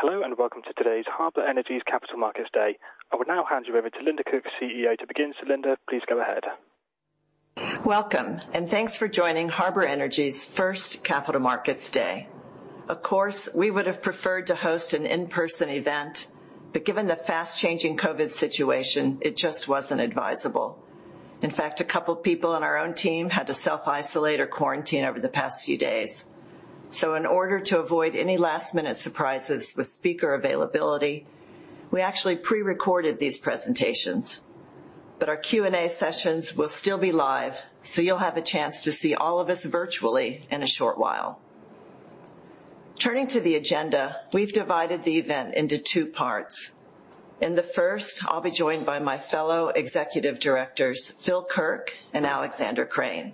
Hello, and welcome to today's Harbour Energy's Capital Markets Day. I will now hand you over to Linda Cook, CEO, to begin. Linda, please go ahead. Welcome, and thanks for joining Harbour Energy's first Capital Markets Day. Of course, we would have preferred to host an in-person event, but given the fast-changing COVID situation, it just wasn't advisable. In fact, a couple people on our own team had to self-isolate or quarantine over the past few days. In order to avoid any last-minute surprises with speaker availability, we actually pre-recorded these presentations. Our Q&A sessions will still be live, so you'll have a chance to see all of us virtually in a short while. Turning to the agenda, we've divided the event into two parts. In the first, I'll be joined by my fellow executive directors, Phil Kirk and Alexander Krane.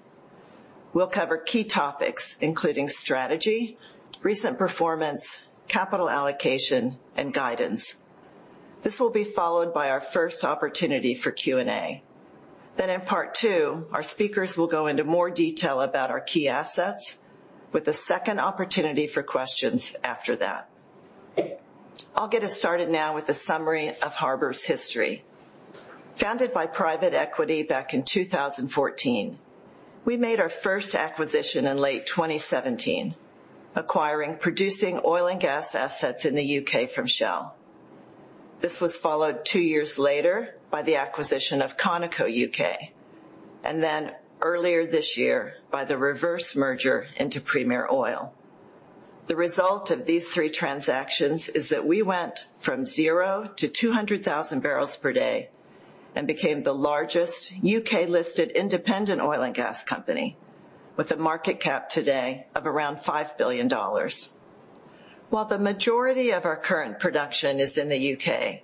We'll cover key topics including strategy, recent performance, capital allocation, and guidance. This will be followed by our first opportunity for Q&A. In part two, our speakers will go into more detail about our key assets with a second opportunity for questions after that. I'll get us started now with a summary of Harbour's history. Founded by private equity back in 2014, we made our first acquisition in late 2017, acquiring producing oil and gas assets in the U.K. from Shell. This was followed two years later by the acquisition of Conoco U.K., and then earlier this year by the reverse merger into Premier Oil. The result of these three transactions is that we went from 0 to 200,000 bpd and became the largest U.K.-listed independent oil and gas company with a market cap today of around $5 billion. While the majority of our current production is in the U.K.,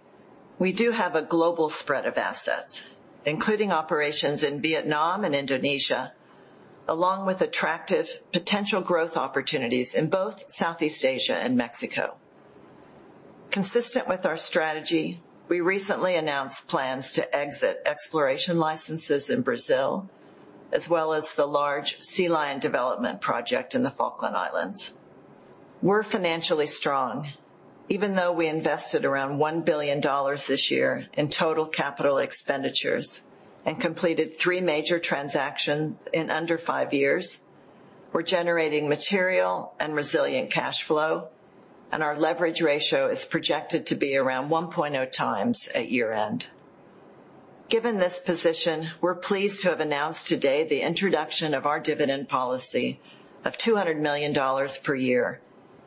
we do have a global spread of assets, including operations in Vietnam and Indonesia, along with attractive potential growth opportunities in both Southeast Asia and Mexico. Consistent with our strategy, we recently announced plans to exit exploration licenses in Brazil, as well as the large Sea Lion development project in the Falkland Islands. We're financially strong, even though we invested around $1 billion this year in total capital expenditures and completed three major transactions in under five years. We're generating material and resilient cash flow, and our leverage ratio is projected to be around 1.0x times at year-end. Given this position, we're pleased to have announced today the introduction of our dividend policy of $200 million per year,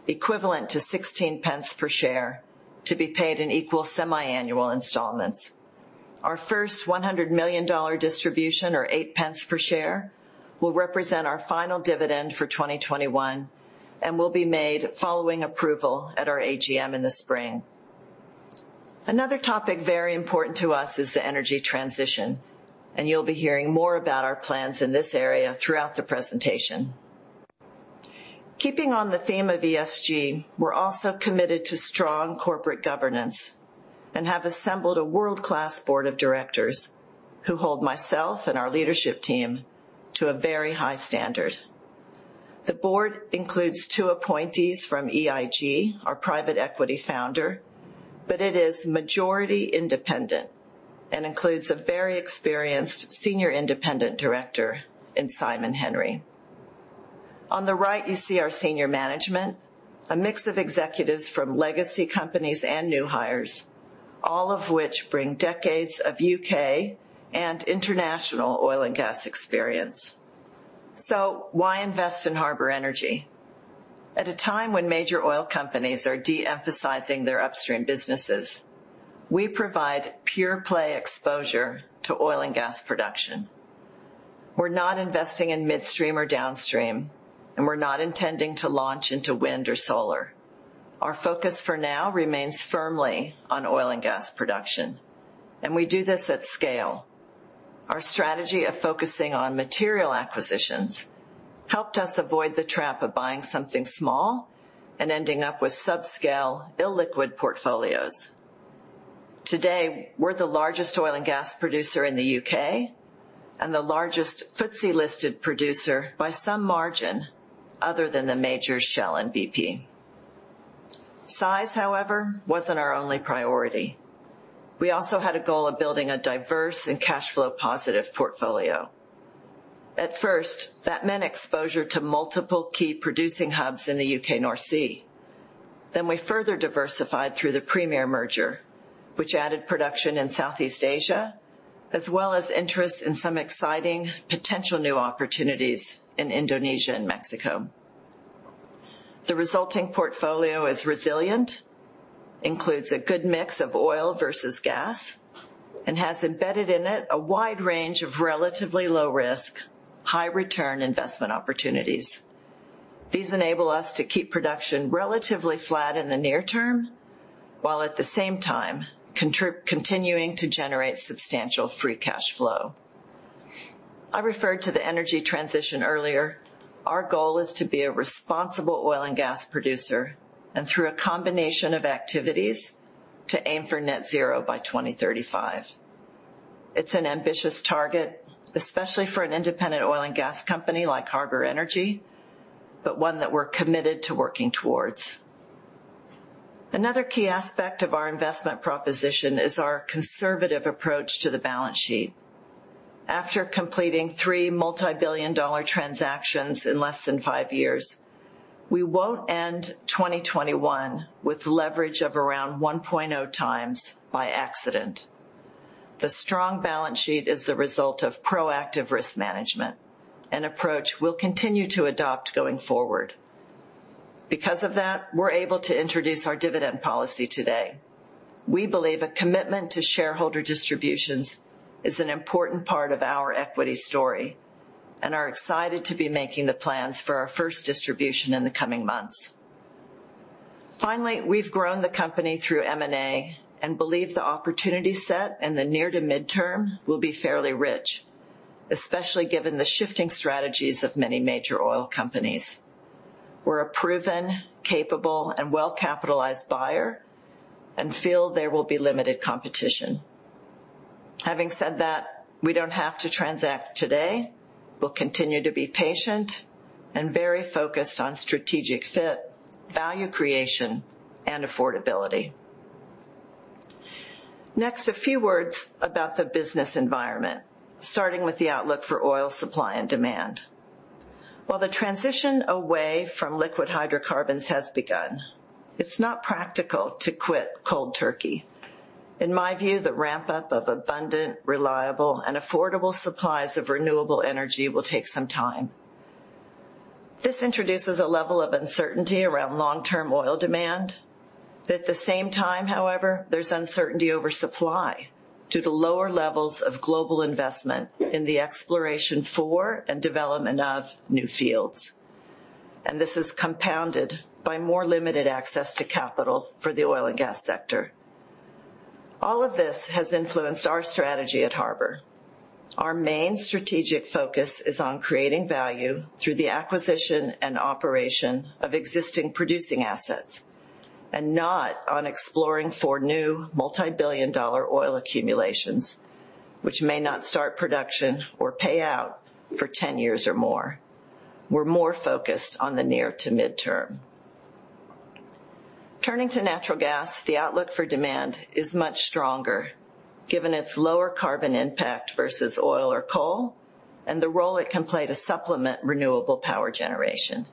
equivalent to 0.16 per share, to be paid in equal semiannual installments. Our first $100 million distribution or 0.08 per share will represent our final dividend for 2021 and will be made following approval at our AGM in the spring. Another topic very important to us is the energy transition, and you'll be hearing more about our plans in this area throughout the presentation. Keeping on the theme of ESG, we're also committed to strong corporate governance and have assembled a world-class Board of Directors who hold myself and our leadership team to a very high standard. The Board includes two appointees from EIG, our private equity founder, but it is majority independent and includes a very experienced senior independent director in Simon Henry. On the right, you see our senior management, a mix of executives from legacy companies and new hires, all of which bring decades of U.K. and international oil and gas experience. Why invest in Harbour Energy? At a time when major oil companies are de-emphasizing their upstream businesses, we provide pure-play exposure to oil and gas production. We're not investing in midstream or downstream, and we're not intending to launch into wind or solar. Our focus for now remains firmly on oil and gas production, and we do this at scale. Our strategy of focusing on material acquisitions helped us avoid the trap of buying something small and ending up with subscale illiquid portfolios. Today, we're the largest oil and gas producer in the U.K. and the largest FTSE-listed producer by some margin other than the major Shell and BP. Size, however, wasn't our only priority. We also had a goal of building a diverse and cash flow positive portfolio. At first, that meant exposure to multiple key producing hubs in the U.K. North Sea. We further diversified through the Premier merger, which added production in Southeast Asia, as well as interest in some exciting potential new opportunities in Indonesia and Mexico. The resulting portfolio is resilient, includes a good mix of oil versus gas, and has embedded in it a wide range of relatively low risk, high return investment opportunities. These enable us to keep production relatively flat in the near term, while at the same time continuing to generate substantial free cash flow. I referred to the energy transition earlier. Our goal is to be a responsible oil and gas producer and through a combination of activities to aim for net zero by 2035. It's an ambitious target, especially for an independent oil and gas company like Harbour Energy, but one that we're committed to working towards. Another key aspect of our investment proposition is our conservative approach to the balance sheet. After completing three multi-billion-dollar transactions in less than five years, we won't end 2021 with leverage of around 1.0x by accident. The strong balance sheet is the result of proactive risk management, an approach we'll continue to adopt going forward. Because of that, we're able to introduce our dividend policy today. We believe a commitment to shareholder distributions is an important part of our equity story, and are excited to be making the plans for our first distribution in the coming months. Finally, we've grown the company through M&A and believe the opportunity set in the near- to mid-term will be fairly rich, especially given the shifting strategies of many major oil companies. We're a proven, capable, and well-capitalized buyer and feel there will be limited competition. Having said that, we don't have to transact today. We'll continue to be patient and very focused on strategic fit, value creation, and affordability. Next, a few words about the business environment, starting with the outlook for oil supply and demand. While the transition away from liquid hydrocarbons has begun, it's not practical to quit cold turkey. In my view, the ramp up of abundant, reliable, and affordable supplies of renewable energy will take some time. This introduces a level of uncertainty around long-term oil demand. At the same time, however, there's uncertainty over supply due to lower levels of global investment in the exploration for and development of new fields, and this is compounded by more limited access to capital for the oil and gas sector. All of this has influenced our strategy at Harbour. Our main strategic focus is on creating value through the acquisition and operation of existing producing assets and not on exploring for new multi-billion-dollar oil accumulations, which may not start production or pay out for 10 years or more. We're more focused on the near to midterm. Turning to natural gas, the outlook for demand is much stronger given its lower carbon impact versus oil or coal and the role it can play to supplement renewable power generation.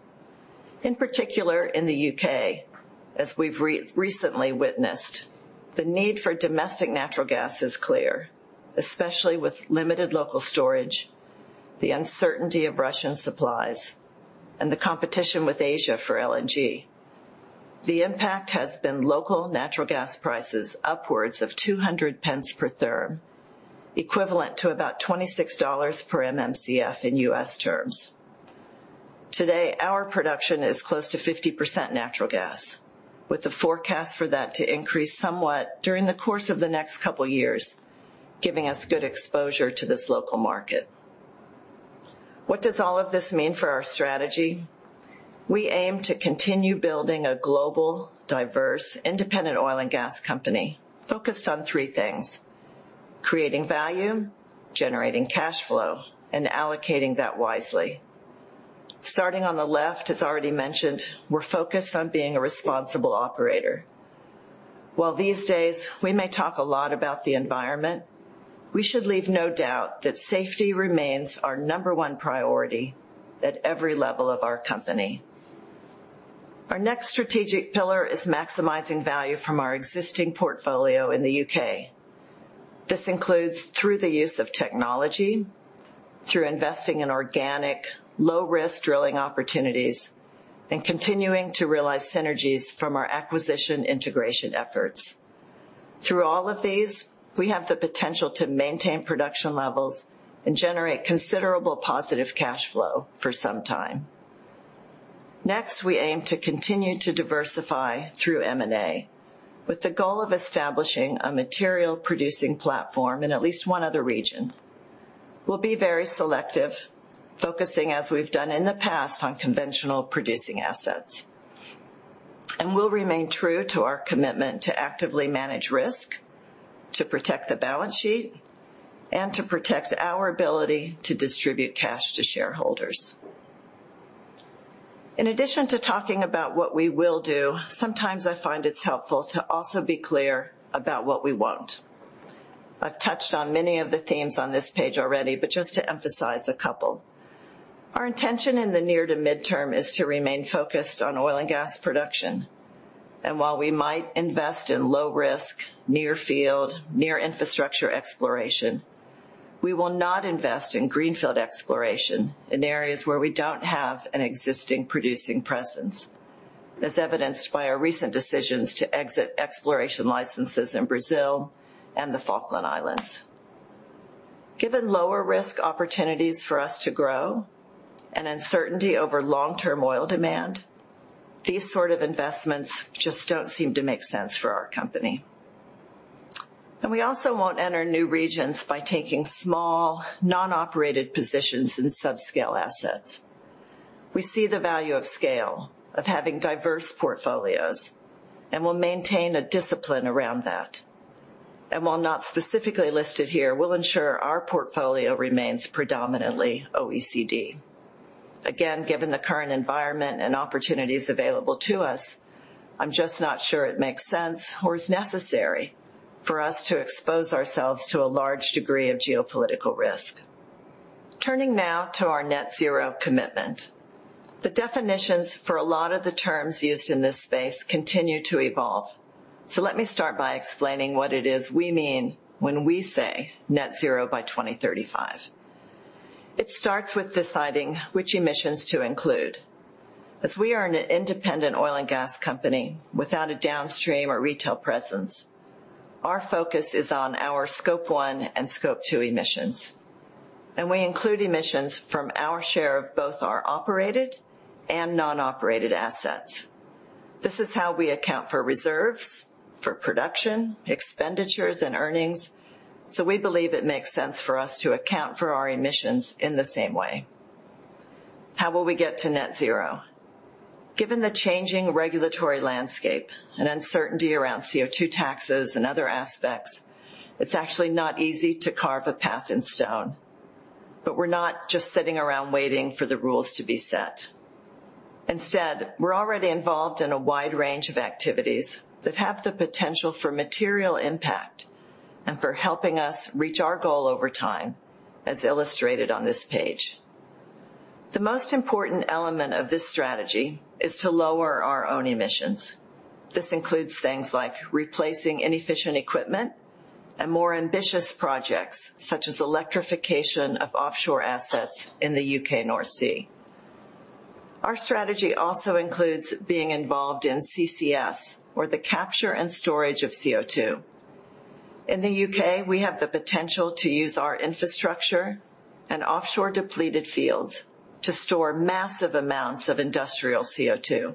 In particular, in the U.K., as we've recently witnessed, the need for domestic natural gas is clear, especially with limited local storage, the uncertainty of Russian supplies, and the competition with Asia for LNG. The impact has been local natural gas prices upwards of 200 pence per therm, equivalent to about $26 per MMcf in U.S. terms. Today, our production is close to 50% natural gas, with the forecast for that to increase somewhat during the course of the next couple of years, giving us good exposure to this local market. What does all of this mean for our strategy? We aim to continue building a global, diverse, independent oil and gas company focused on three things, creating value, generating cash flow, and allocating that wisely. Starting on the left, as already mentioned, we're focused on being a responsible operator. While these days we may talk a lot about the environment, we should leave no doubt that safety remains our number one priority at every level of our company. Our next strategic pillar is maximizing value from our existing portfolio in the U.K. This includes through the use of technology, through investing in organic low risk drilling opportunities, and continuing to realize synergies from our acquisition integration efforts. Through all of these, we have the potential to maintain production levels and generate considerable positive cash flow for some time. Next, we aim to continue to diversify through M&A with the goal of establishing a material producing platform in at least one other region. We'll be very selective, focusing, as we've done in the past, on conventional producing assets. We'll remain true to our commitment to actively manage risk, to protect the balance sheet, and to protect our ability to distribute cash to shareholders. In addition to talking about what we will do, sometimes I find it's helpful to also be clear about what we won't. I've touched on many of the themes on this page already, but just to emphasize a couple. Our intention in the near to midterm is to remain focused on oil and gas production, and while we might invest in low risk, near field, near infrastructure exploration, we will not invest in greenfield exploration in areas where we don't have an existing producing presence, as evidenced by our recent decisions to exit exploration licenses in Brazil and the Falkland Islands. Given lower risk opportunities for us to grow and uncertainty over long-term oil demand, these sort of investments just don't seem to make sense for our company. We also won't enter new regions by taking small, non-operated positions in subscale assets. We see the value of scale, of having diverse portfolios, and we'll maintain a discipline around that. While not specifically listed here, we'll ensure our portfolio remains predominantly OECD. Again, given the current environment and opportunities available to us, I'm just not sure it makes sense or is necessary for us to expose ourselves to a large degree of geopolitical risk. Turning now to our net zero commitment. The definitions for a lot of the terms used in this space continue to evolve. Let me start by explaining what it is we mean when we say net zero by 2035. It starts with deciding which emissions to include. As we are an independent oil and gas company without a downstream or retail presence, our focus is on our Scope 1 and Scope 2 emissions. We include emissions from our share of both our operated and non-operated assets. This is how we account for reserves, for production, expenditures, and earnings, so we believe it makes sense for us to account for our emissions in the same way. How will we get to net zero? Given the changing regulatory landscape and uncertainty around CO2 taxes and other aspects, it's actually not easy to carve a path in stone. We're not just sitting around waiting for the rules to be set. Instead, we're already involved in a wide range of activities that have the potential for material impact and for helping us reach our goal over time, as illustrated on this page. The most important element of this strategy is to lower our own emissions. This includes things like replacing inefficient equipment and more ambitious projects such as electrification of offshore assets in the U.K. North Sea. Our strategy also includes being involved in CCS or the capture and storage of CO2. In the U.K., we have the potential to use our infrastructure and offshore depleted fields to store massive amounts of industrial CO2,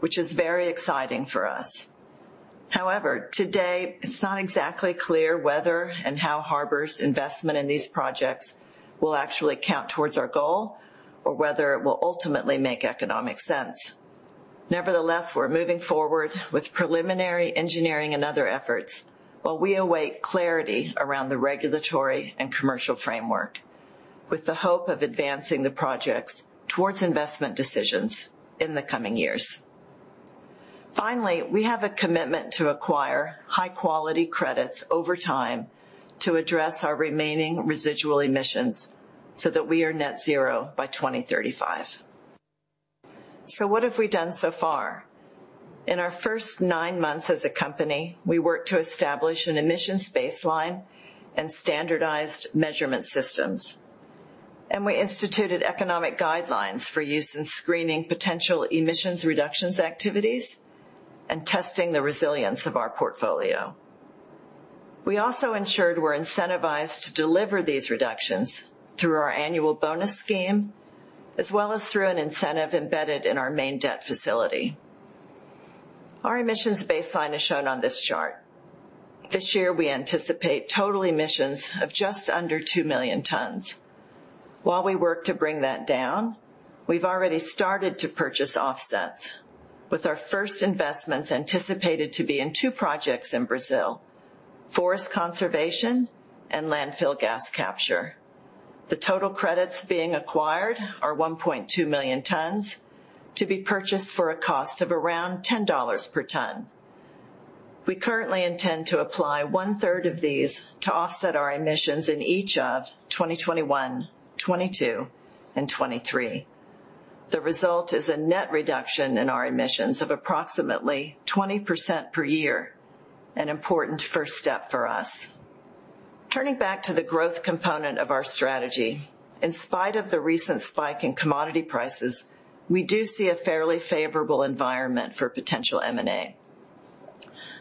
which is very exciting for us. However, today it's not exactly clear whether and how Harbour's investment in these projects will actually count towards our goal or whether it will ultimately make economic sense. Nevertheless, we're moving forward with preliminary engineering and other efforts while we await clarity around the regulatory and commercial framework with the hope of advancing the projects towards investment decisions in the coming years. Finally, we have a commitment to acquire high-quality credits over time to address our remaining residual emissions so that we are net zero by 2035. What have we done so far? In our first nine months as a company, we worked to establish an emissions baseline and standardized measurement systems, and we instituted economic guidelines for use in screening potential emissions reductions activities and testing the resilience of our portfolio. We also ensured we're incentivized to deliver these reductions through our annual bonus scheme, as well as through an incentive embedded in our main debt facility. Our emissions baseline is shown on this chart. This year, we anticipate total emissions of just under 2 million tonnes. While we work to bring that down, we've already started to purchase offsets with our first investments anticipated to be in two projects in Brazil: forest conservation and landfill gas capture. The total credits being acquired are 1.2 million tonnes to be purchased for a cost of around $10 per tonne. We currently intend to apply 1/3 of these to offset our emissions in each of 2021, 2022, and 2023. The result is a net reduction in our emissions of approximately 20% per year, an important first step for us. Turning back to the growth component of our strategy. In spite of the recent spike in commodity prices, we do see a fairly favorable environment for potential M&A.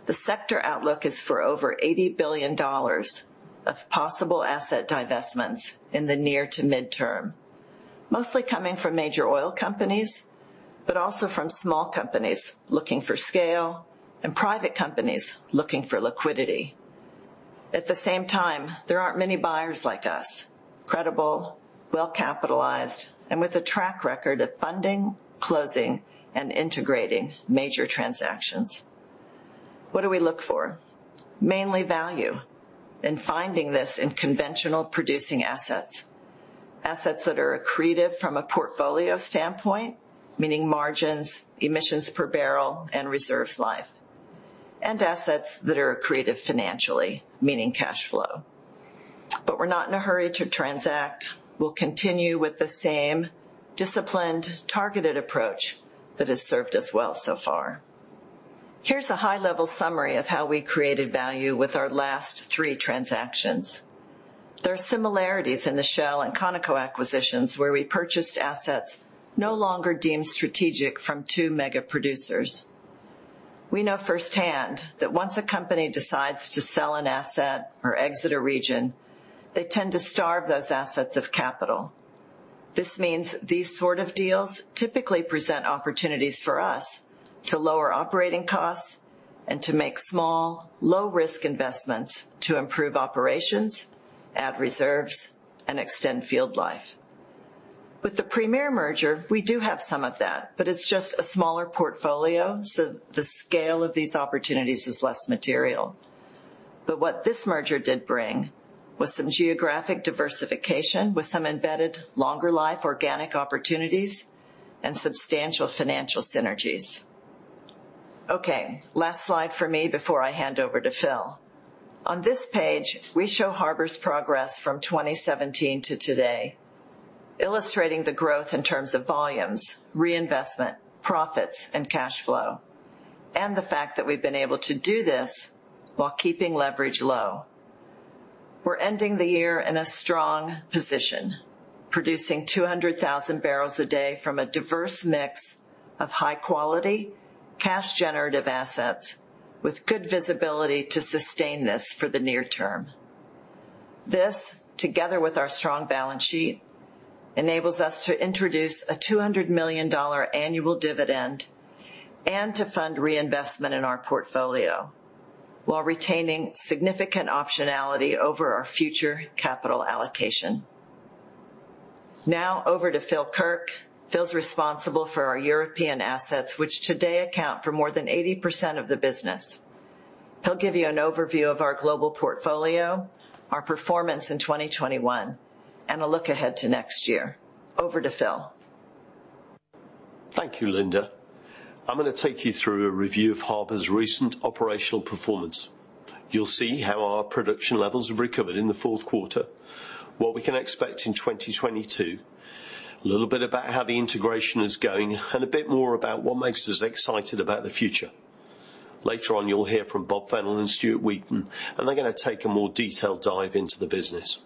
The sector outlook is for over $80 billion of possible asset divestments in the near to midterm, mostly coming from major oil companies, but also from small companies looking for scale and private companies looking for liquidity. At the same time, there aren't many buyers like us, credible, well-capitalized, and with a track record of funding, closing, and integrating major transactions. What do we look for? Mainly value in finding this in conventional producing assets. Assets that are accretive from a portfolio standpoint, meaning margins, emissions per barrel, and reserves life. Assets that are accretive financially, meaning cash flow. We're not in a hurry to transact. We'll continue with the same disciplined, targeted approach that has served us well so far. Here's a high-level summary of how we created value with our last three transactions. There are similarities in the Shell and Conoco acquisitions, where we purchased assets no longer deemed strategic from two mega producers. We know firsthand that once a company decides to sell an asset or exit a region, they tend to starve those assets of capital. This means these sort of deals typically present opportunities for us to lower operating costs and to make small, low risk investments to improve operations, add reserves, and extend field life. With the Premier merger, we do have some of that, but it's just a smaller portfolio, so the scale of these opportunities is less material. What this merger did bring was some geographic diversification with some embedded longer life organic opportunities and substantial financial synergies. Okay, last slide for me before I hand over to Phil. On this page, we show Harbour's progress from 2017 to today, illustrating the growth in terms of volumes, reinvestment, profits, and cash flow, and the fact that we've been able to do this while keeping leverage low. We're ending the year in a strong position, producing 200,000 bpd from a diverse mix of high quality cash generative assets with good visibility to sustain this for the near term. This, together with our strong balance sheet, enables us to introduce a $200 million annual dividend and to fund reinvestment in our portfolio while retaining significant optionality over our future capital allocation. Now over to Phil Kirk. Phil's responsible for our European assets, which today account for more than 80% of the business. He'll give you an overview of our global portfolio, our performance in 2021, and a look ahead to next year. Over to Phil. Thank you, Linda. I'm gonna take you through a review of Harbour's recent operational performance. You'll see how our production levels have recovered in the fourth quarter, what we can expect in 2022, a little bit about how the integration is going, and a bit more about what makes us excited about the future. Later on, you'll hear from Bob Fennell and Stuart Wheaton, and they're gonna take a more detailed dive into the business.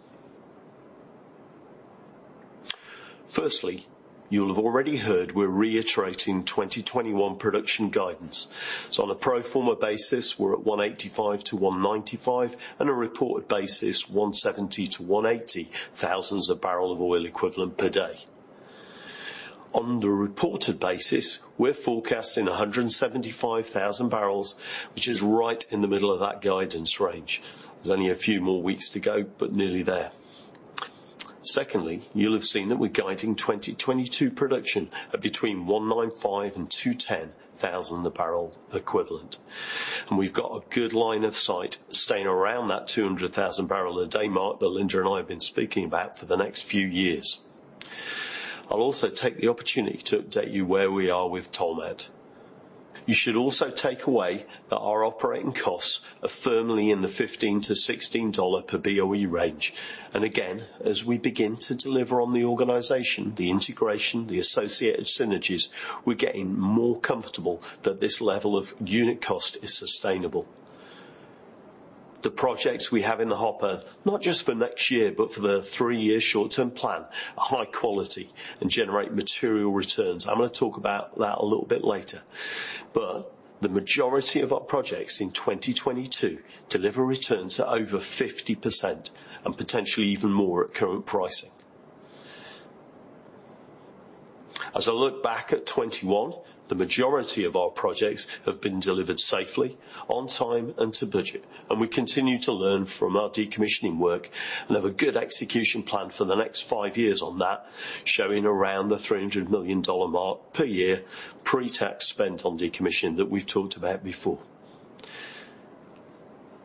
Firstly, you'll have already heard we're reiterating 2021 production guidance. On a pro forma basis, we're at 185,000-195,000 on a reported basis, 170,000-180,000 boepd. On the reported basis, we're forecasting 175,000 bbl, which is right in the middle of that guidance range. There's only a few more weeks to go, but nearly there. Secondly, you'll have seen that we're guiding 2022 production at between 195,000 and 210,000 BOE. We've got a good line of sight staying around that 200,000 bbl a day mark that Linda and I have been speaking about for the next few years. I'll also take the opportunity to update you where we are with Tolmount. You should also take away that our operating costs are firmly in the $15-$16 per BOE range. Again, as we begin to deliver on the organization, the integration, the associated synergies, we're getting more comfortable that this level of unit cost is sustainable. The projects we have in the hopper, not just for next year, but for the three-year short-term plan, are high quality and generate material returns. I'm gonna talk about that a little bit later. The majority of our projects in 2022 deliver returns at over 50% and potentially even more at current pricing. As I look back at 2021, the majority of our projects have been delivered safely on time and to budget, and we continue to learn from our decommissioning work and have a good execution plan for the next five years on that, showing around the $300 million mark per year pre-tax spend on decommissioning that we've talked about before.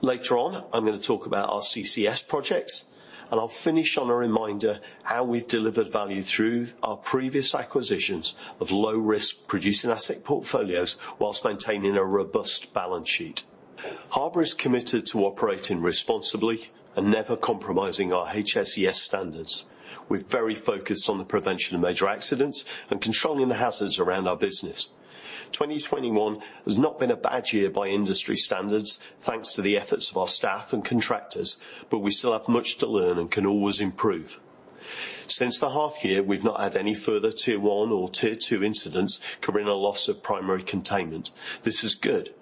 Later on, I'm gonna talk about our CCS projects, and I'll finish on a reminder how we've delivered value through our previous acquisitions of low risk producing asset portfolios while maintaining a robust balance sheet. Harbour is committed to operating responsibly and never compromising our HSES standards. We're very focused on the prevention of major accidents and controlling the hazards around our business. 2021 has not been a bad year by industry standards, thanks to the efforts of our staff and contractors, but we still have much to learn and can always improve. Since the half year, we've not had any further Tier 1 or Tier 2 incidents covering a loss of primary containment. This is good,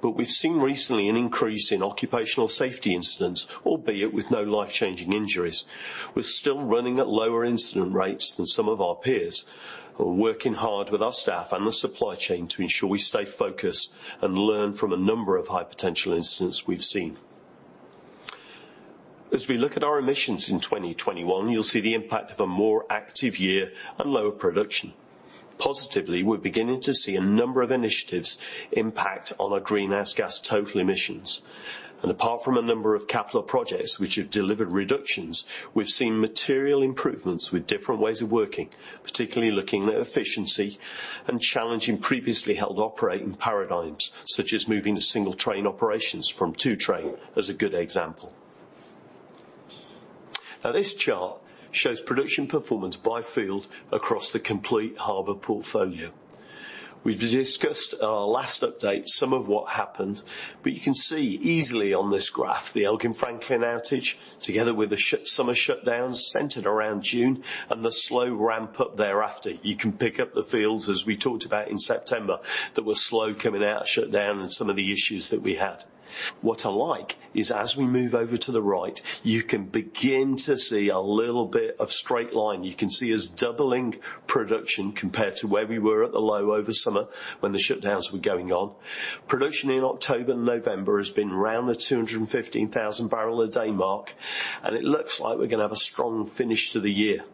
but we've seen recently an increase in occupational safety incidents, albeit with no life-changing injuries. We're still running at lower incident rates than some of our peers. We're working hard with our staff and the supply chain to ensure we stay focused and learn from a number of high potential incidents we've seen. As we look at our emissions in 2021, you'll see the impact of a more active year and lower production. Positively, we're beginning to see a number of initiatives impact on our greenhouse gas total emissions. Apart from a number of capital projects which have delivered reductions, we've seen material improvements with different ways of working, particularly looking at efficiency and challenging previously held operating paradigms, such as moving to single train operations from two train as a good example. Now this chart shows production performance by field across the complete Harbour portfolio. We've discussed at our last update some of what happened, but you can see easily on this graph the Elgin-Franklin outage together with the summer shutdown centered around June and the slow ramp up thereafter. You can pick up the fields as we talked about in September that were slow coming out of shutdown and some of the issues that we had. What I like is as we move over to the right, you can begin to see a little bit of straight line. You can see us doubling production compared to where we were at the low over summer when the shutdowns were going on. Production in October and November has been around the 215,000 bbl a day mark, and it looks like we're gonna have a strong finish to the year.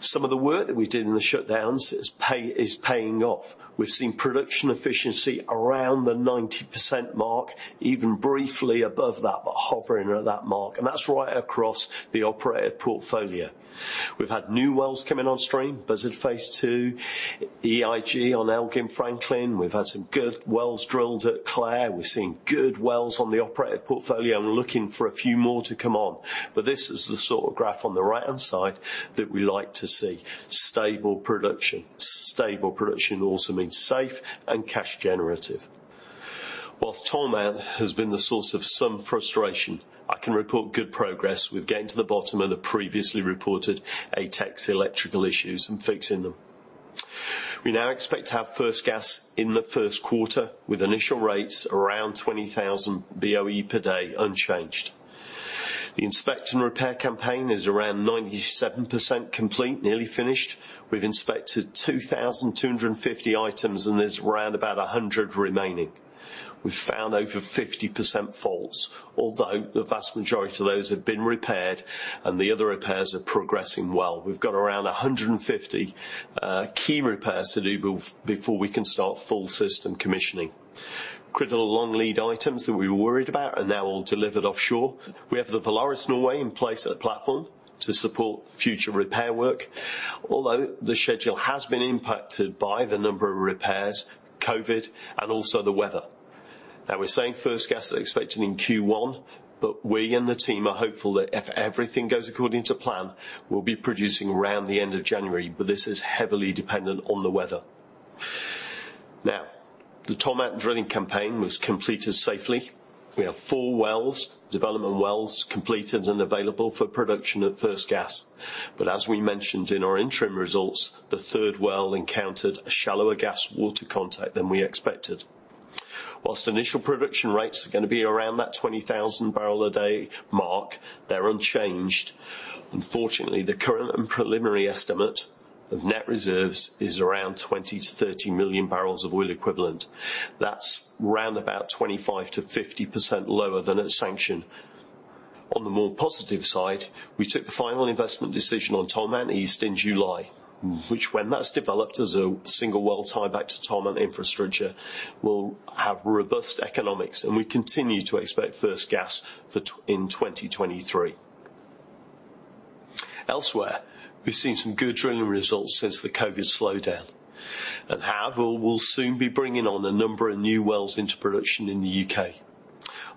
Some of the work that we did in the shutdowns is paying off. We've seen production efficiency around the 90% mark, even briefly above that, but hovering around that mark, and that's right across the operated portfolio. We've had new wells coming on stream, Buzzard Phase II, EIG on Elgin-Franklin. We've had some good wells drilled at Clair. We're seeing good wells on the operated portfolio and looking for a few more to come on. This is the sort of graph on the right-hand side that we like to see. Stable production. Stable production also means safe and cash generative. While Tolmount has been the source of some frustration, I can report good progress with getting to the bottom of the previously reported ATEC's electrical issues and fixing them. We now expect to have first gas in the first quarter, with initial rates around 20,000 BOE per day unchanged. The inspect and repair campaign is around 97% complete, nearly finished. We've inspected 2,250 items, and there's around about 100 remaining. We found over 50% faults, although the vast majority of those have been repaired, and the other repairs are progressing well. We've got around 150 key repairs to do before we can start full system commissioning. Critical long lead items that we were worried about are now all delivered offshore. We have the Valaris Norway in place at the platform to support future repair work. Although the schedule has been impacted by the number of repairs, COVID, and also the weather. Now we're saying first gas expected in Q1, but we and the team are hopeful that if everything goes according to plan, we'll be producing around the end of January, but this is heavily dependent on the weather. Now, the Tolmount drilling campaign was completed safely. We have four wells, development wells, completed and available for production at first gas. As we mentioned in our interim results, the third well encountered a shallower gas water contact than we expected. While initial production rates are gonna be around that 20,000 bbl a day mark, they're unchanged. Unfortunately, the current and preliminary estimate of net reserves is around 20 million-30 million bbl of oil equivalent. That's around 25%-50% lower than at sanction. On the more positive side, we took the final investment decision on Tolmount East in July, which when that's developed as a single well tieback to Tolmount infrastructure, will have robust economics, and we continue to expect first gas in 2023. Elsewhere, we've seen some good drilling results since the COVID slowdown. At Havel, we'll soon be bringing on a number of new wells into production in the U.K.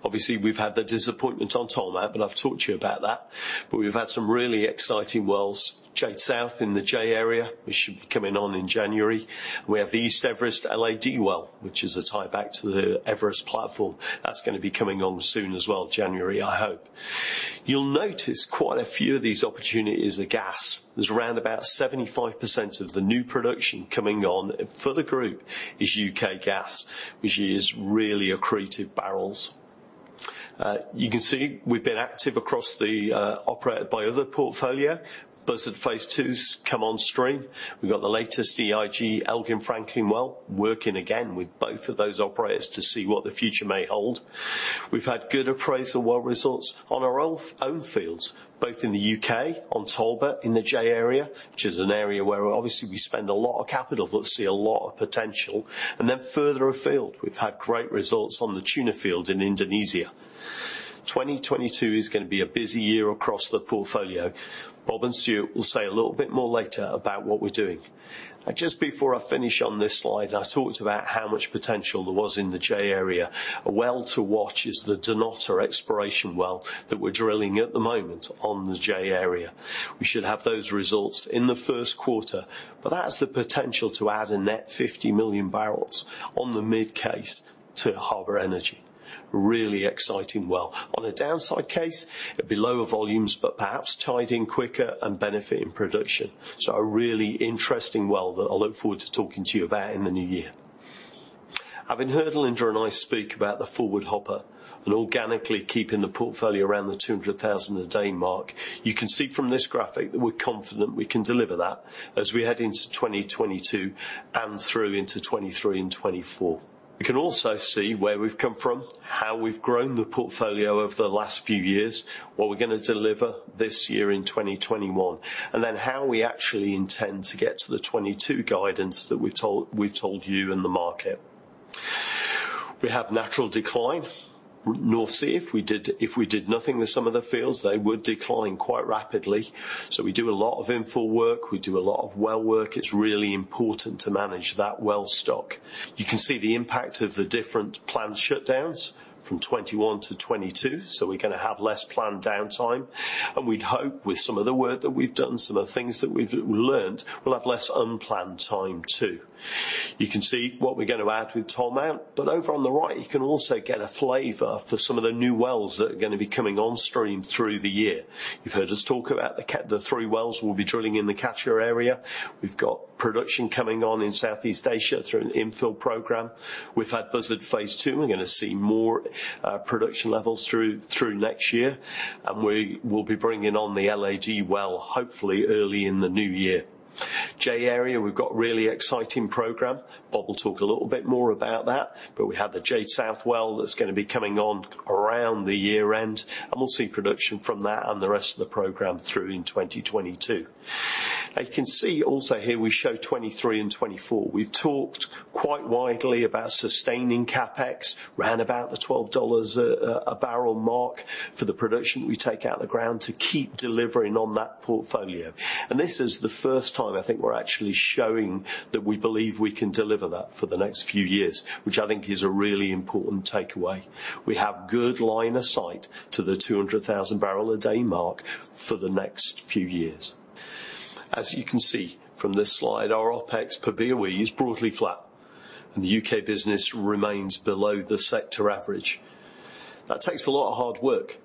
Obviously, we've had the disappointment on Tolmount, but I've talked to you about that, but we've had some really exciting wells. Jade South in the J-Area, which should be coming on in January. We have the East Everest LAD well, which is a tieback to the Everest platform. That's gonna be coming on soon as well, January, I hope. You'll notice quite a few of these opportunities are gas. There's around about 75% of the new production coming on for the group is U.K. gas, which is really accretive barrels. You can see we've been active across the non-operated portfolio. Buzzard Phase II's come on stream. We've got the latest EIG Elgin-Franklin well, working again with both of those operators to see what the future may hold. We've had good appraisal well results on our own fields, both in the U.K. on Talbot in the J-Area, which is an area where obviously we spend a lot of capital but see a lot of potential. Then further afield, we've had great results on the Tuna field in Indonesia. 2022 is gonna be a busy year across the portfolio. Bob and Stuart will say a little bit more later about what we're doing. Now just before I finish on this slide, I talked about how much potential there was in the J-Area. A well to watch is the Dunnottar exploration well that we're drilling at the moment on the J-Area. We should have those results in the first quarter, but that's the potential to add a net 50 million barrels on the mid case to Harbour Energy. Really exciting well. On a downside case, it'd be lower volumes, but perhaps tied in quicker and benefiting production. A really interesting well that I look forward to talking to you about in the new year. Having heard Linda and I speak about the forward guidance and organically keeping the portfolio around the 200,000 a day mark, you can see from this graphic that we're confident we can deliver that as we head into 2022 and through into 2023 and 2024. You can also see where we've come from, how we've grown the portfolio over the last few years, what we're gonna deliver this year in 2021, and then how we actually intend to get to the 2022 guidance that we've told you and the market. We have natural decline. North Sea, if we did nothing with some of the fields, they would decline quite rapidly. So we do a lot of infill work. We do a lot of well work. It's really important to manage that well stock. You can see the impact of the different planned shutdowns from 2021 to 2022, so we're gonna have less planned downtime. We'd hope with some of the work that we've done, some of the things that we've learned, we'll have less unplanned time too. You can see what we're gonna add with Tolmount, but over on the right, you can also get a flavor for some of the new wells that are gonna be coming on stream through the year. You've heard us talk about the three wells we'll be drilling in the Catcher area. We've got production coming on in South East Asia through an infill program. We've had Buzzard Phase II. We're gonna see more production levels through next year, and we will be bringing on the LAD well, hopefully early in the new year. J-Area, we've got really exciting program. Bob will talk a little bit more about that, but we have the Jade South well that's gonna be coming on around the year end, and we'll see production from that and the rest of the program through in 2022. As you can see also here, we show 2023 and 2024. We've talked quite widely about sustaining CapEx, round about the $12 a barrel mark for the production we take out of the ground to keep delivering on that portfolio. This is the first time I think we're actually showing that we believe we can deliver that for the next few years, which I think is a really important takeaway. We have good line of sight to the 200,000 bbl a day mark for the next few years. As you can see from this slide, our OpEx per BOE is broadly flat, and the U.K. business remains below the sector average. That takes a lot of hard work.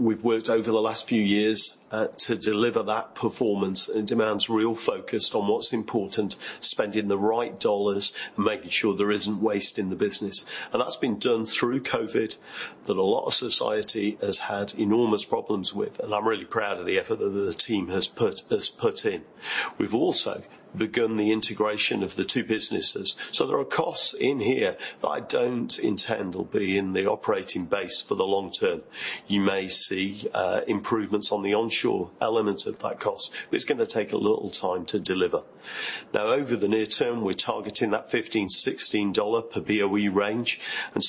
We've worked over the last few years to deliver that performance. It demands real focus on what's important, spending the right dollars, making sure there isn't waste in the business. That's been done through COVID, that a lot of society has had enormous problems with. I'm really proud of the effort that the team has put in. We've also begun the integration of the two businesses. There are costs in here that I don't intend will be in the operating base for the long term. You may see improvements on the onshore elements of that cost, but it's gonna take a little time to deliver. Now over the near term, we're targeting that $15-$16 per BOE range.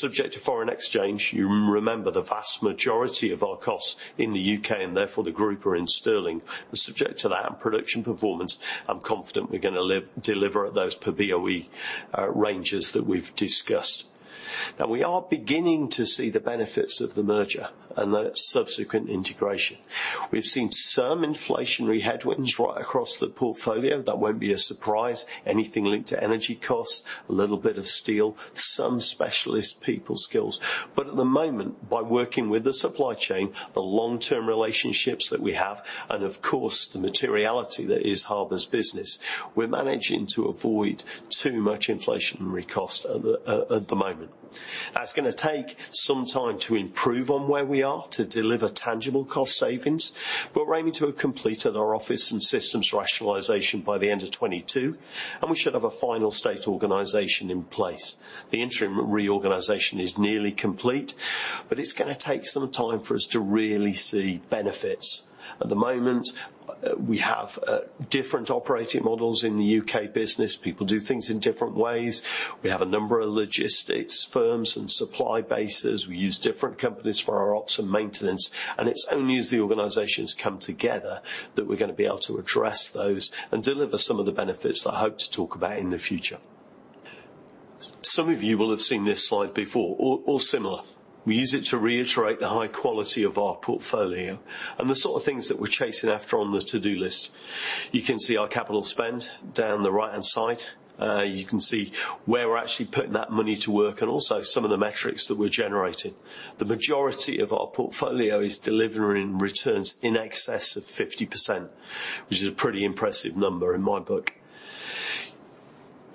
Subject to foreign exchange, you remember the vast majority of our costs in the U.K. and therefore the group are in sterling. Then, subject to that and production performance, I'm confident we're gonna deliver at those per BOE ranges that we've discussed. Now we are beginning to see the benefits of the merger and the subsequent integration. We've seen some inflationary headwinds right across the portfolio. That won't be a surprise. Anything linked to energy costs, a little bit of steel, some specialist people skills. At the moment, by working with the supply chain, the long-term relationships that we have, and of course, the materiality that is Harbour's business, we're managing to avoid too much inflationary cost at the moment. Now it's gonna take some time to improve on where we are to deliver tangible cost savings. We're aiming to have completed our office and systems rationalization by the end of 2022, and we should have a final state organization in place. The interim reorganization is nearly complete, but it's gonna take some time for us to really see benefits. At the moment, we have different operating models in the U.K. business. People do things in different ways. We have a number of logistics firms and supply bases. We use different companies for our ops and maintenance. It's only as the organizations come together that we're gonna be able to address those and deliver some of the benefits that I hope to talk about in the future. Some of you will have seen this slide before or similar. We use it to reiterate the high quality of our portfolio and the sort of things that we're chasing after on the to-do list. You can see our capital spend down the right-hand side. You can see where we're actually putting that money to work and also some of the metrics that we're generating. The majority of our portfolio is delivering returns in excess of 50%, which is a pretty impressive number in my book.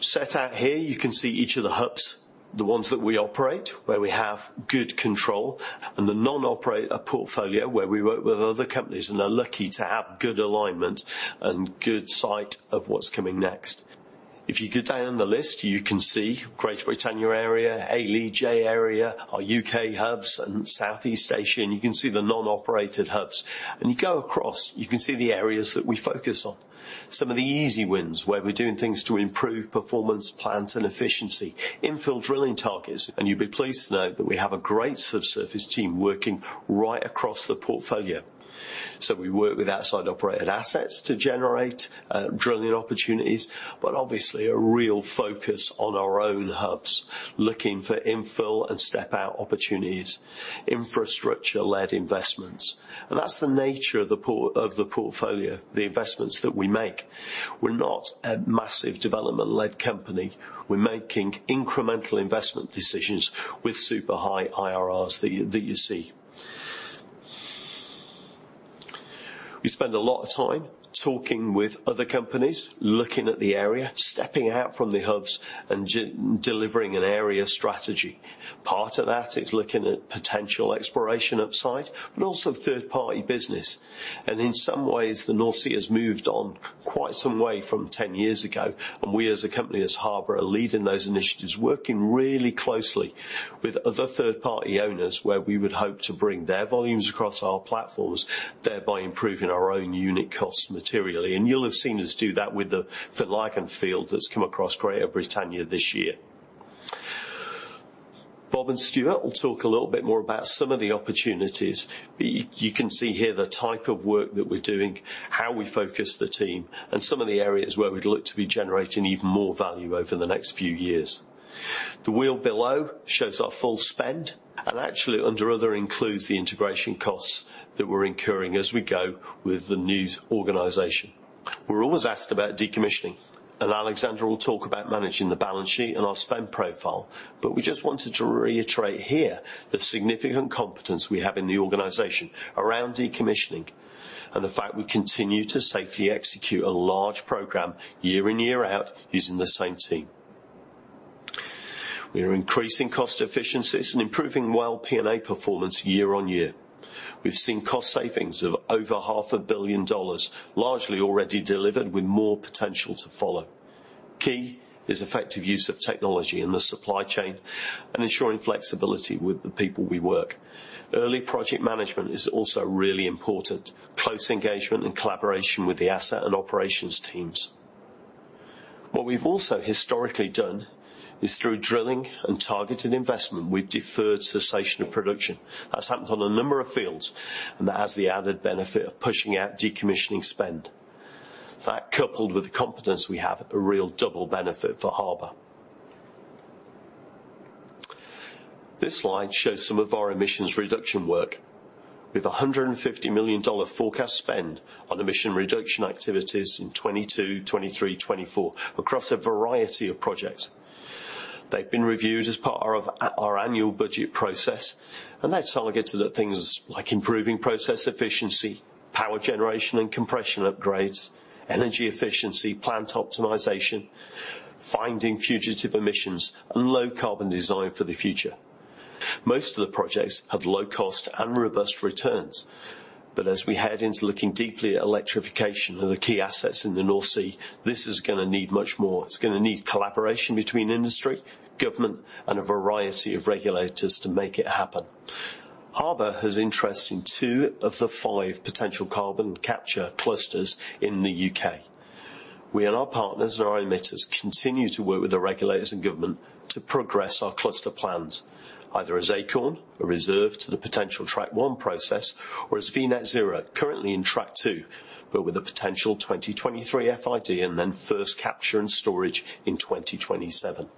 Set out here, you can see each of the hubs, the ones that we operate, where we have good control, and the non-operator portfolio, where we work with other companies and are lucky to have good alignment and good sight of what's coming next. If you go down the list, you can see Greater Britannia Area, J-Area, our U.K. hubs, and Southeast Asia, and you can see the non-operated hubs. You go across, you can see the areas that we focus on. Some of the easy wins, where we're doing things to improve performance, plant, and efficiency. Infill drilling targets, and you'd be pleased to know that we have a great sub-surface team working right across the portfolio. We work with outside operated assets to generate drilling opportunities, but obviously a real focus on our own hubs, looking for infill and step-out opportunities, infrastructure-led investments. That's the nature of the portfolio, the investments that we make. We're not a massive development-led company. We're making incremental investment decisions with super high IRRs that you see. We spend a lot of time talking with other companies, looking at the area, stepping out from the hubs, and delivering an area strategy. Part of that is looking at potential exploration upside, but also third-party business. In some ways, the North Sea has moved on quite some way from 10 years ago. We, as a company, as Harbour, are leading those initiatives, working really closely with other third-party owners where we would hope to bring their volumes across our platforms, thereby improving our own unit cost materially. You'll have seen us do that with the Finlaggan field that's come across Greater Britannia this year. Bob and Stuart will talk a little bit more about some of the opportunities. You can see here the type of work that we're doing, how we focus the team, and some of the areas where we'd look to be generating even more value over the next few years. The wheel below shows our full spend, and actually under other includes the integration costs that we're incurring as we go with the new organization. We're always asked about decommissioning, and Alexander will talk about managing the balance sheet and our spend profile. We just wanted to reiterate here the significant competence we have in the organization around decommissioning, and the fact we continue to safely execute a large program year in, year out using the same team. We are increasing cost efficiencies and improving well P&A performance year on year. We've seen cost savings of over $0.5 billion, largely already delivered with more potential to follow. Key is effective use of technology in the supply chain and ensuring flexibility with the people we work. Early project management is also really important. Close engagement and collaboration with the asset and operations teams. What we've also historically done is through drilling and targeted investment, we've deferred cessation of production. That's happened on a number of fields, and that has the added benefit of pushing out decommissioning spend. That coupled with the competence, we have a real double benefit for Harbour. This slide shows some of our emissions reduction work. We have a $150 million forecast spend on emission reduction activities in 2022, 2023, 2024 across a variety of projects. They've been reviewed as part of our annual budget process, and that's targeted at things like improving process efficiency, power generation and compression upgrades, energy efficiency, plant optimization, finding fugitive emissions, and low carbon design for the future. Most of the projects have low cost and robust returns. As we head into looking deeply at electrification of the key assets in the North Sea, this is gonna need much more. It's gonna need collaboration between industry, government, and a variety of regulators to make it happen. Harbour has interest in two of the five potential carbon capture clusters in the U.K. We and our partners and our emitters continue to work with the regulators and government to progress our cluster plans, either as Acorn, a reserve to the potential track one process or as V Net Zero, currently in Track 2, but with a potential 2023 FID and then first capture and storage in 2027.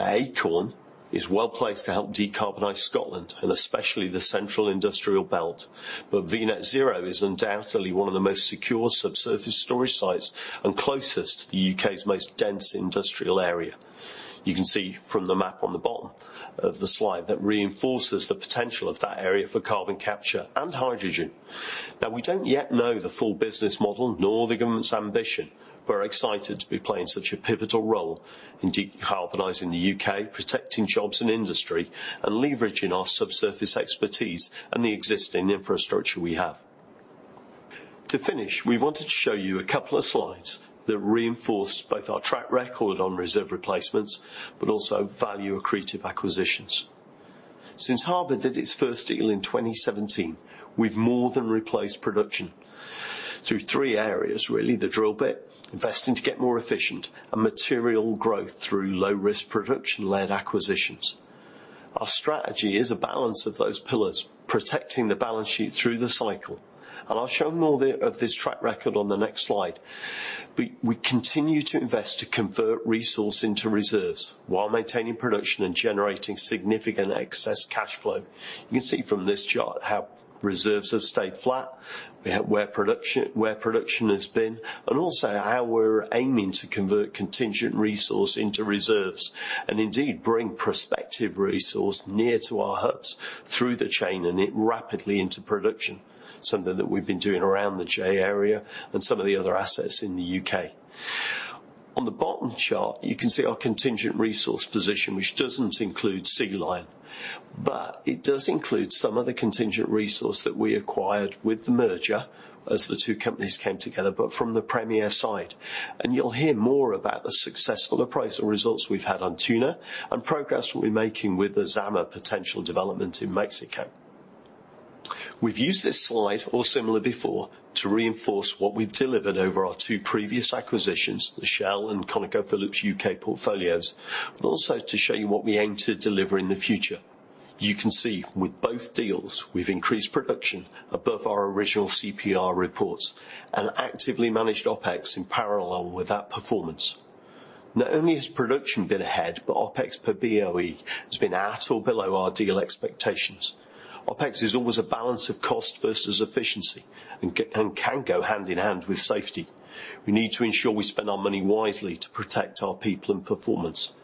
Acorn is well-placed to help decarbonize Scotland and especially the central industrial belt. V Net Zero is undoubtedly one of the most secure subsurface storage sites and closest to the U.K.'s most dense industrial area. You can see from the map on the bottom of the slide that reinforces the potential of that area for carbon capture and hydrogen. Now, we don't yet know the full business model nor the government's ambition. We're excited to be playing such a pivotal role in decarbonizing the U.K., protecting jobs and industry, and leveraging our subsurface expertise and the existing infrastructure we have. To finish, we wanted to show you a couple of slides that reinforce both our track record on reserve replacements, but also value accretive acquisitions. Since Harbour did its first deal in 2017, we've more than replaced production through three areas, really. The drill bit, investing to get more efficient, and material growth through low risk production-led acquisitions. Our strategy is a balance of those pillars, protecting the balance sheet through the cycle. I'll show more of this track record on the next slide. We continue to invest to convert resource into reserves while maintaining production and generating significant excess cash flow. You can see from this chart how reserves have stayed flat while production has been, and also how we're aiming to convert contingent resource into reserves, and indeed, bring prospective resource near to our hubs and bring it rapidly into production, something that we've been doing around the J-Area and some of the other assets in the U.K. On the bottom chart, you can see our contingent resource position, which doesn't include Sea Lion, but it does include some other contingent resource that we acquired with the merger as the two companies came together, but from the Premier side. You'll hear more about the successful appraisal results we've had on Tuna and progress we'll be making with the Zama potential development in Mexico. We've used this slide or similar before to reinforce what we've delivered over our two previous acquisitions, the Shell and ConocoPhillips U.K. portfolios, but also to show you what we aim to deliver in the future. You can see with both deals, we've increased production above our original CPR reports and actively managed OpEx in parallel with that performance. Not only has production been ahead, but OpEx per BOE has been at or below our deal expectations. OpEx is always a balance of cost versus efficiency and can go hand in hand with safety. We need to ensure we spend our money wisely to protect our people and performance.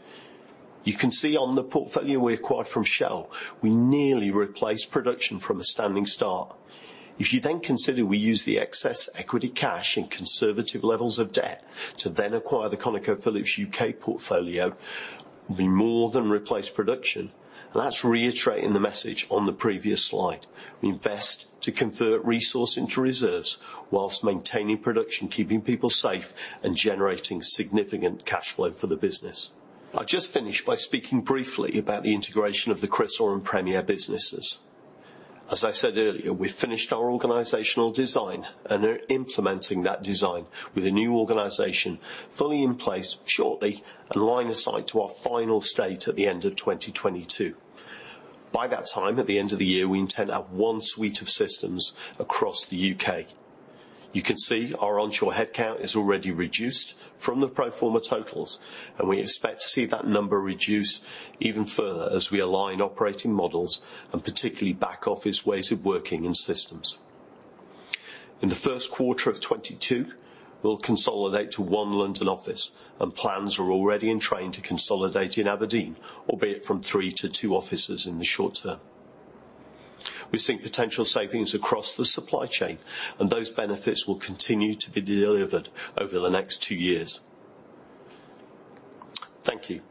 You can see on the portfolio we acquired from Shell, we nearly replaced production from a standing start. If you then consider we use the excess equity cash and conservative levels of debt to then acquire the ConocoPhillips U.K. portfolio, we more than replace production. That's reiterating the message on the previous slide. We invest to convert resource into reserves while maintaining production, keeping people safe, and generating significant cash flow for the business. I'll just finish by speaking briefly about the integration of the Chrysaor and Premier businesses. As I said earlier, we finished our organizational design and are implementing that design with a new organization fully in place shortly and line of sight to our final state at the end of 2022. By that time, at the end of the year, we intend to have one suite of systems across the U.K. You can see our onshore headcount is already reduced from the pro forma totals, and we expect to see that number reduce even further as we align operating models and particularly back office ways of working in systems. In the first quarter of 2022, we'll consolidate to one London office and plans are already in train to consolidate in Aberdeen, albeit from three to two offices in the short term. We've seen potential savings across the supply chain, and those benefits will continue to be delivered over the next two years. Thank you.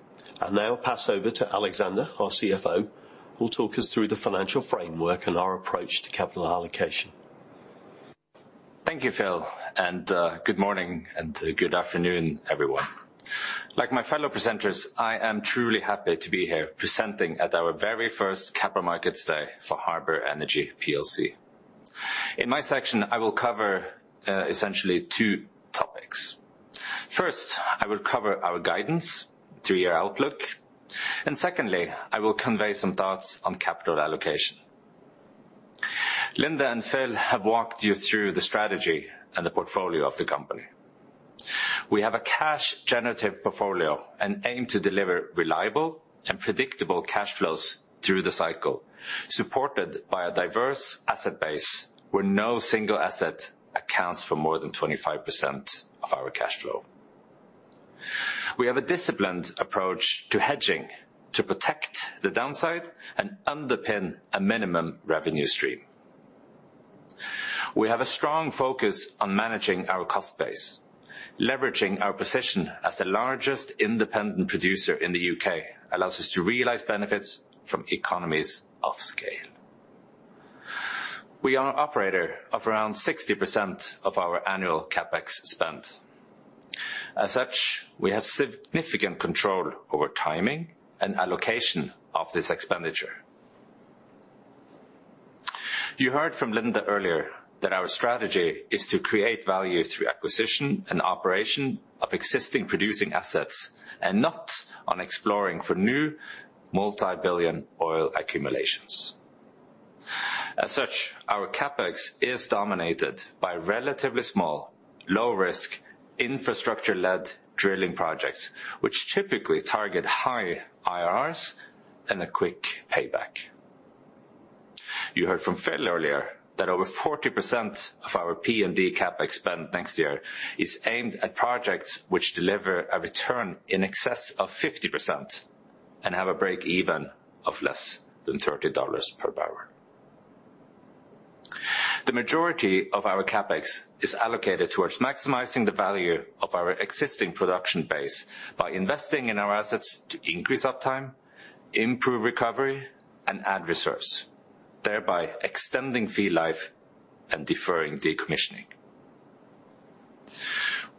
I'll now pass over to Alexander, our CFO, who'll talk us through the financial framework and our approach to capital allocation. Thank you, Phil, and good morning and good afternoon, everyone. Like my fellow presenters, I am truly happy to be here presenting at our very first Capital Markets Day for Harbour Energy plc. In my section, I will cover essentially two topics. First, I will cover our guidance, three-year outlook, and secondly, I will convey some thoughts on capital allocation. Linda and Phil have walked you through the strategy and the portfolio of the company. We have a cash-generative portfolio and aim to deliver reliable and predictable cash flows through the cycle, supported by a diverse asset base where no single asset accounts for more than 25% of our cash flow. We have a disciplined approach to hedging to protect the downside and underpin a minimum revenue stream. We have a strong focus on managing our cost base. Leveraging our position as the largest independent producer in the U.K. allows us to realize benefits from economies of scale. We are operator of around 60% of our annual CapEx spend. As such, we have significant control over timing and allocation of this expenditure. You heard from Linda earlier that our strategy is to create value through acquisition and operation of existing producing assets and not on exploring for new multi-billion oil accumulations. As such, our CapEx is dominated by relatively small, low-risk, infrastructure-led drilling projects, which typically target high IRRs and a quick payback. You heard from Phil earlier that over 40% of our P&D CapEx spend next year is aimed at projects which deliver a return in excess of 50% and have a break-even of less than $30 per barrel. The majority of our CapEx is allocated towards maximizing the value of our existing production base by investing in our assets to increase uptime, improve recovery, and add resource, thereby extending field life and deferring decommissioning.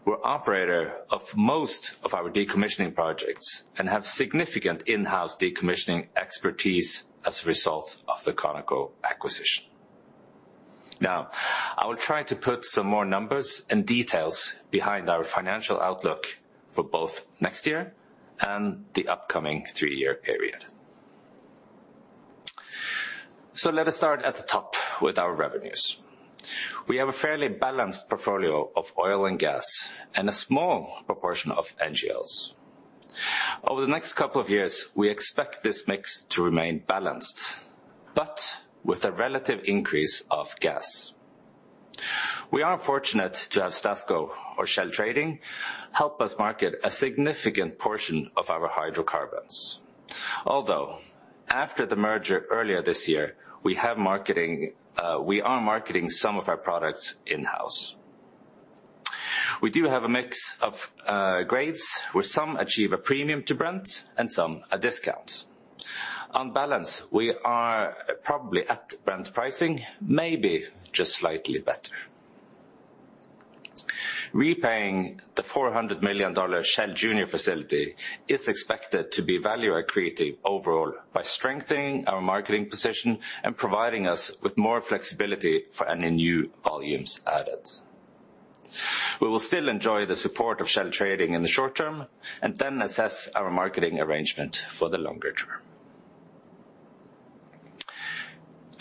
We're operator of most of our decommissioning projects and have significant in-house decommissioning expertise as a result of the Conoco acquisition. Now, I will try to put some more numbers and details behind our financial outlook for both next year and the upcoming three-year period. Let us start at the top with our revenues. We have a fairly balanced portfolio of oil and gas and a small proportion of NGLs. Over the next couple of years, we expect this mix to remain balanced, but with a relative increase of gas. We are fortunate to have STASCO or Shell Trading help us market a significant portion of our hydrocarbons. Although after the merger earlier this year, we are marketing some of our products in-house. We do have a mix of grades, where some achieve a premium to Brent and some a discount. On balance, we are probably at Brent pricing, maybe just slightly better. Repaying the $400 million Shell junior facility is expected to be value accretive overall by strengthening our marketing position and providing us with more flexibility for any new volumes added. We will still enjoy the support of Shell Trading in the short term and then assess our marketing arrangement for the longer term.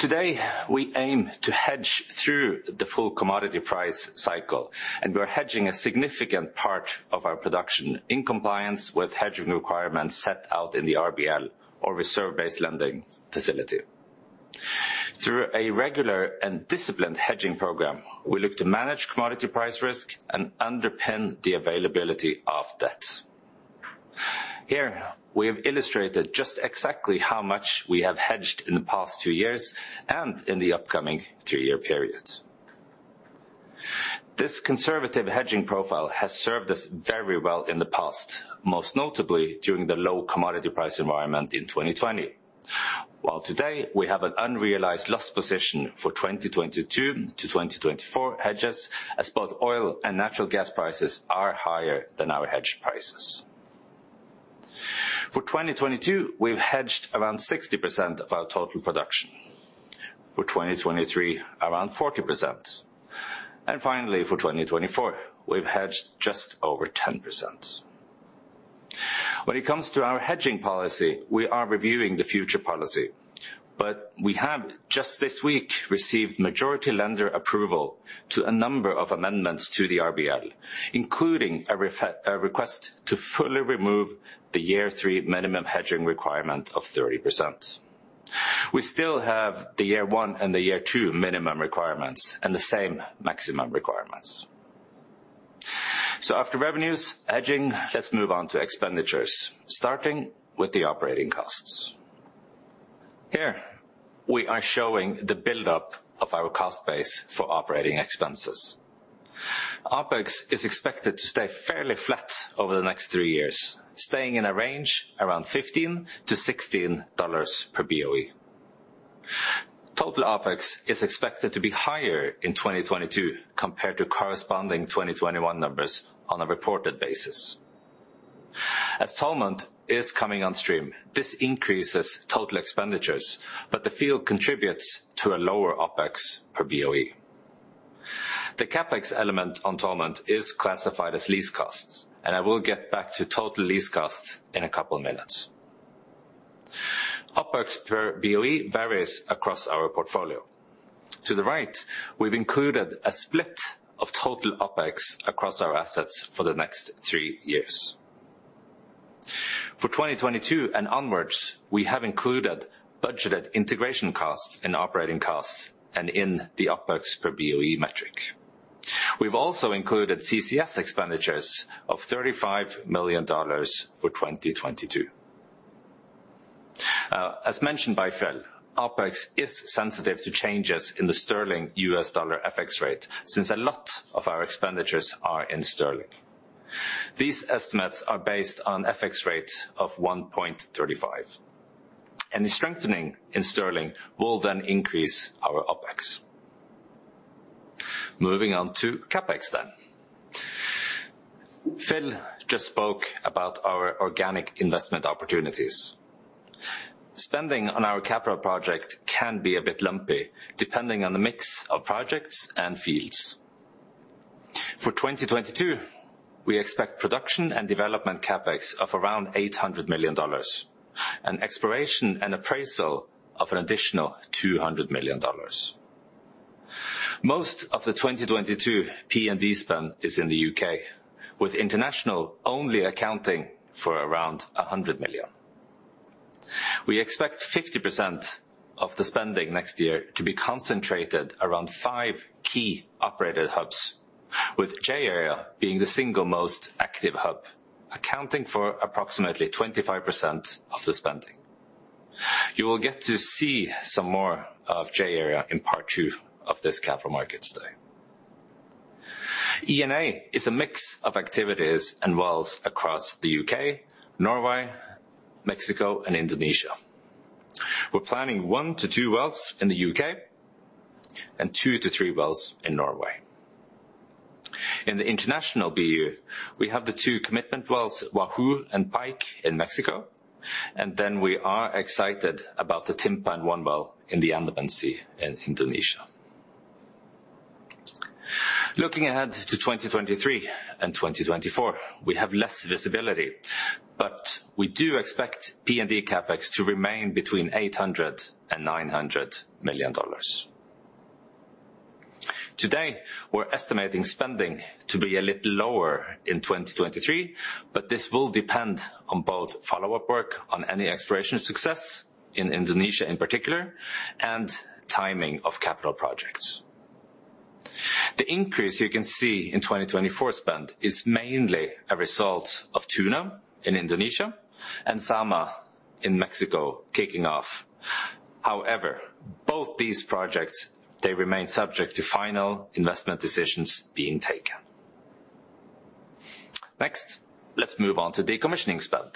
Today, we aim to hedge through the full commodity price cycle, and we're hedging a significant part of our production in compliance with hedging requirements set out in the RBL or reserve-based lending facility. Through a regular and disciplined hedging program, we look to manage commodity price risk and underpin the availability of debt. Here, we have illustrated just exactly how much we have hedged in the past two years and in the upcoming three-year periods. This conservative hedging profile has served us very well in the past, most notably during the low commodity price environment in 2020. While today, we have an unrealized loss position for 2022-2024 hedges as both oil and natural gas prices are higher than our hedged prices. For 2022, we've hedged around 60% of our total production. For 2023, around 40%. Finally, for 2024, we've hedged just over 10%. When it comes to our hedging policy, we are reviewing the future policy, but we have just this week received majority lender approval to a number of amendments to the RBL, including a request to fully remove the year three minimum hedging requirement of 30%. We still have the year one and the year two minimum requirements and the same maximum requirements. After revenues, hedging, let's move on to expenditures, starting with the operating costs. Here, we are showing the buildup of our cost base for operating expenses. OpEx is expected to stay fairly flat over the next three years, staying in a range around $15-$16 per BOE. Total OpEx is expected to be higher in 2022 compared to corresponding 2021 numbers on a reported basis. As Tolmount is coming on stream, this increases total expenditures, but the field contributes to a lower OpEx per BOE. The CapEx element on Tolmount is classified as lease costs, and I will get back to total lease costs in a couple of minutes. OpEx per BOE varies across our portfolio. To the right, we've included a split of total OpEx across our assets for the next three years. For 2022 and onwards, we have included budgeted integration costs and operating costs, and in the OpEx per BOE metric. We've also included CCS expenditures of $35 million for 2022. As mentioned by Phil, OpEx is sensitive to changes in the sterling U.S. dollar FX rate since a lot of our expenditures are in sterling. These estimates are based on FX rate of $1.35. Any strengthening in sterling will then increase our OpEx. Moving on to CapEx then. Phil just spoke about our organic investment opportunities. Spending on our capital project can be a bit lumpy depending on the mix of projects and fields. For 2022, we expect production and development CapEx of around $800 million, and exploration and appraisal of an additional $200 million. Most of the 2022 P&D spend is in the U.K., with international only accounting for around $100 million. We expect 50% of the spending next year to be concentrated around five key operated hubs, with J-Area being the single most active hub, accounting for approximately 25% of the spending. You will get to see some more of J-Area in part two of this capital markets day. E&A is a mix of activities and wells across the U.K., Norway, Mexico, and Indonesia. We're planning one to two wells in the U.K. and two to three wells in Norway. In the international BU, we have the two commitment wells, Wahoo and Pike in Mexico, and then we are excited about the Tuna one well in the Andaman Sea in Indonesia. Looking ahead to 2023 and 2024, we have less visibility, but we do expect P&D CapEx to remain between $800 million and $900 million. Today, we're estimating spending to be a little lower in 2023, but this will depend on both follow-up work on any exploration success in Indonesia, in particular, and timing of capital projects. The increase you can see in 2024 spend is mainly a result of Tuna in Indonesia and Zama in Mexico kicking off. However, both these projects remain subject to final investment decisions being taken. Next, let's move on to decommissioning spend.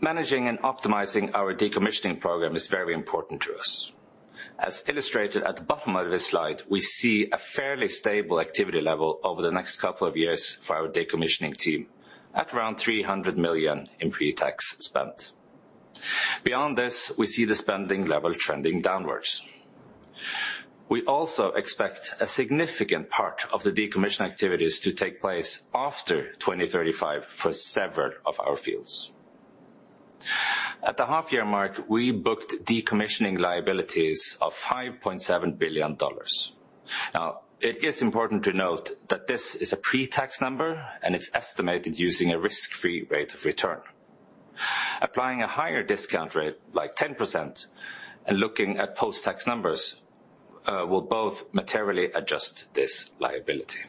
Managing and optimizing our decommissioning program is very important to us. As illustrated at the bottom of this slide, we see a fairly stable activity level over the next couple of years for our decommissioning team at around $300 million in pre-tax spend. Beyond this, we see the spending level trending downwards. We also expect a significant part of the decommissioning activities to take place after 2035 for several of our fields. At the half-year mark, we booked decommissioning liabilities of $5.7 billion. Now, it is important to note that this is a pre-tax number, and it's estimated using a risk-free rate of return. Applying a higher discount rate, like 10%, and looking at post-tax numbers, will both materially adjust this liability.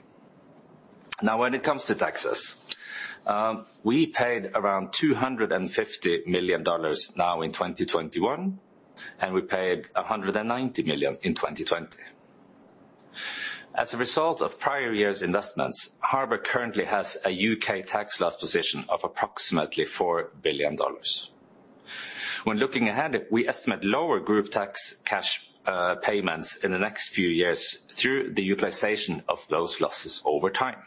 Now, when it comes to taxes, we paid around $250 million now in 2021, and we paid $190 million in 2020. As a result of prior years' investments, Harbour currently has a U.K. tax loss position of approximately $4 billion. When looking ahead, we estimate lower group tax cash payments in the next few years through the utilization of those losses over time.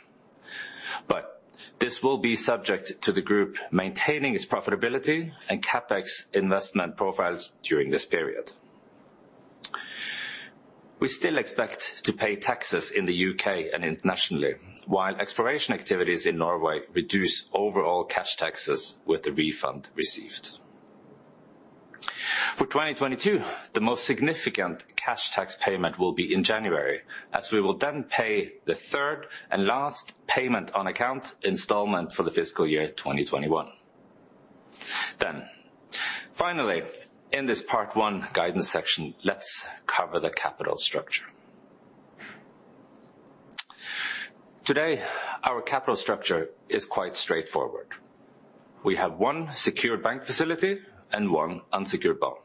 This will be subject to the group maintaining its profitability and CapEx investment profiles during this period. We still expect to pay taxes in the U.K. and internationally, while exploration activities in Norway reduce overall cash taxes with the refund received. For 2022, the most significant cash tax payment will be in January, as we will then pay the third and last payment on account installment for the fiscal year 2021. Finally, in this part one guidance section, let's cover the capital structure. Today, our capital structure is quite straightforward. We have one secured bank facility and one unsecured bond.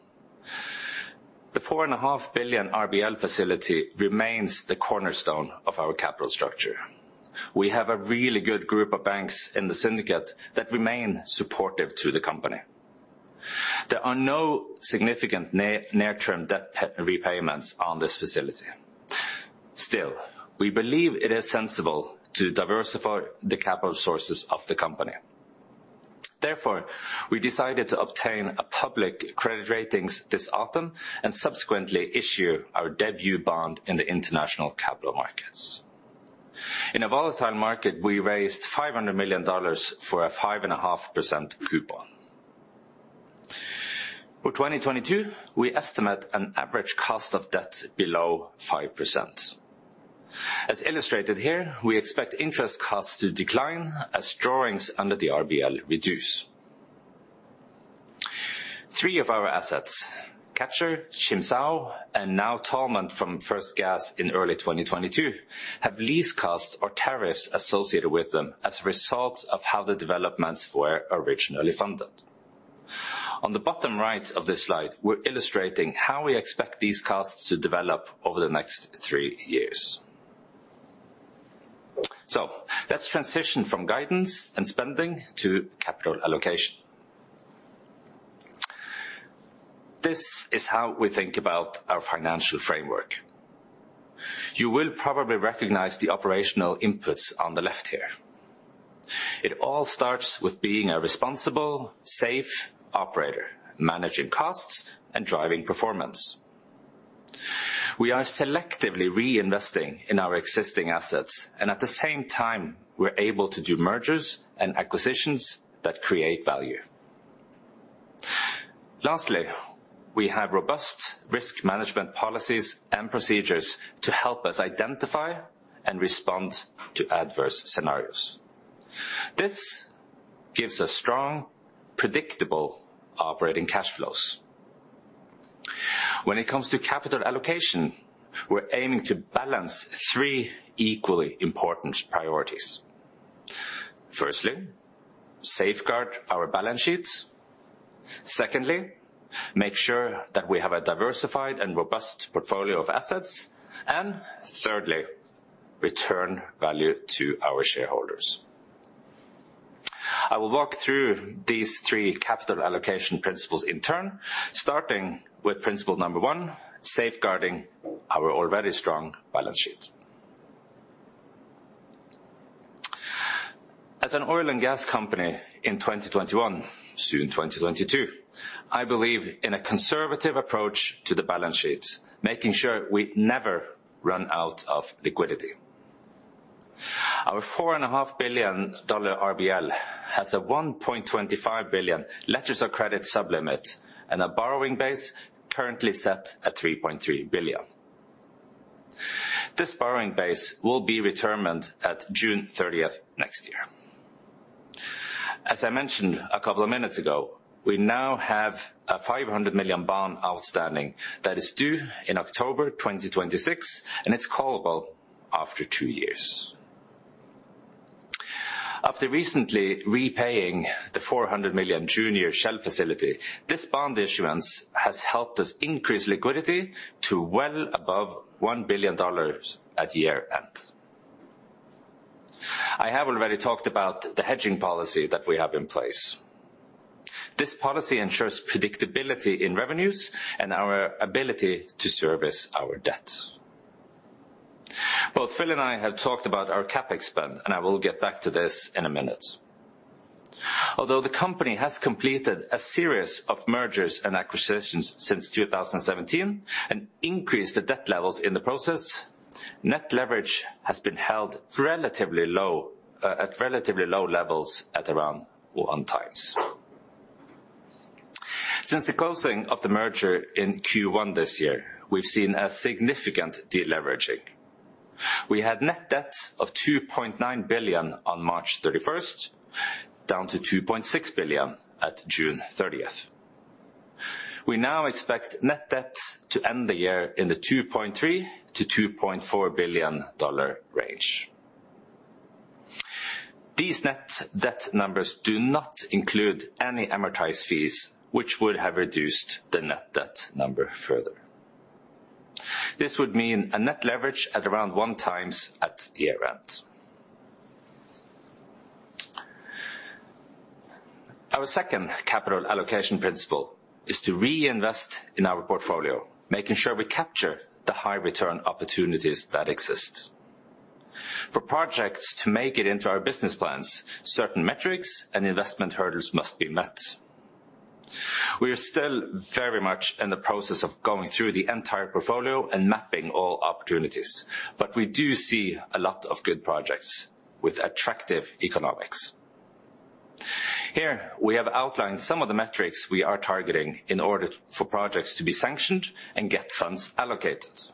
The $4.5 billion RBL facility remains the cornerstone of our capital structure. We have a really good group of banks in the syndicate that remain supportive to the company. There are no significant near-term debt repayments on this facility. Still, we believe it is sensible to diversify the capital sources of the company. Therefore, we decided to obtain a public credit rating this autumn, and subsequently issue our debut bond in the international capital markets. In a volatile market, we raised $500 million for a 5.5% coupon. For 2022, we estimate an average cost of debt below 5%. As illustrated here, we expect interest costs to decline as drawings under the RBL reduce. Three of our assets, Catcher, Chim Sao, and now Tolmount from first gas in early 2022, have lease costs or tariffs associated with them as a result of how the developments were originally funded. On the bottom right of this slide, we're illustrating how we expect these costs to develop over the next three years. Let's transition from guidance and spending to capital allocation. This is how we think about our financial framework. You will probably recognize the operational inputs on the left here. It all starts with being a responsible, safe operator, managing costs and driving performance. We are selectively reinvesting in our existing assets, and at the same time, we're able to do mergers and acquisitions that create value. Lastly, we have robust risk management policies and procedures to help us identify and respond to adverse scenarios. This gives us strong, predictable operating cash flows. When it comes to capital allocation, we're aiming to balance three equally important priorities. Firstly, safeguard our balance sheets. Secondly, make sure that we have a diversified and robust portfolio of assets. And thirdly, return value to our shareholders. I will walk through these three capital allocation principles in turn, starting with principle number one, safeguarding our already strong balance sheet. As an oil and gas company in 2021, soon 2022, I believe in a conservative approach to the balance sheet, making sure we never run out of liquidity. Our $4.5 billion RBL has a $1.25 billion letters of credit sub-limit, and a borrowing base currently set at $3.3 billion. This borrowing base will be determined at thJune 30 next year. As I mentioned a couple of minutes ago, we now have a $500 million bond outstanding that is due in October 2026, and it's callable after two years. After recently repaying the $400 million junior Shell facility, this bond issuance has helped us increase liquidity to well above $1 billion at year-end. I have already talked about the hedging policy that we have in place. This policy ensures predictability in revenues and our ability to service our debt. Both Phil and I have talked about our CapEx spend, and I will get back to this in a minute. Although the company has completed a series of mergers and acquisitions since 2017 and increased the debt levels in the process, net leverage has been held relatively low at relatively low levels at around 1x. Since the closing of the merger in Q1 this year, we've seen a significant deleveraging. We had net debt of $2.9 billion on March 31st, down to $2.6 billion at June 30th. We now expect net debt to end the year in the $2.3 billion-$2.4 billion range. These net debt numbers do not include any amortized fees which would have reduced the net debt number further. This would mean a net leverage at around 1x at year-end. Our second capital allocation principle is to reinvest in our portfolio, making sure we capture the high return opportunities that exist. For projects to make it into our business plans, certain metrics and investment hurdles must be met. We are still very much in the process of going through the entire portfolio and mapping all opportunities, but we do see a lot of good projects with attractive economics. Here, we have outlined some of the metrics we are targeting in order for projects to be sanctioned and get funds allocated.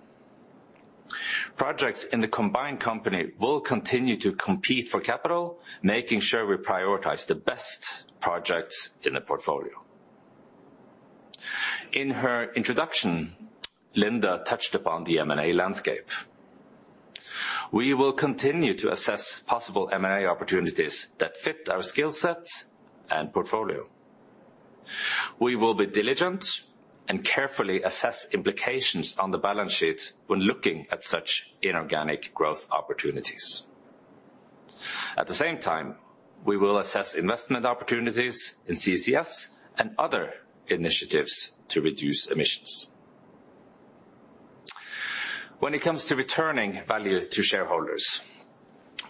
Projects in the combined company will continue to compete for capital, making sure we prioritize the best projects in a portfolio. In her introduction, Linda touched upon the M&A landscape. We will continue to assess possible M&A opportunities that fit our skill sets and portfolio. We will be diligent and carefully assess implications on the balance sheets when looking at such inorganic growth opportunities. At the same time, we will assess investment opportunities in CCS and other initiatives to reduce emissions. When it comes to returning value to shareholders,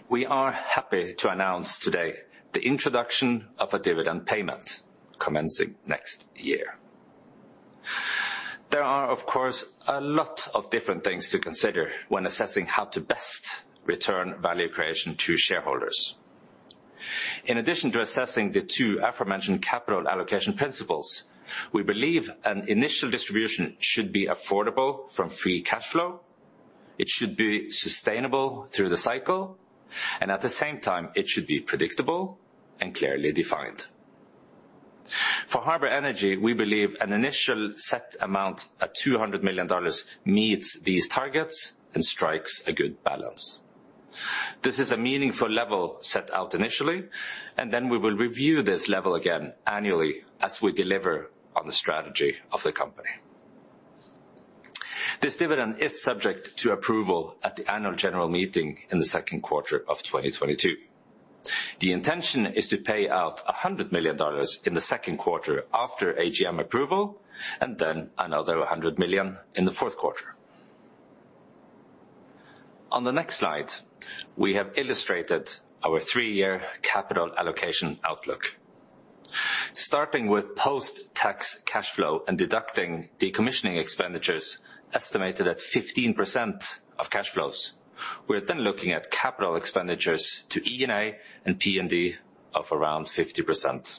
we are happy to announce today the introduction of a dividend payment commencing next year. There are, of course, a lot of different things to consider when assessing how to best return value creation to shareholders. In addition to assessing the two aforementioned capital allocation principles, we believe an initial distribution should be affordable from free cash flow, it should be sustainable through the cycle, and at the same time, it should be predictable and clearly defined. For Harbour Energy, we believe an initial set amount at $200 million meets these targets and strikes a good balance. This is a meaningful level set out initially, and then we will review this level again annually as we deliver on the strategy of the company. This dividend is subject to approval at the annual general meeting in the second quarter of 2022. The intention is to pay out $100 million in the second quarter after AGM approval, and then another $100 million in the fourth quarter. On the next slide, we have illustrated our three-year capital allocation outlook. Starting with post-tax cash flow and deducting decommissioning expenditures estimated at 15% of cash flows, we're then looking at capital expenditures to E&A and P&D of around 50%.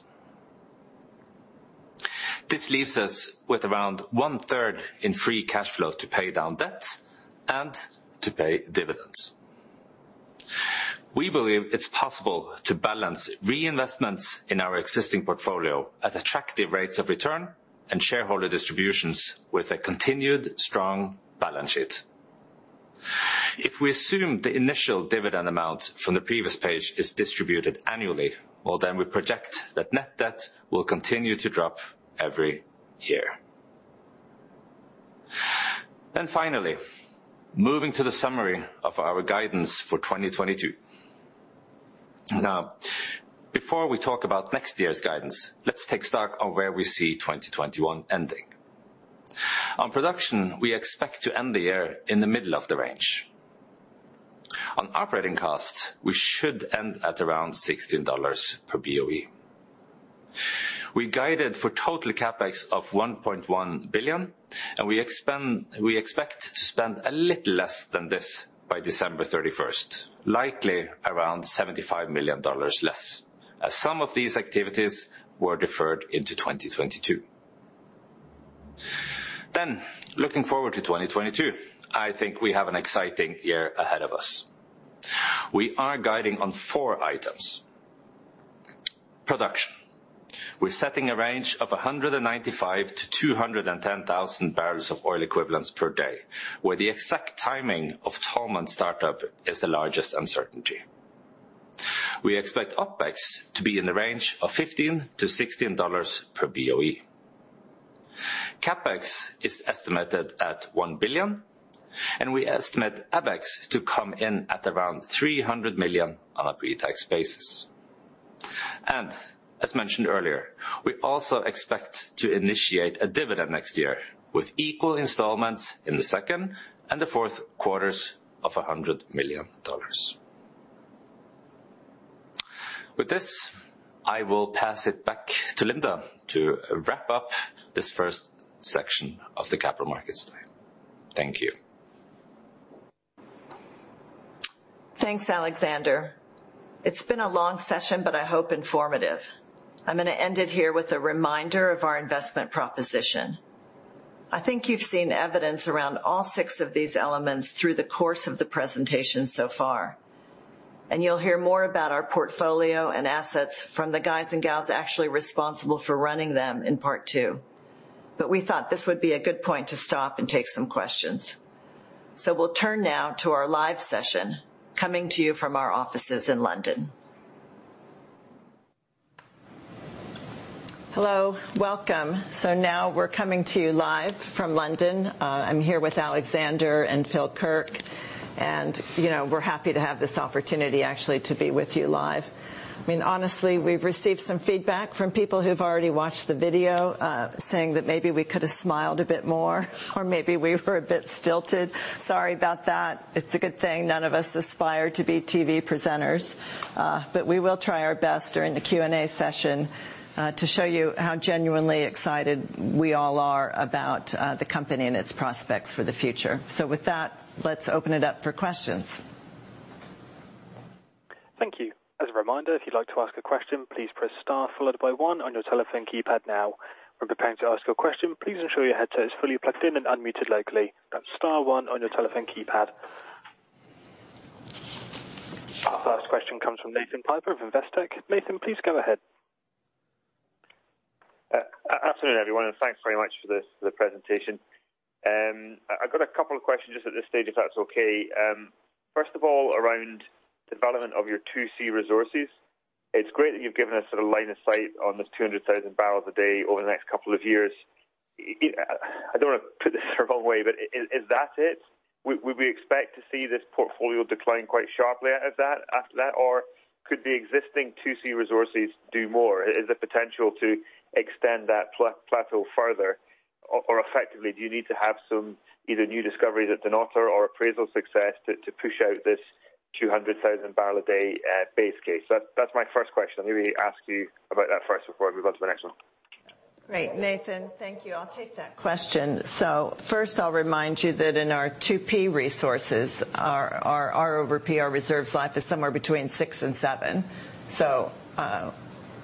This leaves us with around one-third in free cash flow to pay down debt and to pay dividends. We believe it's possible to balance reinvestments in our existing portfolio at attractive rates of return and shareholder distributions with a continued strong balance sheet. If we assume the initial dividend amount from the previous page is distributed annually, well, we project that net debt will continue to drop every year. Finally, moving to the summary of our guidance for 2022. Now, before we talk about next year's guidance, let's take stock on where we see 2021 ending. On production, we expect to end the year in the middle of the range. On operating costs, we should end at around $16 per BOE. We guided for total CapEx of $1.1 billion, and we expect to spend a little less than this by December 31st, likely around $75 million less, as some of these activities were deferred into 2022. Looking forward to 2022, I think we have an exciting year ahead of us. We are guiding on four items. Production, we're setting a range of 195,000-210,000 boepd, where the exact timing of Tolmount startup is the largest uncertainty. We expect OpEx to be in the range of $15-$16 per BOE. CapEx is estimated at $1 billion, and we estimate Abex to come in at around $300 million on a pre-tax basis. As mentioned earlier, we also expect to initiate a dividend next year with equal installments in the second and the fourth quarters of $100 million. With this, I will pass it back to Linda to wrap up this first section of the Capital Markets Day. Thank you. Thanks, Alexander. It's been a long session, but I hope informative. I'm gonna end it here with a reminder of our investment proposition. I think you've seen evidence around all six of these elements through the course of the presentation so far, and you'll hear more about our portfolio and assets from the guys and gals actually responsible for running them in part two. But we thought this would be a good point to stop and take some questions. We'll turn now to our live session coming to you from our offices in London. Hello, welcome. Now we're coming to you live from London. I'm here with Alexander and Phil Kirk, and, you know, we're happy to have this opportunity actually to be with you live. I mean, honestly, we've received some feedback from people who've already watched the video, saying that maybe we could have smiled a bit more or maybe we were a bit stilted. Sorry about that. It's a good thing none of us aspire to be TV presenters. But we will try our best during the Q&A session to show you how genuinely excited we all are about the company and its prospects for the future. With that, let's open it up for questions. Thank you. As a reminder, if you'd like to ask a question, please press star followed by one on your telephone keypad now. When preparing to ask your question, please ensure your headset is fully plugged in and unmuted locally. That's star one on your telephone keypad. Our first question comes from Nathan Piper of Investec. Nathan, please go ahead. Afternoon, everyone, and thanks very much for this, the presentation. I've got a couple of questions just at this stage, if that's okay. First of all, around development of your 2C resources. It's great that you've given us a line of sight on this 200,000 bpd over the next couple of years. I don't wanna put this the wrong way, but is that it? Would we expect to see this portfolio decline quite sharply at that, after that? Or could the existing 2C resources do more? Is the potential to extend that plateau further? Or effectively, do you need to have some either new discoveries at Dunnottar or appraisal success to push out this 200,000 bpd base case? That's my first question. Let me ask you about that first before I move on to the next one. Great, Nathan. Thank you. I'll take that question. First, I'll remind you that in our 2P resources, our R/P, our reserves life is somewhere between six and seven.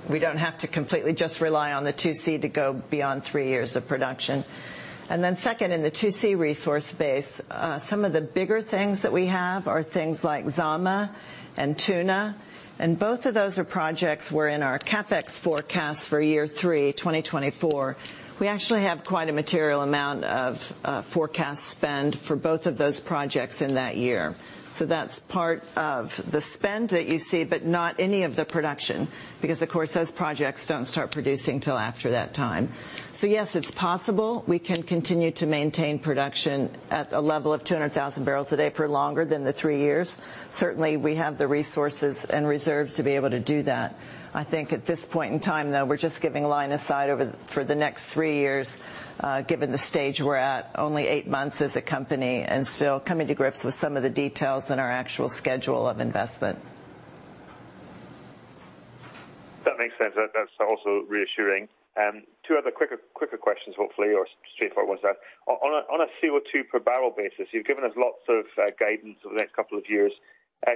We don't have to completely just rely on the 2C to go beyond three years of production. Second, in the 2C resource base, some of the bigger things that we have are things like Zama and Tuna, and both of those are projects were in our CapEx forecast for year three, 2024. We actually have quite a material amount of forecast spend for both of those projects in that year. That's part of the spend that you see, but not any of the production, because of course, those projects don't start producing till after that time. Yes, it's possible we can continue to maintain production at a level of 200,000 bpd for longer than the three years. Certainly, we have the resources and reserves to be able to do that. I think at this point in time, though, we're just giving line of sight for the next three years, given the stage we're at only eight months as a company and still coming to grips with some of the details in our actual schedule of investment. That makes sense. That's also reassuring. Two other quicker questions, hopefully, or straightforward ones there. On a CO2 per barrel basis, you've given us lots of guidance over the next couple of years.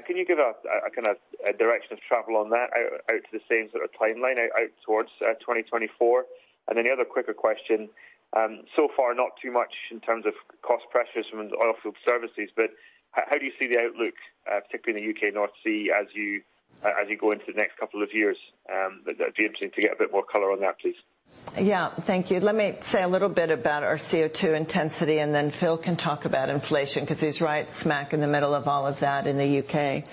Can you give us a kinda direction of travel on that out to the same sort of timeline out towards 2024? The other quicker question. So far not too much in terms of cost pressures from an oilfield services, but how do you see the outlook, particularly in the U.K. North Sea as you go into the next couple of years? That'd be interesting to get a bit more color on that, please. Yeah, thank you. Let me say a little bit about our CO2 intensity, and then Phil can talk about inflation 'cause he's right smack in the middle of all of that in the U.K.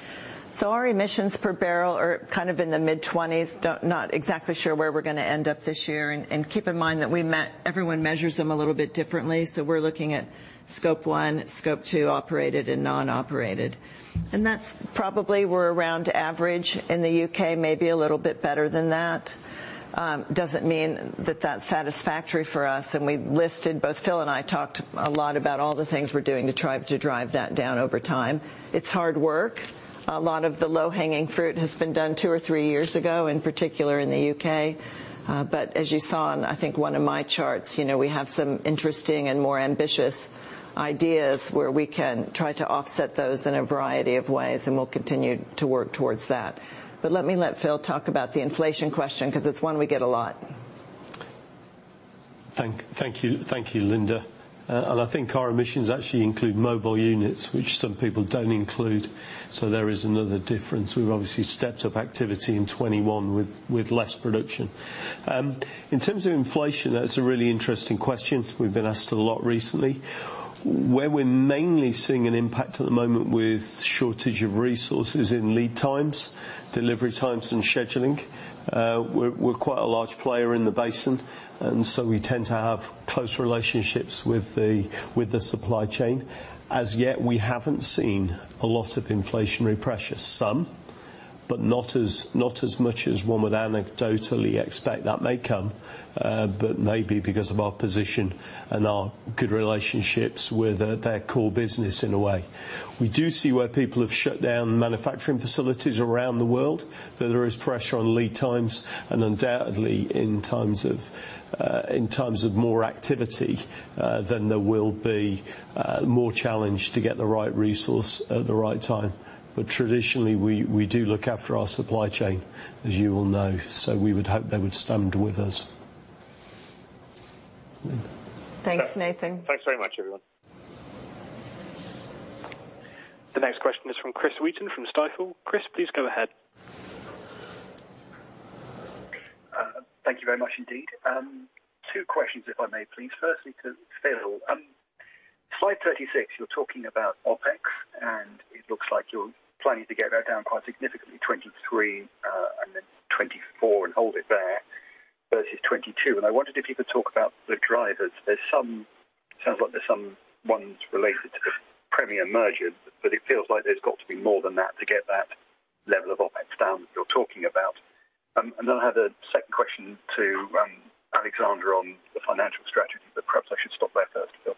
Our emissions per barrel are kind of in the mid-20s. Not exactly sure where we're gonna end up this year. Keep in mind that everyone measures them a little bit differently. We're looking at Scope 1, Scope 2, operated and non-operated. That's probably where we're around average in the U.K., maybe a little bit better than that. Doesn't mean that that's satisfactory for us. We listed, both Phil and I talked a lot about all the things we're doing to try to drive that down over time. It's hard work. A lot of the low-hanging fruit has been done two or three years ago, in particular in the U.K. As you saw in, I think, one of my charts, you know, we have some interesting and more ambitious ideas where we can try to offset those in a variety of ways, and we'll continue to work towards that. Let me let Phil talk about the inflation question 'cause it's one we get a lot. Thank you. Thank you, Linda. I think our emissions actually include mobile units, which some people don't include. There is another difference. We've obviously stepped up activity in 2021 with less production. In terms of inflation, that's a really interesting question we've been asked a lot recently. We're mainly seeing an impact at the moment with shortage of resources in lead times, delivery times and scheduling. We're quite a large player in the basin, and so we tend to have close relationships with the supply chain. As yet, we haven't seen a lot of inflationary pressures. Some, but not as much as one would anecdotally expect. That may come, but maybe because of our position and our good relationships with their core business in a way. We do see where people have shut down manufacturing facilities around the world, that there is pressure on lead times, and undoubtedly in times of more activity, then there will be more challenge to get the right resource at the right time. But traditionally, we do look after our supply chain, as you will know. We would hope they would stand with us. Linda. Thanks, Nathan. Thanks very much, everyone. The next question is from Chris Wheaton from Stifel. Chris, please go ahead. Thank you very much indeed. Two questions if I may please. Firstly, to Phil. Slide 36, you're talking about OpEx, and it looks like you're planning to get that down quite significantly, 2023, and then 2024 and hold it there versus 2022. I wondered if you could talk about the drivers. Sounds like there's some ones related to the Premier merger, but it feels like there's got to be more than that to get that level of OpEx down that you're talking about. I have a second question to Alexander on the financial strategy, but perhaps I should stop there first, Phil.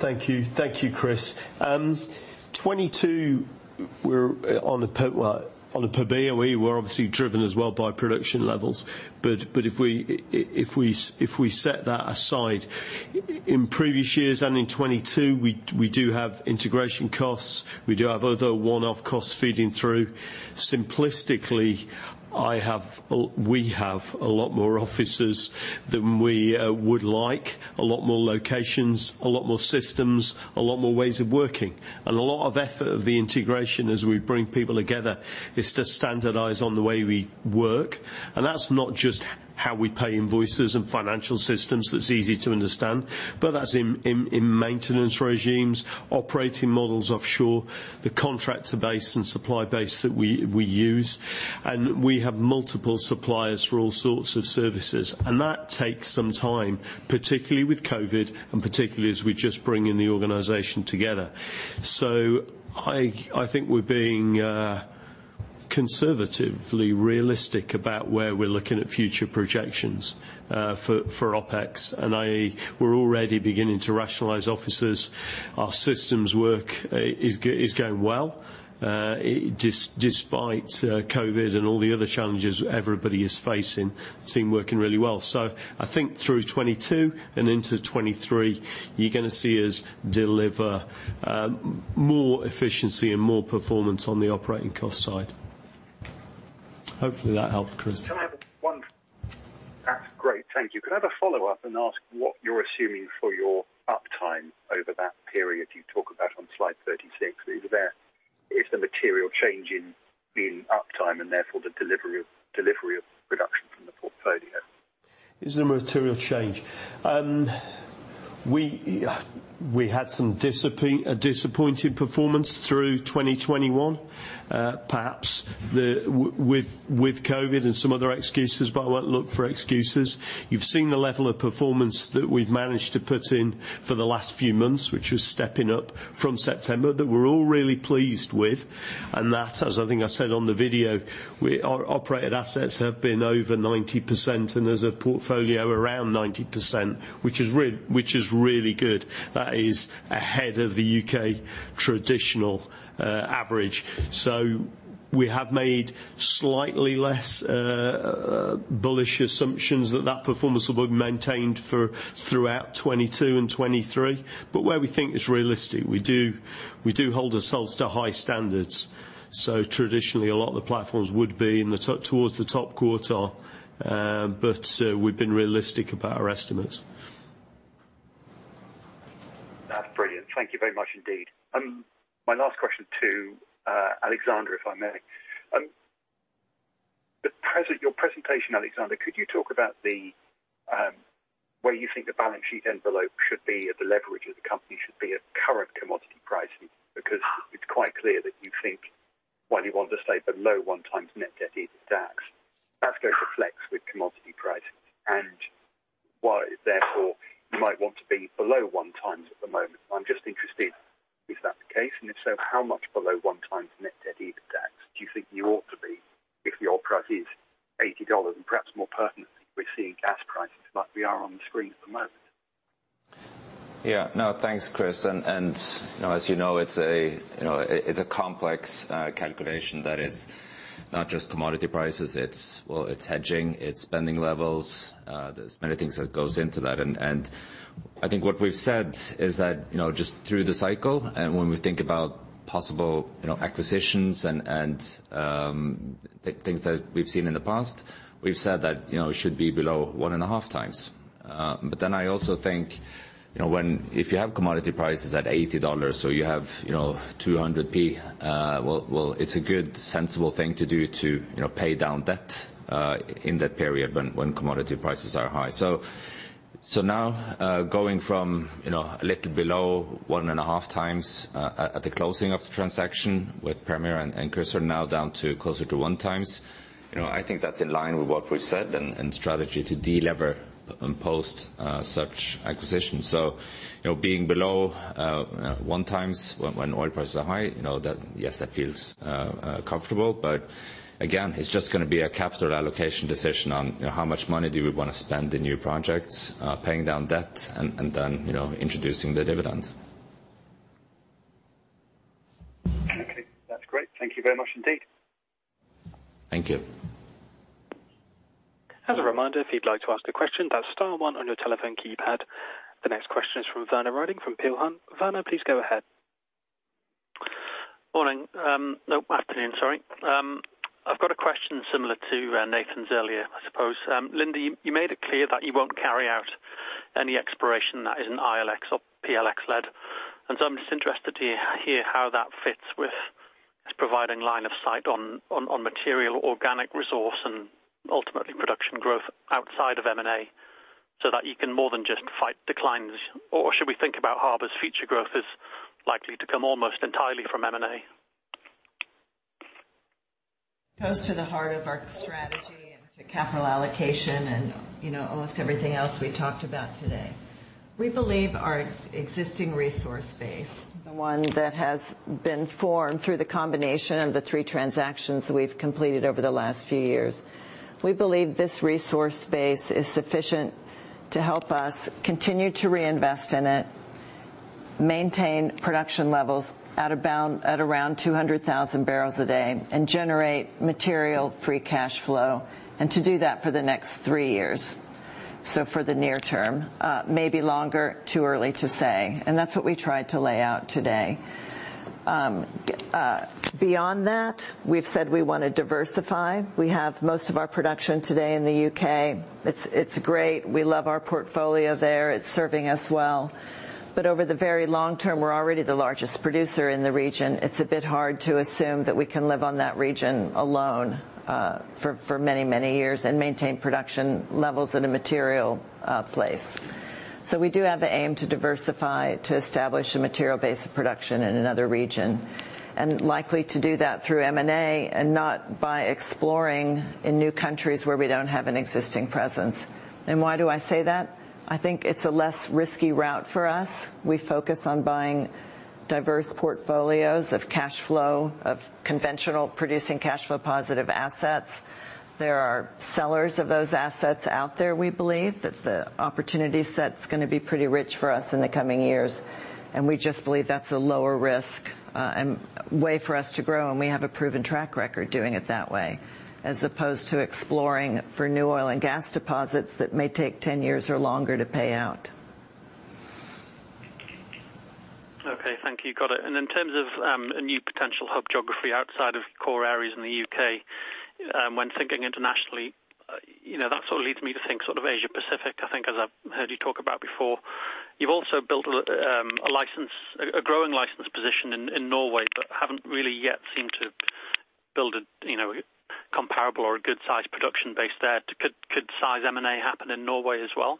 Thank you. Thank you, Chris. 2022 we're on a per BOE. We're obviously driven as well by production levels. If we set that aside, in previous years and in 2022, we do have integration costs. We do have other one-off costs feeding through. Simplistically, we have a lot more offices than we would like, a lot more locations, a lot more systems, a lot more ways of working. A lot of effort of the integration as we bring people together is to standardize on the way we work. That's not just how we pay invoices and financial systems, that's easy to understand, but that's in maintenance regimes, operating models offshore, the contractor base and supply base that we use. We have multiple suppliers for all sorts of services. That takes some time, particularly with COVID and particularly as we just bring in the organization together. I think we're being conservatively realistic about where we're looking at future projections for OpEx. We're already beginning to rationalize offices. Our systems work is going well, despite COVID and all the other challenges everybody is facing. The team working really well. I think through 2022 and into 2023, you're gonna see us deliver more efficiency and more performance on the operating cost side. Hopefully that helped, Chris. That's great. Thank you. Can I have a follow-up and ask what you're assuming for your uptime over that period you talk about on Slide 36? Is there a material change in uptime and therefore the delivery of production from the portfolio? Is there material change? We had some disappointed performance through 2021. Perhaps with COVID and some other excuses, but I won't look for excuses. You've seen the level of performance that we've managed to put in for the last few months, which was stepping up from September, that we're all really pleased with. That, as I think I said on the video, our operated assets have been over 90%, and as a portfolio around 90%, which is really good. That is ahead of the U.K. traditional average. We have made slightly less bullish assumptions that performance will be maintained throughout 2022 and 2023. Where we think it's realistic, we do hold ourselves to high standards. Traditionally, a lot of the platforms would be towards the top quarter, but we've been realistic about our estimates. That's brilliant. Thank you very much indeed. My last question to Alexander, if I may. Your presentation, Alexander, could you talk about where you think the balance sheet envelope should be at the leverage of the company should be at current commodity pricing? Because it's quite clear that you think while you want to stay below 1x net debt EBITDA, that's going to flex with commodity pricing. While therefore, you might want to be below 1x at the moment. I'm just interested if that's the case, and if so, how much below 1x net debt EBITDA do you think you ought to be if the oil price is $80, and perhaps more pertinently, we're seeing gas prices like we are on the screen at the moment? Yeah. No. Thanks, Chris. As you know, it's a you know it's a complex calculation that is not just commodity prices. It's well it's hedging, it's spending levels. There's many things that goes into that. I think what we've said is that, you know, just through the cycle and when we think about possible, you know, acquisitions and things that we've seen in the past, we've said that, you know, it should be below 1.5x. I also think, you know, when, if you have commodity prices at $80, so you have, you know, 200p well it's a good, sensible thing to do to, you know, pay down debt in that period when commodity prices are high. Now going from a little below 1.5x at the closing of the transaction with Premier and Chrysaor now down to closer to 1x. You know, I think that's in line with what we've said and strategy to delever and post such acquisitions. You know, being below 1x when oil prices are high, you know that, yes, that feels comfortable. Again, it's just gonna be a capital allocation decision on, you know, how much money do we wanna spend in new projects, paying down debt and then, you know, introducing the dividend. Okay. That's great. Thank you very much indeed. Thank you. As a reminder, if you'd like to ask a question, dial star one on your telephone keypad. The next question is from Werner Riding from Peel Hunt. Werner, please go ahead. Afternoon, sorry. I've got a question similar to Nathan's earlier, I suppose. Linda, you made it clear that you won't carry out any exploration that isn't ILX or PLX-led. I'm just interested to hear how that fits with providing line of sight on material organic resource and ultimately production growth outside of M&A, so that you can more than just fight declines. Should we think about Harbour's future growth as likely to come almost entirely from M&A? It goes to the heart of our strategy and to capital allocation and, you know, almost everything else we talked about today. We believe our existing resource base, the one that has been formed through the combination of the three transactions we've completed over the last few years, we believe this resource base is sufficient to help us continue to reinvest in it. Maintain production levels at around 200,000 bpd and generate material free cash flow, and to do that for the next three years. For the near term, maybe longer, too early to say. That's what we tried to lay out today. Beyond that, we've said we wanna diversify. We have most of our production today in the U.K. It's great. We love our portfolio there. It's serving us well. Over the very long term, we're already the largest producer in the region. It's a bit hard to assume that we can live on that region alone, for many years and maintain production levels in a material place. We do have the aim to diversify, to establish a material base of production in another region, and likely to do that through M&A and not by exploring in new countries where we don't have an existing presence. Why do I say that? I think it's a less risky route for us. We focus on buying diverse portfolios of cash flow, of conventional producing cash flow positive assets. There are sellers of those assets out there, we believe, that the opportunity set's gonna be pretty rich for us in the coming years. We just believe that's a lower risk and way for us to grow, and we have a proven track record doing it that way, as opposed to exploring for new oil and gas deposits that may take 10 years or longer to pay out. Okay. Thank you. Got it. In terms of a new potential hub geography outside of core areas in the U.K., when thinking internationally, you know, that sort of leads me to think sort of Asia-Pacific, I think, as I've heard you talk about before. You've also built a license, a growing license position in Norway, but haven't really yet seemed to build a, you know, comparable or a good-sized production base there. Could size M&A happen in Norway as well?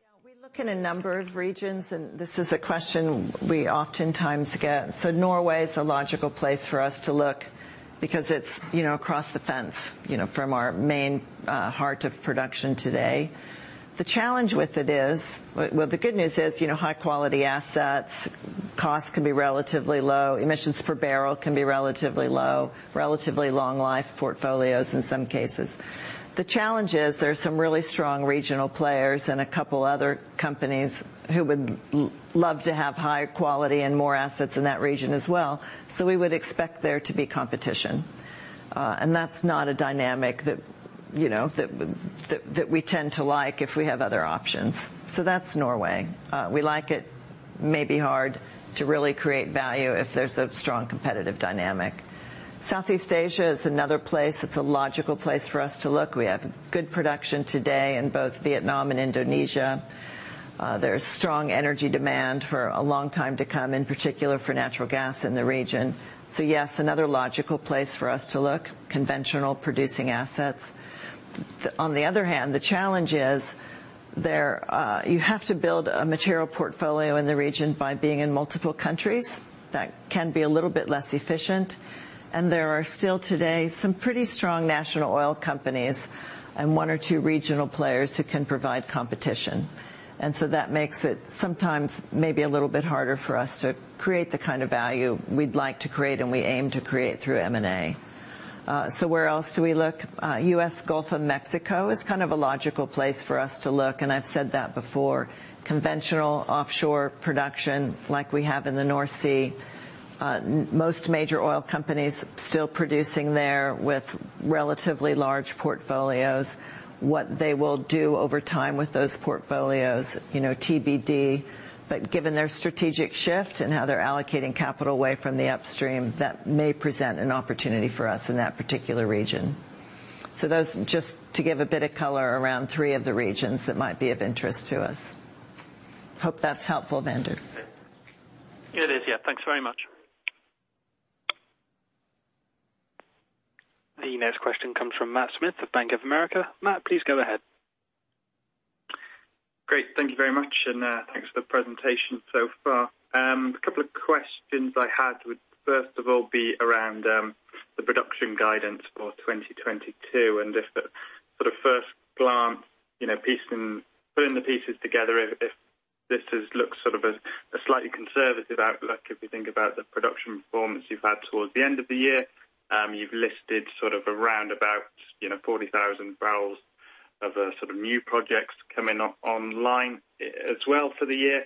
Yeah, we look in a number of regions, and this is a question we oftentimes get. Norway is a logical place for us to look because it's, you know, across the fence, you know, from our main heart of production today. The challenge with it is the good news is, you know, high-quality assets, costs can be relatively low, emissions per barrel can be relatively low, relatively long life portfolios in some cases. The challenge is there are some really strong regional players and a couple other companies who would love to have higher quality and more assets in that region as well. We would expect there to be competition. That's not a dynamic that, you know, that we tend to like if we have other options. That's Norway. We like it. Maybe hard to really create value if there's a strong competitive dynamic. Southeast Asia is another place that's a logical place for us to look. We have good production today in both Vietnam and Indonesia. There's strong energy demand for a long time to come, in particular for natural gas in the region. Yes, another logical place for us to look, conventional producing assets. On the other hand, the challenge is there, you have to build a material portfolio in the region by being in multiple countries. That can be a little bit less efficient. There are still today some pretty strong national oil companies and one or two regional players who can provide competition. That makes it sometimes maybe a little bit harder for us to create the kind of value we'd like to create and we aim to create through M&A. Where else do we look? U.S. Gulf of Mexico is kind of a logical place for us to look, and I've said that before. Conventional offshore production like we have in the North Sea. Most major oil companies still producing there with relatively large portfolios. What they will do over time with those portfolios, you know, TBD. Given their strategic shift and how they're allocating capital away from the upstream, that may present an opportunity for us in that particular region. Those, just to give a bit of color around three of the regions that might be of interest to us. Hope that's helpful, Werner. It is. Yeah. Thanks very much. The next question comes from Matt Smith of Bank of America. Matt, please go ahead. Great. Thank you very much, and thanks for the presentation so far. A couple of questions I had would first of all be around the production guidance for 2022 and if the sort of first glance, you know, putting the pieces together if this has looked sort of a slightly conservative outlook, if you think about the production performance you've had towards the end of the year. You've listed sort of around about, you know, 40,000 bbl of sort of new projects coming on-line as well for the year.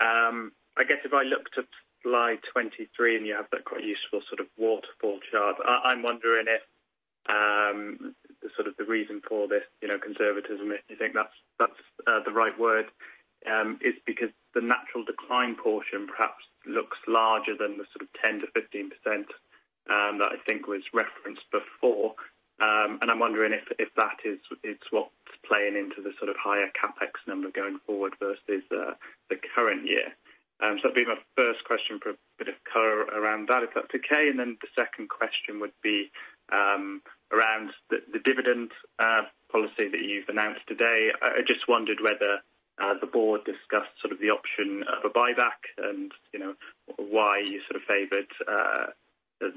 I guess if I look to Slide 23, and you have that quite useful sort of waterfall chart, I'm wondering if the sort of reason for this, you know, conservatism, if you think that's the right word, is because the natural decline portion perhaps looks larger than the sort of 10%-15% that I think was referenced before. I'm wondering if that is what's playing into the sort of higher CapEx number going forward versus the current year. That'd be my first question for a bit of color around that, if that's okay. The second question would be around the dividend policy that you've announced today. I just wondered whether the board discussed sort of the option of a buyback and, you know, why you sort of favored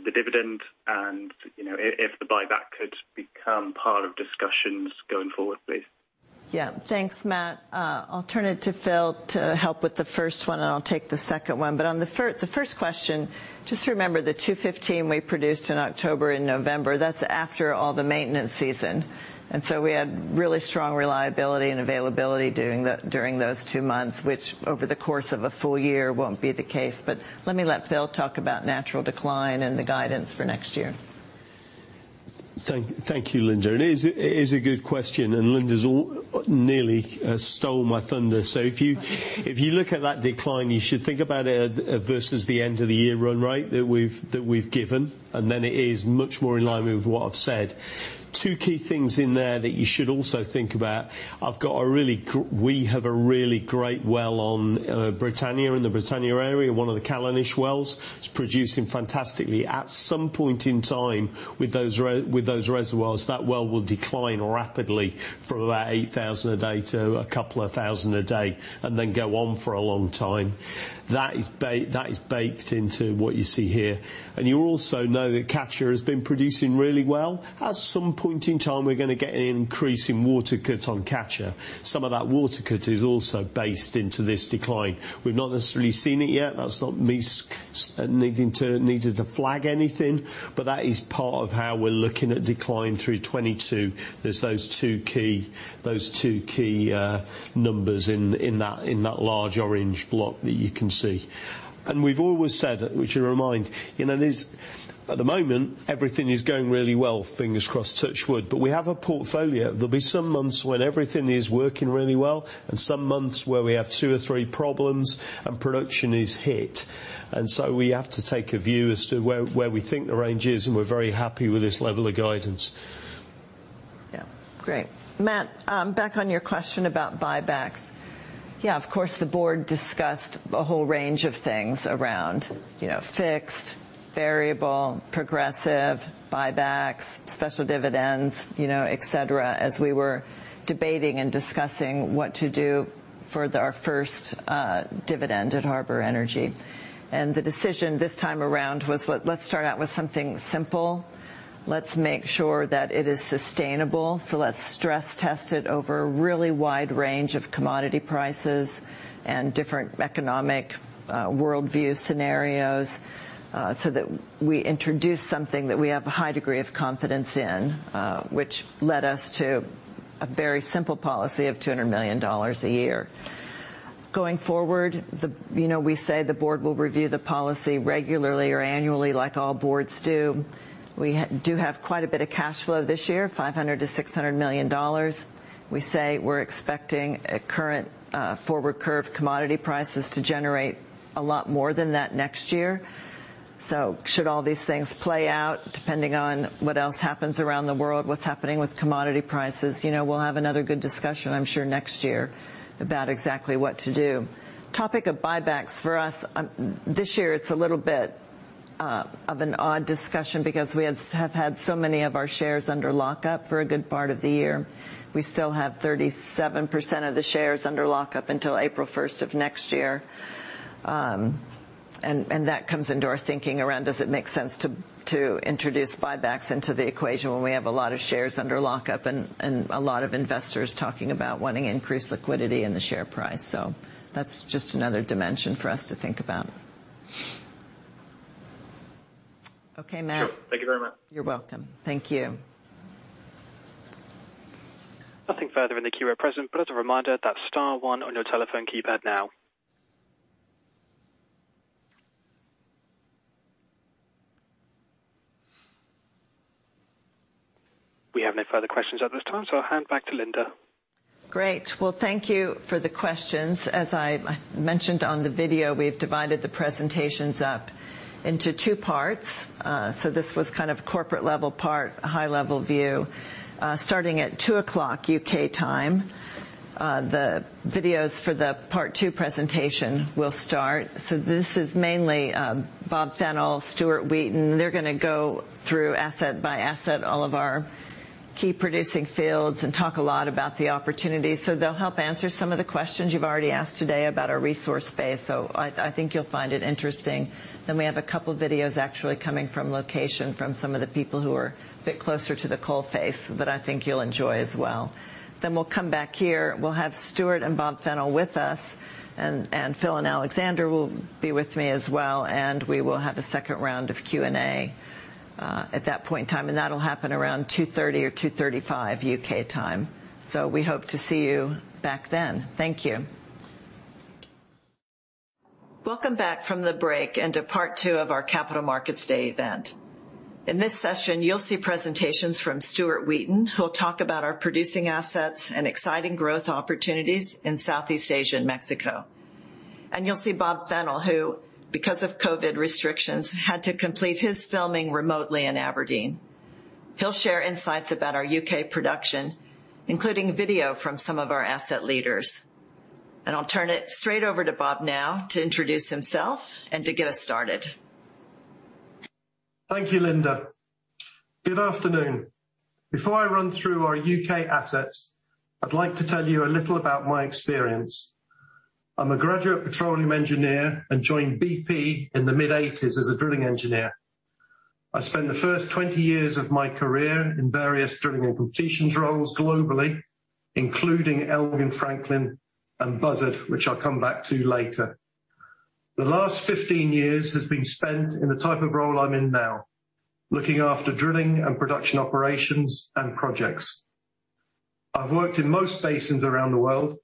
the dividend and, you know, if the buyback could become part of discussions going forward, please? Thanks, Matt. I'll turn it to Phil to help with the first one, and I'll take the second one. On the first question, just remember the 215,000 bbl we produced in October and November, that's after all the maintenance season. We had really strong reliability and availability during those two months, which over the course of a full year won't be the case. Let Phil talk about natural decline and the guidance for next year. Thank you, Linda. It is a good question, and Linda's nearly stolen my thunder. If you look at that decline, you should think about it versus the end of the year run rate that we've given, and then it is much more in line with what I've said. Two key things in there that you should also think about. We have a really great well on Britannia, in the Britannia area, one of the Callanish wells. It's producing fantastically. At some point in time with those reservoirs, that well will decline rapidly from about 8,000 a day to a couple of thousand a day and then go on for a long time. That is baked into what you see here. You also know that Catcher has been producing really well. At some point in time, we're gonna get an increase in water cut on Catcher. Some of that water cut is also based into this decline. We've not necessarily seen it yet. That's not me needing to flag anything, but that is part of how we're looking at decline through 2022. There's those two key numbers in that large orange block that you can see. We've always said, as a reminder, you know, there's. At the moment, everything is going really well, fingers crossed, touch wood. We have a portfolio. There'll be some months when everything is working really well and some months where we have two or three problems and production is hit. We have to take a view as to where we think the range is, and we're very happy with this level of guidance. Yeah. Great. Matt, back on your question about buybacks. Yeah, of course, the board discussed a whole range of things around, you know, fixed, variable, progressive buybacks, special dividends, you know, et cetera, as we were debating and discussing what to do for our first dividend at Harbour Energy. The decision this time around was let's start out with something simple. Let's make sure that it is sustainable. Let's stress test it over a really wide range of commodity prices and different economic worldview scenarios, so that we introduce something that we have a high degree of confidence in, which led us to a very simple policy of $200 million a year. Going forward, you know, we say the board will review the policy regularly or annually, like all boards do. We do have quite a bit of cash flow this year, $500 million-$600 million. We're expecting at current forward curve commodity prices to generate a lot more than that next year. Should all these things play out, depending on what else happens around the world, what's happening with commodity prices, you know, we'll have another good discussion, I'm sure, next year about exactly what to do. Topic of buybacks for us this year it's a little bit of an odd discussion because we have had so many of our shares under lockup for a good part of the year. We still have 37% of the shares under lockup until April 1st of next year. That comes into our thinking around does it make sense to introduce buybacks into the equation when we have a lot of shares under lockup and a lot of investors talking about wanting increased liquidity in the share price. That's just another dimension for us to think about. Okay, Matt. Sure. Thank you very much. You're welcome. Thank you. Nothing further in the queue at present, but as a reminder, that's star one on your telephone keypad now. We have no further questions at this time, so I'll hand back to Linda. Great. Well, thank you for the questions. As I mentioned on the video, we've divided the presentations up into two parts. This was kind of corporate level part, high level view. Starting at 2:00 P.M. U.K. time, the videos for the part two presentation will start. This is mainly Bob Fennell, Stuart Wheaton. They're gonna go through asset by asset all of our key producing fields and talk a lot about the opportunities. They'll help answer some of the questions you've already asked today about our resource base. I think you'll find it interesting. Then we have a couple videos actually coming from location from some of the people who are a bit closer to the coal face that I think you'll enjoy as well. Then we'll come back here. We'll have Stuart and Bob Fennell with us, and Phil and Alexander will be with me as well, and we will have a second round of Q&A at that point in time. That'll happen around 2:30 or 2:35 U.K. time. We hope to see you back then. Thank you. Welcome back from the break and to part two of our Capital Markets Day event. In this session, you'll see presentations from Stuart Wheaton, who will talk about our producing assets and exciting growth opportunities in Southeast Asia and Mexico. You'll see Bob Fennell, who, because of COVID restrictions, had to complete his filming remotely in Aberdeen. He'll share insights about our U.K. production, including video from some of our asset leaders. I'll turn it straight over to Bob now to introduce himself and to get us started. Thank you, Linda. Good afternoon. Before I run through our U.K. assets, I'd like to tell you a little about my experience. I'm a graduate petroleum engineer and joined BP in the mid-1980s as a drilling engineer. I spent the first 20 years of my career in various drilling and completions roles globally, including Elgin-Franklin and Buzzard, which I'll come back to later. The last 15 years has been spent in the type of role I'm in now, looking after drilling and production operations and projects. I've worked in most basins around the world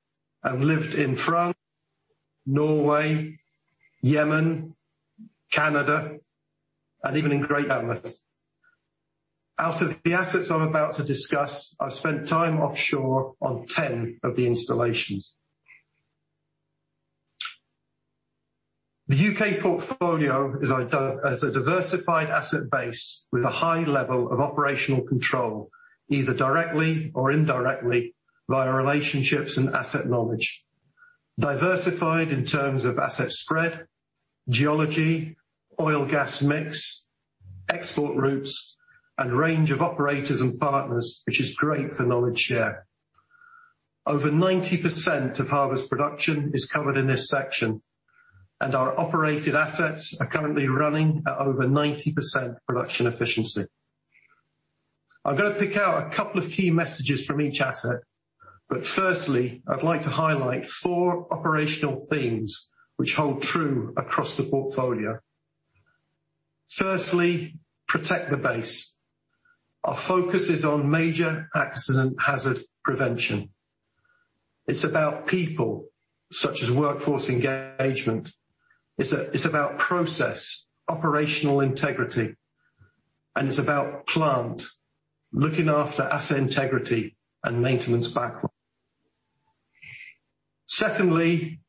and lived in France, Norway, Yemen, Canada, and even in Alaska. Out of the assets I'm about to discuss, I've spent time offshore on 10 of the installations. The U.K. portfolio is a diversified asset base with a high level of operational control, either directly or indirectly, via relationships and asset knowledge. Diversified in terms of asset spread, geology, oil/gas mix, export routes, and range of operators and partners, which is great for knowledge share. Over 90% of Harbour's production is covered in this section, and our operated assets are currently running at over 90% production efficiency. I'm gonna pick out a couple of key messages from each asset, but firstly, I'd like to highlight four operational themes which hold true across the portfolio. Firstly, protect the base. Our focus is on major accident hazard prevention. It's about people, such as workforce engagement. It's about process, operational integrity, and it's about plant, looking after asset integrity and maintenance backlog. Secondly,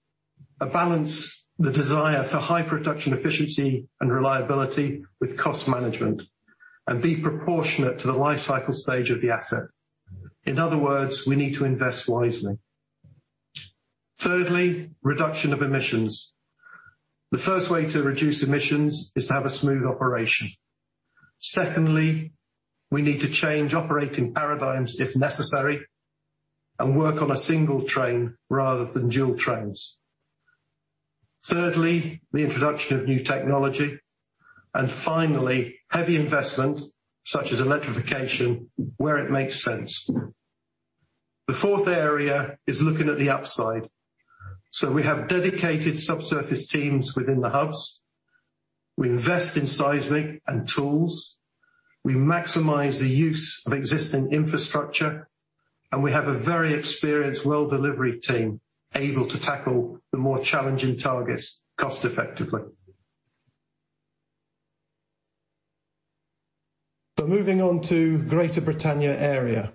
balance the desire for high production efficiency and reliability with cost management, and be proportionate to the lifecycle stage of the asset. In other words, we need to invest wisely. Thirdly, reduction of emissions. The first way to reduce emissions is to have a smooth operation. Secondly, we need to change operating paradigms, if necessary, and work on a single train rather than dual trains. Thirdly, the introduction of new technology. Finally, heavy investment, such as electrification, where it makes sense. The fourth area is looking at the upside. We have dedicated subsurface teams within the hubs. We invest in seismic and tools. We maximize the use of existing infrastructure, and we have a very experienced well-delivery team able to tackle the more challenging targets cost-effectively. Moving on to Greater Britannia Area.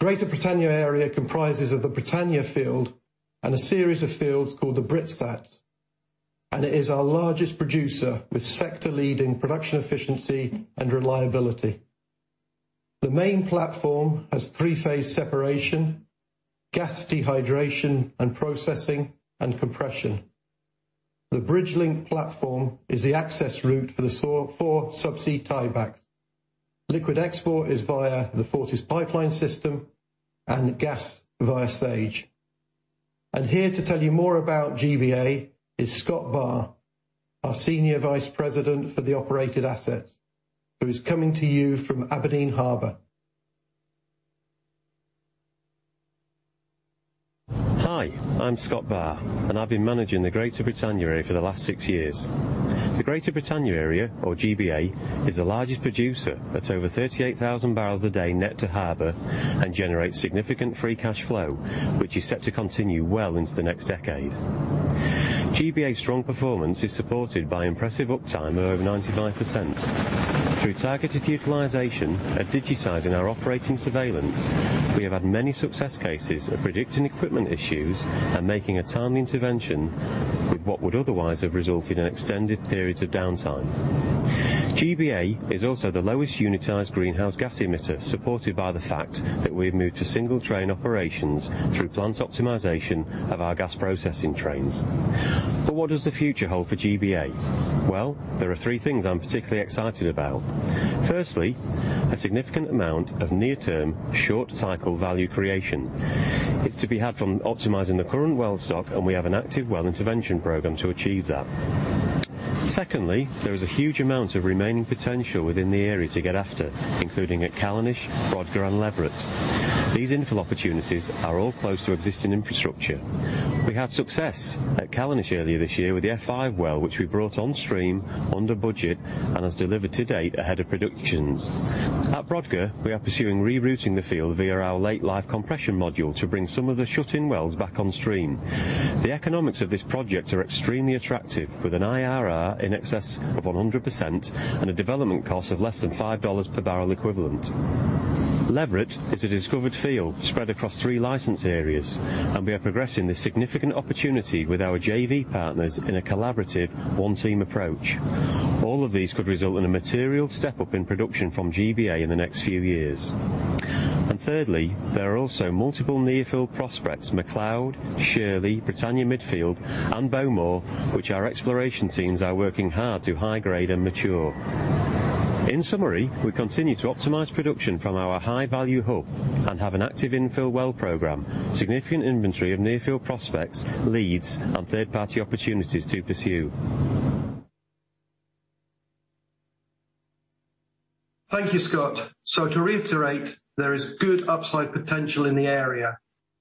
Greater Britannia Area comprises of the Britannia field and a series of fields called the BritSat. It is our largest producer with sector-leading production efficiency and reliability. The main platform has three-phase separation, gas dehydration and processing, and compression. The bridge link platform is the access route for the four subsea tiebacks. Liquid export is via the Forties Pipeline System and gas via SAGE. Here to tell you more about GBA is Scott Barr, our Senior Vice President for the operated assets, who's coming to you from Aberdeen Harbour. Hi, I'm Scott Barr, and I've been managing the Greater Britannia Area for the last six years. The Greater Britannia Area, or GBA, is the largest producer at over 38,000 bbl a day net to Harbour and generates significant free cash flow, which is set to continue well into the next decade. GBA's strong performance is supported by impressive uptime of over 95%. Through targeted utilization and digitizing our operating surveillance, we have had many success cases of predicting equipment issues and making a timely intervention with what would otherwise have resulted in extended periods of downtime. GBA is also the lowest unitized greenhouse gas emitter, supported by the fact that we've moved to single train operations through plant optimization of our gas processing trains. What does the future hold for GBA? Well, there are three things I'm particularly excited about. Firstly, a significant amount of near-term short cycle value creation. It's to be had from optimizing the current well stock, and we have an active well intervention program to achieve that. Secondly, there is a huge amount of remaining potential within the area to get after, including at Callanish, Brodgar, and Enochdhu. These infill opportunities are all close to existing infrastructure. We had success at Callanish earlier this year with the F5 well, which we brought on stream under budget and has delivered to date ahead of projections. At Brodgar, we are pursuing rerouting the field via our late-life compression module to bring some of the shut-in wells back on stream. The economics of this project are extremely attractive, with an IRR in excess of 100% and a development cost of less than $5 per barrel equivalent. Leveret is a discovered field spread across three license areas, and we are progressing this significant opportunity with our JV partners in a collaborative one-team approach. All of these could result in a material step-up in production from GBA in the next few years. Thirdly, there are also multiple near-field prospects, MacLeod, Shirley, Britannia Midfield, and Bowmore, which our exploration teams are working hard to high-grade and mature. In summary, we continue to optimize production from our high-value hub and have an active infill well program, significant inventory of near-field prospects, leads, and third-party opportunities to pursue. Thank you, Scott. To reiterate, there is good upside potential in the area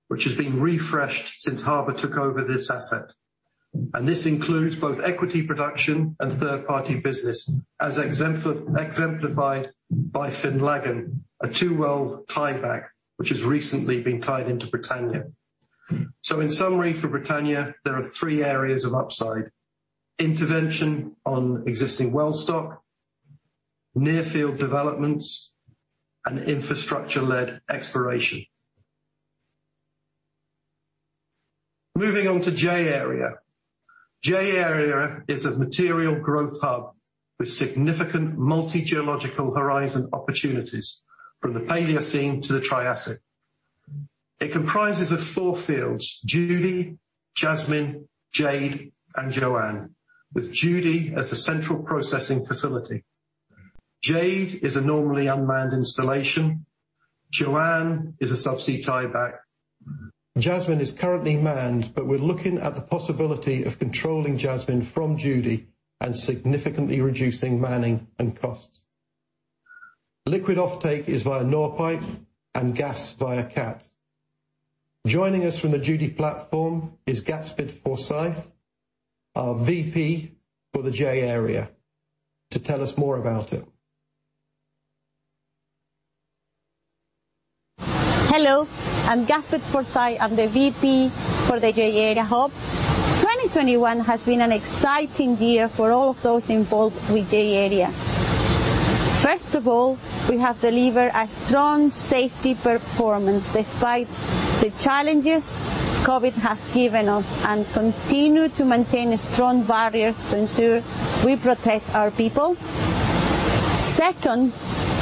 which has been refreshed since Harbour took over this asset. This includes both equity production and third-party business, as exemplified by Finlaggan, a two-well tieback which has recently been tied into Britannia. In summary, for Britannia, there are three areas of upside, intervention on existing well stock, near-field developments, and infrastructure-led exploration. Moving on to J-Area. J-Area is a material growth hub with significant multi-geological horizon opportunities from the Palaeocene to the Triassic. It comprises of four fields Judy, Jasmine, Jade, and Joanne, with Judy as the central processing facility. Jade is a normally unmanned installation. Joanne is a subsea tieback. Jasmine is currently manned, but we're looking at the possibility of controlling Jasmine from Judy and significantly reducing manning and costs. Liquid offtake is via Norpipe and gas via CATS. Joining us from the Judy platform is Gatsbyd Forsyth, our VP for the J-Area to tell us more about it. Hello, I'm Gatsbyd Forsyth. I'm the VP for the J-Area Hub. 2021 has been an exciting year for all of those involved with J-Area. First of all, we have delivered a strong safety performance despite the challenges COVID has given us and continue to maintain strong barriers to ensure we protect our people. Second,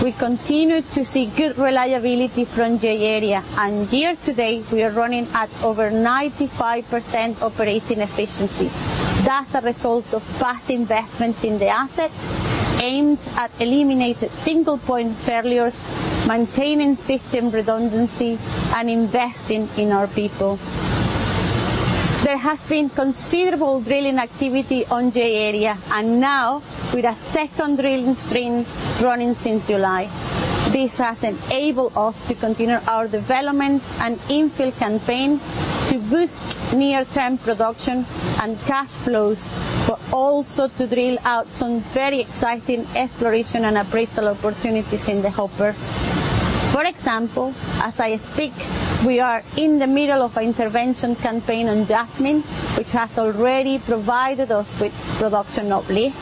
we continue to see good reliability from J-Area, and year to date, we are running at over 95% operating efficiency. That's a result of past investments in the asset aimed at eliminating single point failures, maintaining system redundancy, and investing in our people. There has been considerable drilling activity on J-Area and now with a second drilling stream running since July. This has enabled us to continue our development and infill campaign to boost near-term production and cash flows, but also to drill out some very exciting exploration and appraisal opportunities in the hopper. For example, as I speak, we are in the middle of an intervention campaign on Jasmine, which has already provided us with production uplift.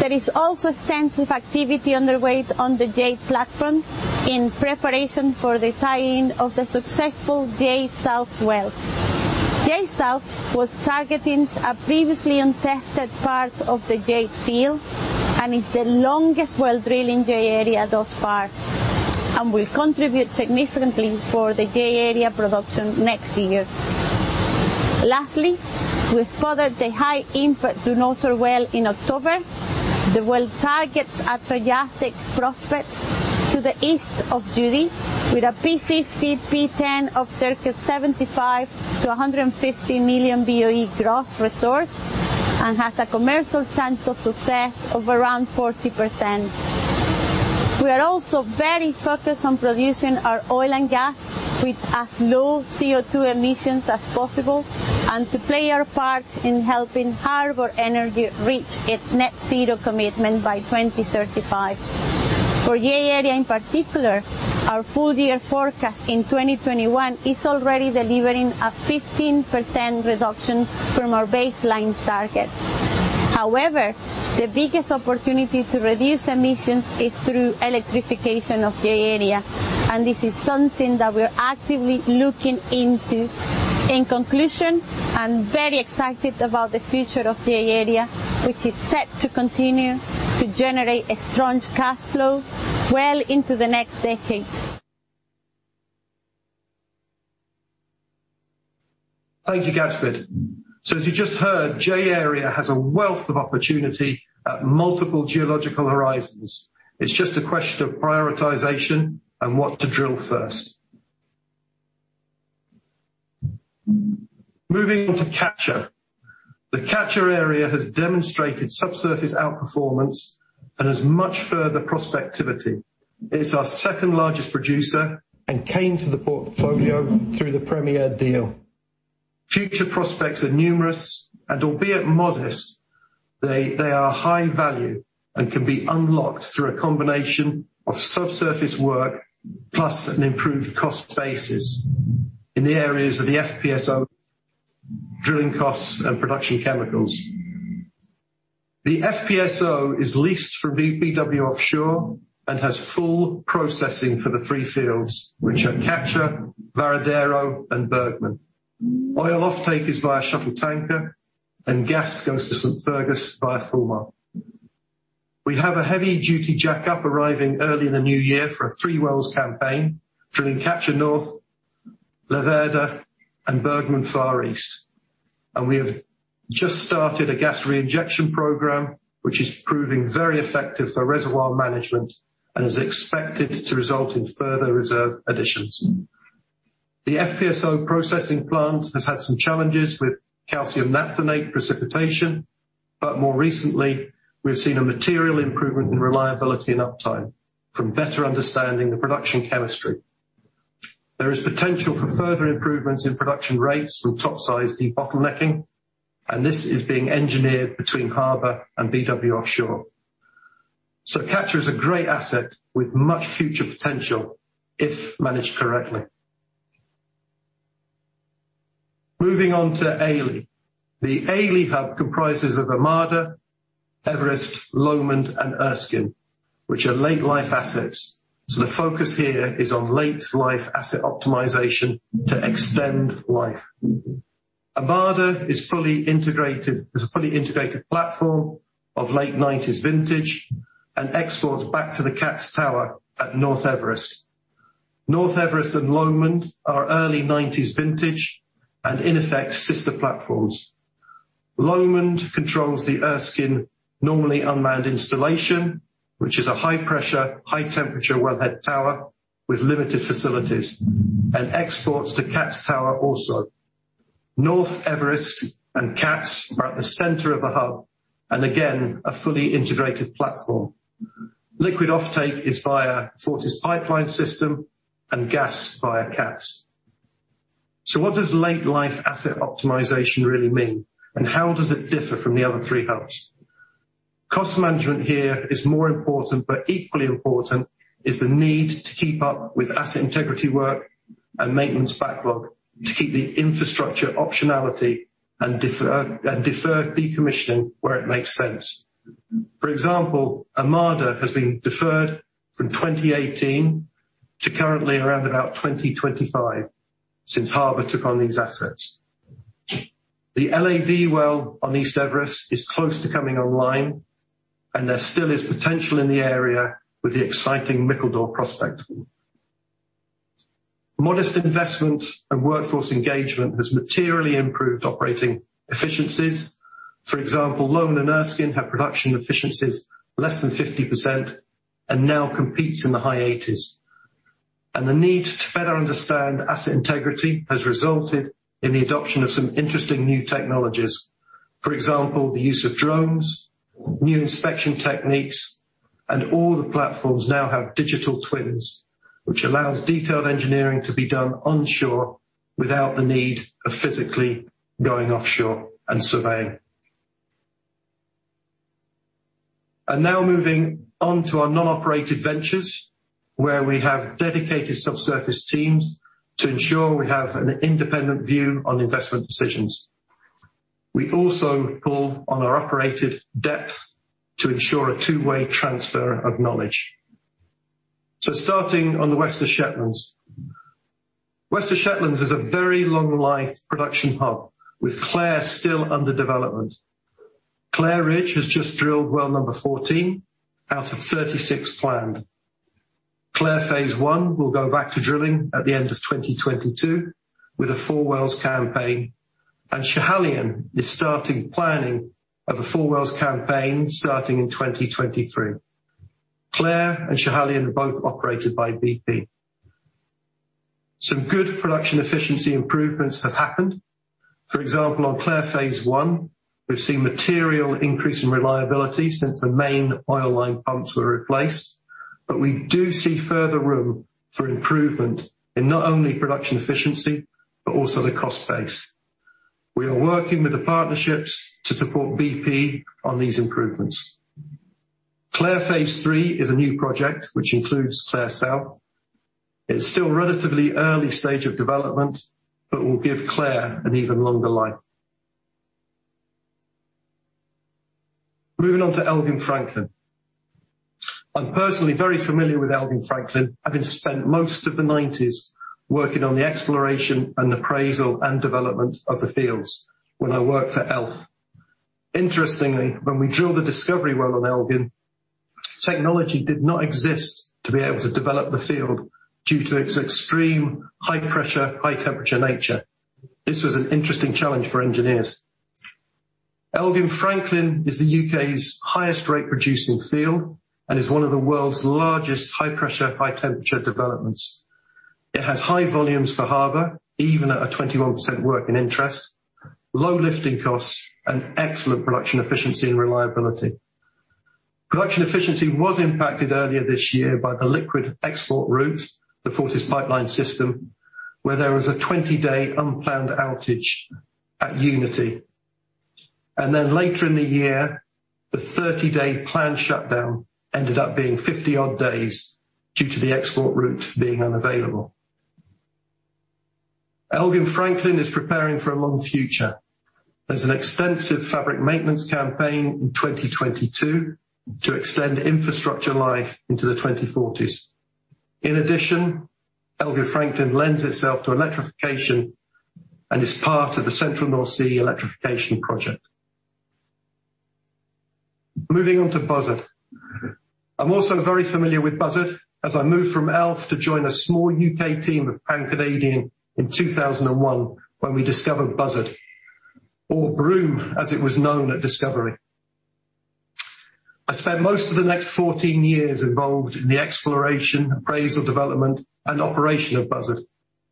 There is also extensive activity underway on the Jade platform in preparation for the tie-in of the successful J South well. J South was targeting a previously untested part of the Jade field and is the longest well drilled in J-Area thus far and will contribute significantly for the J-Area production next year. Lastly, we spudded the high-impact Northern well in October. The well targets a Triassic prospect to the east of Judy with a P50/P10 of circa 75 million-150 million BOE gross resource and has a commercial chance of success of around 40%. We are also very focused on producing our oil and gas with as low CO2 emissions as possible and to play our part in helping Harbour Energy reach its net zero commitment by 2035. For J-Area in particular, our full year forecast in 2021 is already delivering a 15% reduction from our baseline target. However, the biggest opportunity to reduce emissions is through electrification of J-Area, and this is something that we're actively looking into. In conclusion, I'm very excited about the future of J-Area, which is set to continue to generate a strong cash flow well into the next decade. Thank you, Gatsbyd. As you just heard, J-Area has a wealth of opportunity at multiple geological horizons. It's just a question of prioritization and what to drill first. Moving on to Catcher. The Catcher area has demonstrated subsurface outperformance and has much further prospectivity. It's our second-largest producer and came to the portfolio through the Premier deal. Future prospects are numerous, and albeit modest, they are high value and can be unlocked through a combination of subsurface work plus an improved cost basis in the areas of the FPSO, drilling costs, and production chemicals. The FPSO is leased from BW Offshore and has full processing for the three fields, which are Catcher, Varadero, and Burgman. Oil offtake is via shuttle tanker and gas goes to St. Fergus via Fulmar. We have a heavy-duty jackup arriving early in the new year for a three-well campaign, drilling Catcher North, Laverda and Burgman Far East. We have just started a gas reinjection program, which is proving very effective for reservoir management and is expected to result in further reserve additions. The FPSO processing plant has had some challenges with calcium naphthenate precipitation, but more recently we've seen a material improvement in reliability and uptime from better understanding the production chemistry. There is potential for further improvements in production rates from topside debottlenecking, and this is being engineered between Harbour and BW Offshore. Catcher is a great asset with much future potential if managed correctly. Moving on to Ailie. The AELE Hub comprises of Armada, Everest, Lomond and Erskine, which are late life assets. The focus here is on late life asset optimization to extend life. Armada is a fully integrated platform of late 1990s vintage and exports back to the CATS tower at North Everest. North Everest and Lomond are early 1990s vintage and in effect, sister platforms. Lomond controls the Erskine normally unmanned installation, which is a high pressure, high temperature wellhead tower with limited facilities and exports to CATS Tower also. North Everest and CATS are at the center of the hub and again, a fully integrated platform. Liquid offtake is via Forties pipeline system and gas via CATS. What does late life asset optimization really mean and how does it differ from the other three hubs? Cost management here is more important, but equally important is the need to keep up with asset integrity work and maintenance backlog to keep the infrastructure optionality and defer decommissioning where it makes sense. For example, Armada has been deferred from 2018 to currently around about 2025 since Harbour took on these assets. The LAD well on East Everest is close to coming online and there still is potential in the area with the exciting Mickledore prospect. Modest investment and workforce engagement has materially improved operating efficiencies. For example, Lomond and Erskine had production efficiencies less than 50% and now competes in the high 80%. The need to better understand asset integrity has resulted in the adoption of some interesting new technologies. For example, the use of drones, new inspection techniques and all the platforms now have digital twins, which allows detailed engineering to be done onshore without the need of physically going offshore and surveying. Now moving on to our non-operated ventures, where we have dedicated subsurface teams to ensure we have an independent view on investment decisions. We also call on our operated depth to ensure a two-way transfer of knowledge. Starting on the West of Shetlands. West of Shetlands is a very long life production hub, with Clair still under development. Clair Ridge has just drilled well number 14 out of 36 planned. Clair Phase 1 will go back to drilling at the end of 2022 with a four-well campaign, and Schiehallion is starting planning of a four-well campaign starting in 2023. Clair and Schiehallion are both operated by BP. Some good production efficiency improvements have happened. For example, on Clair Phase 1, we've seen material increase in reliability since the main oil line pumps were replaced. We do see further room for improvement in not only production efficiency but also the cost base. We are working with the partnerships to support BP on these improvements. Clair Phase 3 is a new project which includes Clair South. It's still relatively early stage of development but will give Clair an even longer life. Moving on to Elgin-Franklin. I'm personally very familiar with Elgin-Franklin, having spent most of the 90% working on the exploration and appraisal and development of the fields when I worked for Elf. Interestingly, when we drilled the discovery well on Elgin, technology did not exist to be able to develop the field due to its extreme high pressure, high temperature nature. This was an interesting challenge for engineers. Elgin-Franklin is the U.K.'s highest rate producing field and is one of the world's largest high pressure, high temperature developments. It has high volumes for Harbour, even at a 21% working interest, low lifting costs and excellent production efficiency and reliability. Production efficiency was impacted earlier this year by the liquid export route, the Forties Pipeline System, where there was a 20-day unplanned outage at Unity. Later in the year, the 30-day planned shutdown ended up being 50-odd days due to the export route being unavailable. Elgin-Franklin is preparing for a long future. There's an extensive fabric maintenance campaign in 2022 to extend infrastructure life into the 2040s. In addition, Elgin-Franklin lends itself to electrification and is part of the Central North Sea Electrification project. Moving on to Buzzard. I'm also very familiar with Buzzard as I moved from Elf to join a small U.K. team of PanCanadian in 2001 when we discovered Buzzard or Broom, as it was known at discovery. I spent most of the next 14 years involved in the exploration, appraisal, development, and operation of Buzzard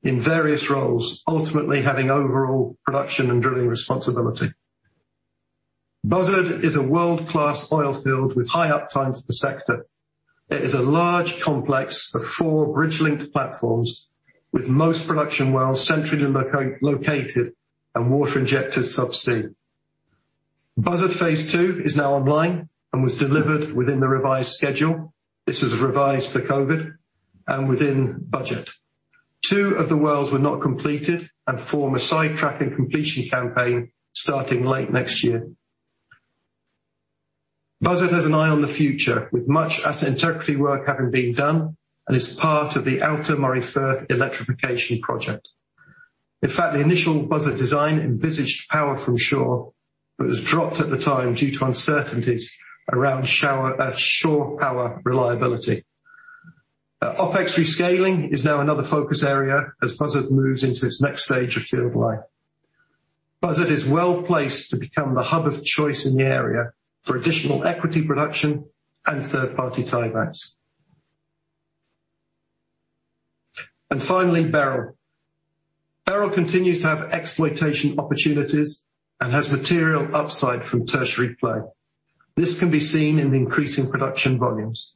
in various roles, ultimately having overall production and drilling responsibility. Buzzard is a world-class oil field with high uptime for the sector. It is a large complex of four bridge-linked platforms with most production wells centrally located and water injectors subsea. Buzzard phase two is now online and was delivered within the revised schedule. This was revised for COVID and within budget. Two of the wells were not completed and form a sidetrack and completion campaign starting late next year. Buzzard has an eye on the future with much asset integrity work having been done and is part of the Outer Moray Firth electrification project. In fact, the initial Buzzard design envisaged power from shore, but was dropped at the time due to uncertainties around shore power reliability. OpEx rescaling is now another focus area as Buzzard moves into its next stage of field life. Buzzard is well-placed to become the hub of choice in the area for additional equity production and third-party tie-backs. Finally, Beryl. Beryl continues to have exploitation opportunities and has material upside from tertiary play. This can be seen in the increasing production volumes.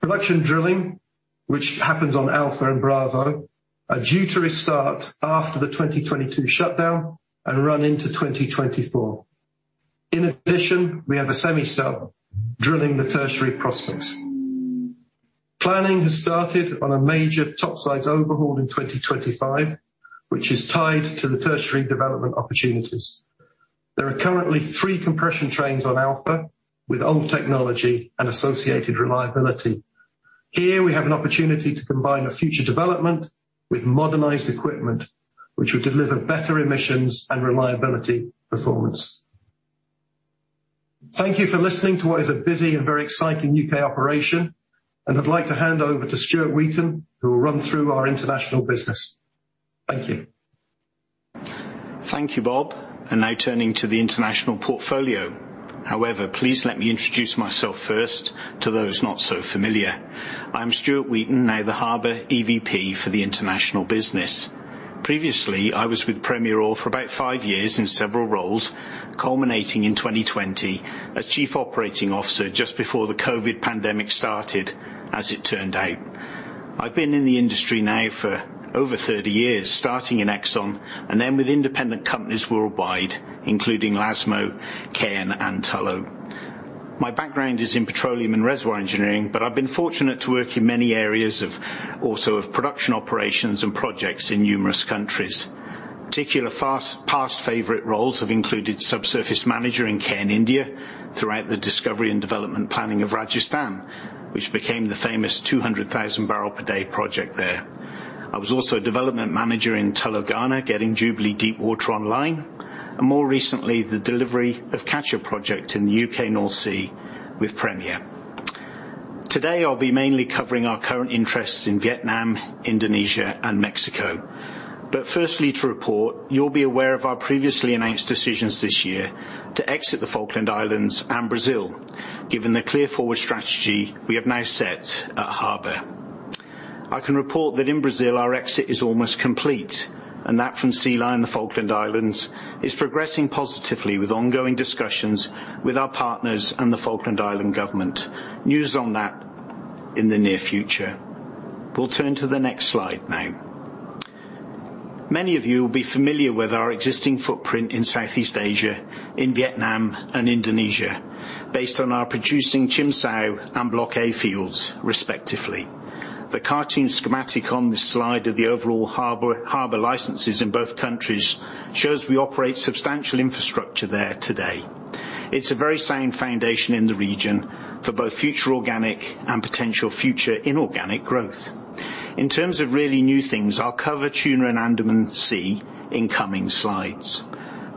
Production drilling, which happens on Alpha and Bravo, is due to restart after the 2022 shutdown and run into 2024. In addition, we have a semi sub drilling the tertiary prospects. Planning has started on a major topsides overhaul in 2025, which is tied to the tertiary development opportunities. There are currently three compression trains on Alpha with old technology and associated reliability. Here we have an opportunity to combine a future development with modernized equipment, which will deliver better emissions and reliability performance. Thank you for listening to what is a busy and very exciting U.K. operation, and I'd like to hand over to Stuart Wheaton, who will run through our international business. Thank you. Thank you, Bob. Now turning to the international portfolio. However, please let me introduce myself first to those not so familiar. I'm Stuart Wheaton, now the Harbour EVP for the international business. Previously, I was with Premier Oil for about five years in several roles, culminating in 2020 as Chief Operating Officer just before the COVID pandemic started, as it turned out. I've been in the industry now for over 30 years, starting in Exxon and then with independent companies worldwide, including Lasmo, Cairn, and Tullow. My background is in petroleum and reservoir engineering, but I've been fortunate to work in many areas of, also of production operations and projects in numerous countries. Particular past favorite roles have included subsurface manager in Cairn India throughout the discovery and development planning of Rajasthan, which became the famous 200,000 bpd project there. I was also a development manager in Tullow Ghana, getting Jubilee Deepwater online, and more recently, the delivery of Catcher project in the U.K. North Sea with Premier. Today, I'll be mainly covering our current interests in Vietnam, Indonesia, and Mexico. Firstly, to report, you'll be aware of our previously announced decisions this year to exit the Falkland Islands and Brazil, given the clear forward strategy we have now set at Harbour. I can report that in Brazil our exit is almost complete, and that from Sea Lion, the Falkland Islands, is progressing positively with ongoing discussions with our partners and the Falkland Islands government. News on that in the near future. We'll turn to the next slide now. Many of you will be familiar with our existing footprint in Southeast Asia, in Vietnam and Indonesia, based on our producing Chim Sao and Block A fields, respectively. The cartoon schematic on this slide of the overall Harbour licenses in both countries shows we operate substantial infrastructure there today. It's a very sound foundation in the region for both future organic and potential future inorganic growth. In terms of really new things, I'll cover Tuna and Andaman Sea in coming slides.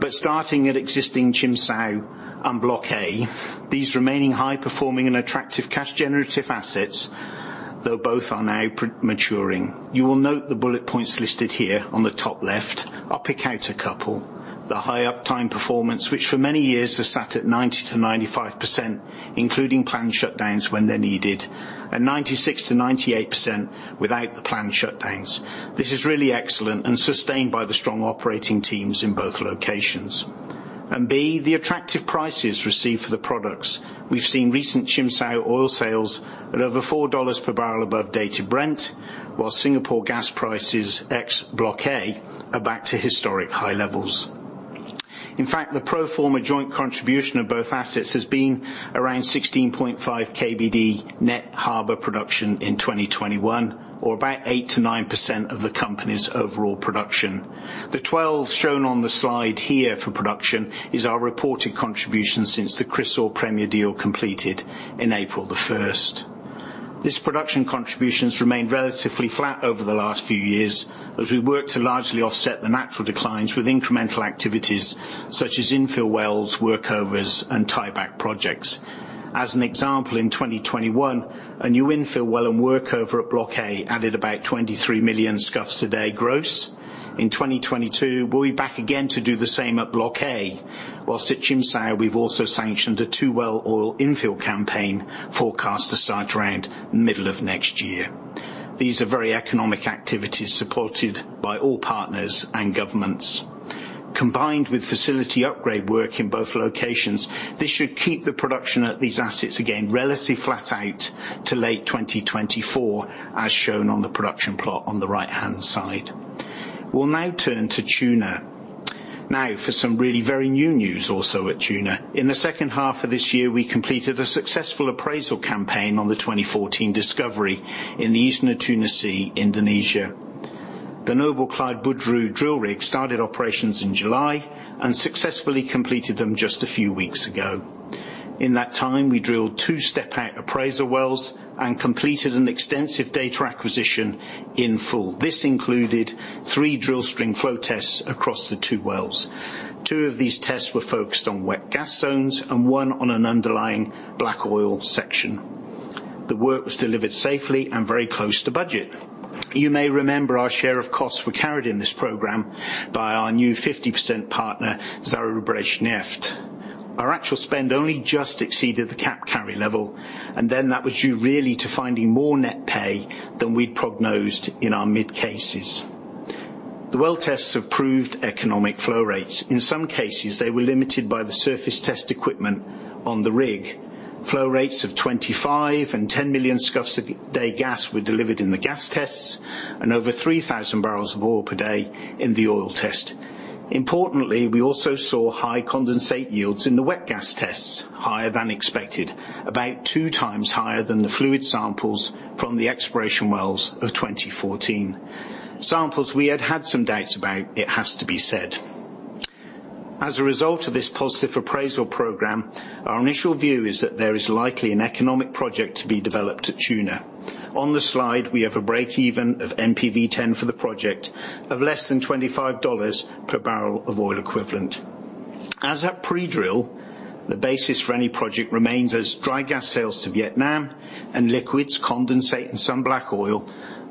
Starting at existing Chim Sao and Block A, these remaining high performing and attractive cash generative assets, though both are now pre-maturing. You will note the bullet points listed here on the top left. I'll pick out a couple. The high uptime performance, which for many years has sat at 90%-95%, including planned shutdowns when they're needed, and 96%-98% without the planned shutdowns. This is really excellent and sustained by the strong operating teams in both locations. B, the attractive prices received for the products. We've seen recent Chim Sao oil sales at over $4 per barrel above dated Brent, while Singapore gas prices ex Block A are back to historic high levels. In fact, the pro forma joint contribution of both assets has been around 16.5 kbd net Harbour production in 2021 or about 8%-9% of the company's overall production. The 12 shown on the slide here for production is our reported contribution since the Chrysaor Premier deal completed April 1. This production contributions remained relatively flat over the last few years as we work to largely offset the natural declines with incremental activities, such as infill wells, workovers, and tieback projects. As an example, in 2021, a new infill well and workover at Block A added about 23 million scf a day gross. In 2022, we'll be back again to do the same at Block A, while at Chim Sao, we've also sanctioned a two-well oil infill campaign forecast to start around middle of next year. These are very economic activities supported by all partners and governments. Combined with facility upgrade work in both locations, this should keep the production at these assets again, relatively flat out to late 2024, as shown on the production plot on the right-hand side. We'll now turn to Tuna. Now for some really very new news also at Tuna. In the second half of this year, we completed a successful appraisal campaign on the 2014 discovery in the East Natuna Sea, Indonesia. The Noble Clyde Boudreaux drill rig started operations in July and successfully completed them just a few weeks ago. In that time, we drilled two step out appraisal wells and completed an extensive data acquisition in full. This included three drill string flow tests across the two wells. Two of these tests were focused on wet gas zones and one on an underlying black oil section. The work was delivered safely and very close to budget. You may remember our share of costs were carried in this program by our new 50% partner, Zarubezhneft. Our actual spend only just exceeded the cap carry level, and then that was due really to finding more net pay than we'd prognosed in our mid cases. The well tests have proved economic flow rates. In some cases, they were limited by the surface test equipment on the rig. Flow rates of 25 and 10 million scf/d gas were delivered in the gas tests and over 3,000 bbl of oil per day in the oil test. Importantly, we also saw high condensate yields in the wet gas tests, higher than expected, about two times higher than the fluid samples from the exploration wells of 2014. Samples we had had some doubts about, it has to be said. As a result of this positive appraisal program, our initial view is that there is likely an economic project to be developed at Tuna. On the slide, we have a breakeven of NPV10 for the project of less than $25 per barrel of oil equivalent. As at pre-drill, the basis for any project remains as dry gas sales to Vietnam and liquids, condensate, and some black oil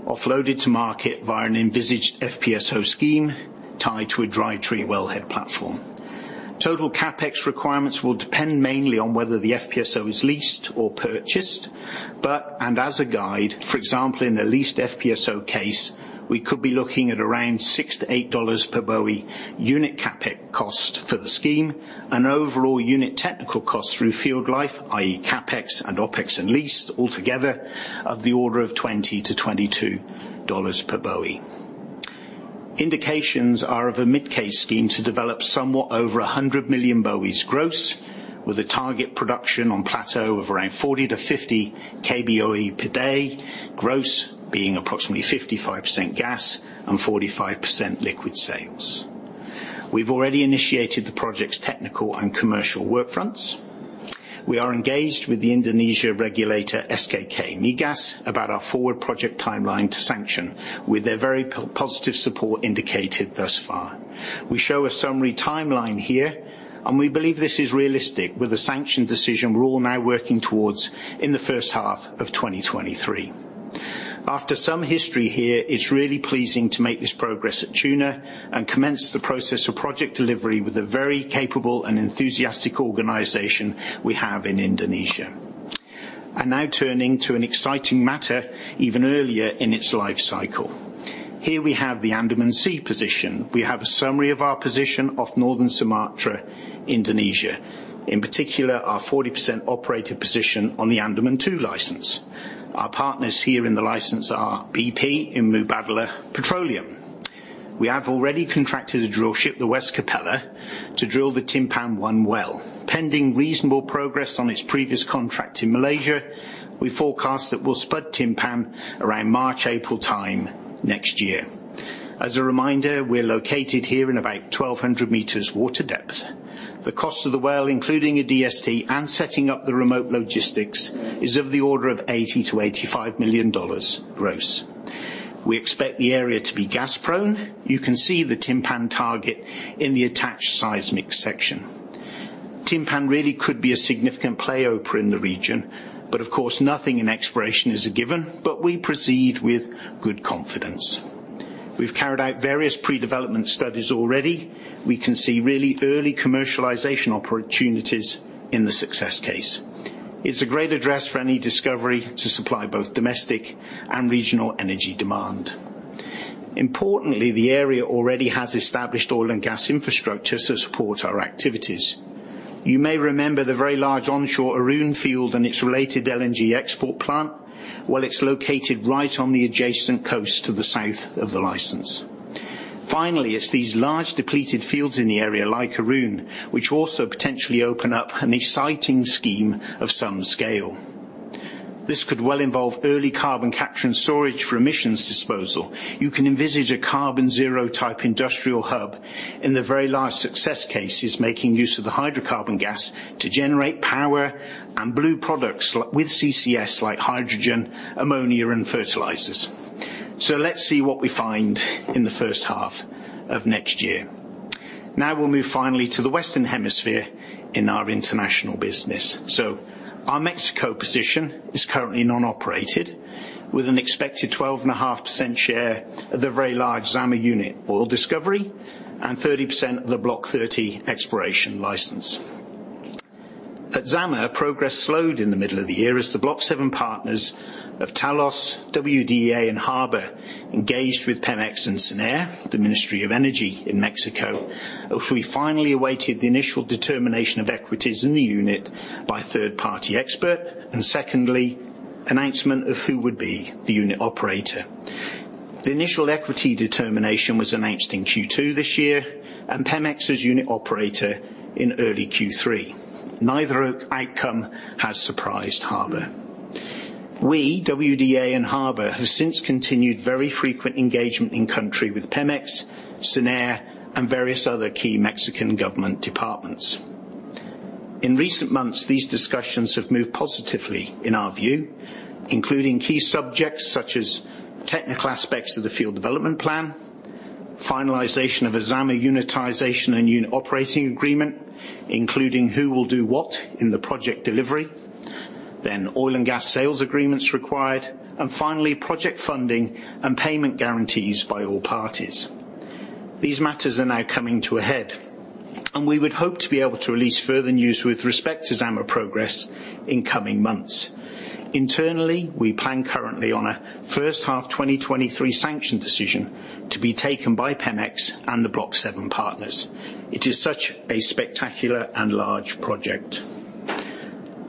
offloaded to market via an envisaged FPSO scheme tied to a dry tree wellhead platform. Total CapEx requirements will depend mainly on whether the FPSO is leased or purchased, but and as a guide, for example, in the leased FPSO case, we could be looking at around $6-$8 per BOE unit CapEx cost for the scheme, an overall unit technical cost through field life, i.e., CapEx and OpEx and leased altogether of the order of $20-$22 per BOE. Indications are of a mid-case scheme to develop somewhat over 100 million BOEs gross with a target production on plateau of around 40-50 kboepd, gross being approximately 55% gas and 45% liquid sales. We've already initiated the project's technical and commercial work fronts. We are engaged with the Indonesian regulator, SKK Migas, about our forward project timeline to sanction with their very positive support indicated thus far. We show a summary timeline here, and we believe this is realistic with the sanction decision we're all now working towards in the first half of 2023. After some history here, it's really pleasing to make this progress at Tuna and commence the process of project delivery with a very capable and enthusiastic organization we have in Indonesia. Now turning to an exciting matter even earlier in its life cycle. Here we have the Andaman Sea position. We have a summary of our position of Northern Sumatra, Indonesia, in particular, our 40% operator position on the Andaman II license. Our partners here in the license are BP and Mubadala Petroleum. We have already contracted a drill ship, the West Capella, to drill the Timpan one well. Pending reasonable progress on its previous contract in Malaysia, we forecast that we'll spud Timpan around March, April time next year. As a reminder, we're located here in about 1,200 meters water depth. The cost of the well, including a DST and setting up the remote logistics, is of the order of $80 million-$85 million gross. We expect the area to be gas-prone. You can see the Timpan target in the attached seismic section. Timpan really could be a significant play opener in the region, but of course, nothing in exploration is a given, but we proceed with good confidence. We've carried out various pre-development studies already. We can see really early commercialization opportunities in the success case. It's a great address for any discovery to supply both domestic and regional energy demand. Importantly, the area already has established oil and gas infrastructures to support our activities. You may remember the very large onshore Arun field and its related LNG export plant, well it's located right on the adjacent coast to the south of the license. Finally, it's these large depleted fields in the area like Arun, which also potentially open up an exciting scheme of some scale. This could well involve early carbon capture and storage for emissions disposal. You can envisage a carbon zero type industrial hub in the very large success cases, making use of the hydrocarbon gas to generate power and blue products with CCS like hydrogen, ammonia, and fertilizers. Let's see what we find in the first half of next year. Now we'll move finally to the Western Hemisphere in our international business. Our Mexico position is currently non-operated with an expected 12.5% share of the very large Zama unit oil discovery and 30% of the Block 30 exploration license. At Zama, progress slowed in the middle of the year as the Block 7 partners of Talos, WDA and Harbour engaged with Pemex and SENER, the Ministry of Energy in Mexico, before we finally awaited the initial determination of equities in the unit by third-party expert, and secondly, announcement of who would be the unit operator. The initial equity determination was announced in Q2 this year and Pemex as unit operator in early Q3. Neither outcome has surprised Harbour. We, WDA and Harbour, have since continued very frequent engagement in country with Pemex, SENER, and various other key Mexican government departments. In recent months, these discussions have moved positively in our view, including key subjects such as technical aspects of the field development plan, finalization of a Zama unitization and unit operating agreement, including who will do what in the project delivery, then oil and gas sales agreements required, and finally, project funding and payment guarantees by all parties. These matters are now coming to a head, and we would hope to be able to release further news with respect to Zama progress in coming months. Internally, we plan currently on a first half 2023 sanction decision to be taken by Pemex and the Block 7 partners. It is such a spectacular and large project.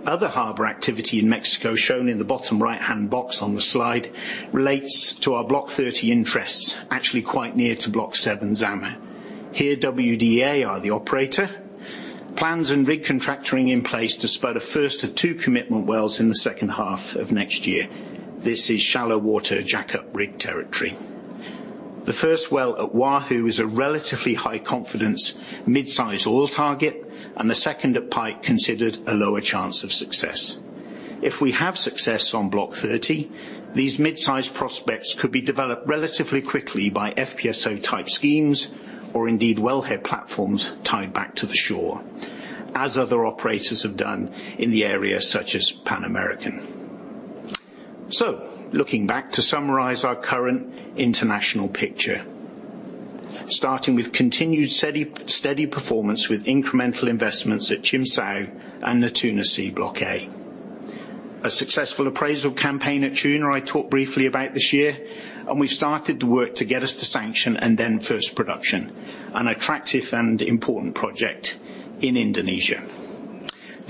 Other Harbour activity in Mexico, shown in the bottom right-hand box on the slide, relates to our Block 30 interests, actually quite near to Block 7, Zama. Here, WDA are the operator. Plans and rig contracting in place to spur the first of two commitment wells in the second half of next year. This is shallow water jackup rig territory. The first well at Wahoo is a relatively high confidence mid-size oil target, and the second at Pike considered a lower chance of success. If we have success on Block 30, these mid-size prospects could be developed relatively quickly by FPSO type schemes or indeed wellhead platforms tied back to the shore, as other operators have done in the area such as Pan American. Looking back, to summarize our current international picture, starting with continued steady performance with incremental investments at Chim Sao and the Tuna, Block A. A successful appraisal campaign at Tuna I talked briefly about this year, and we started the work to get us to sanction and then first production, an attractive and important project in Indonesia.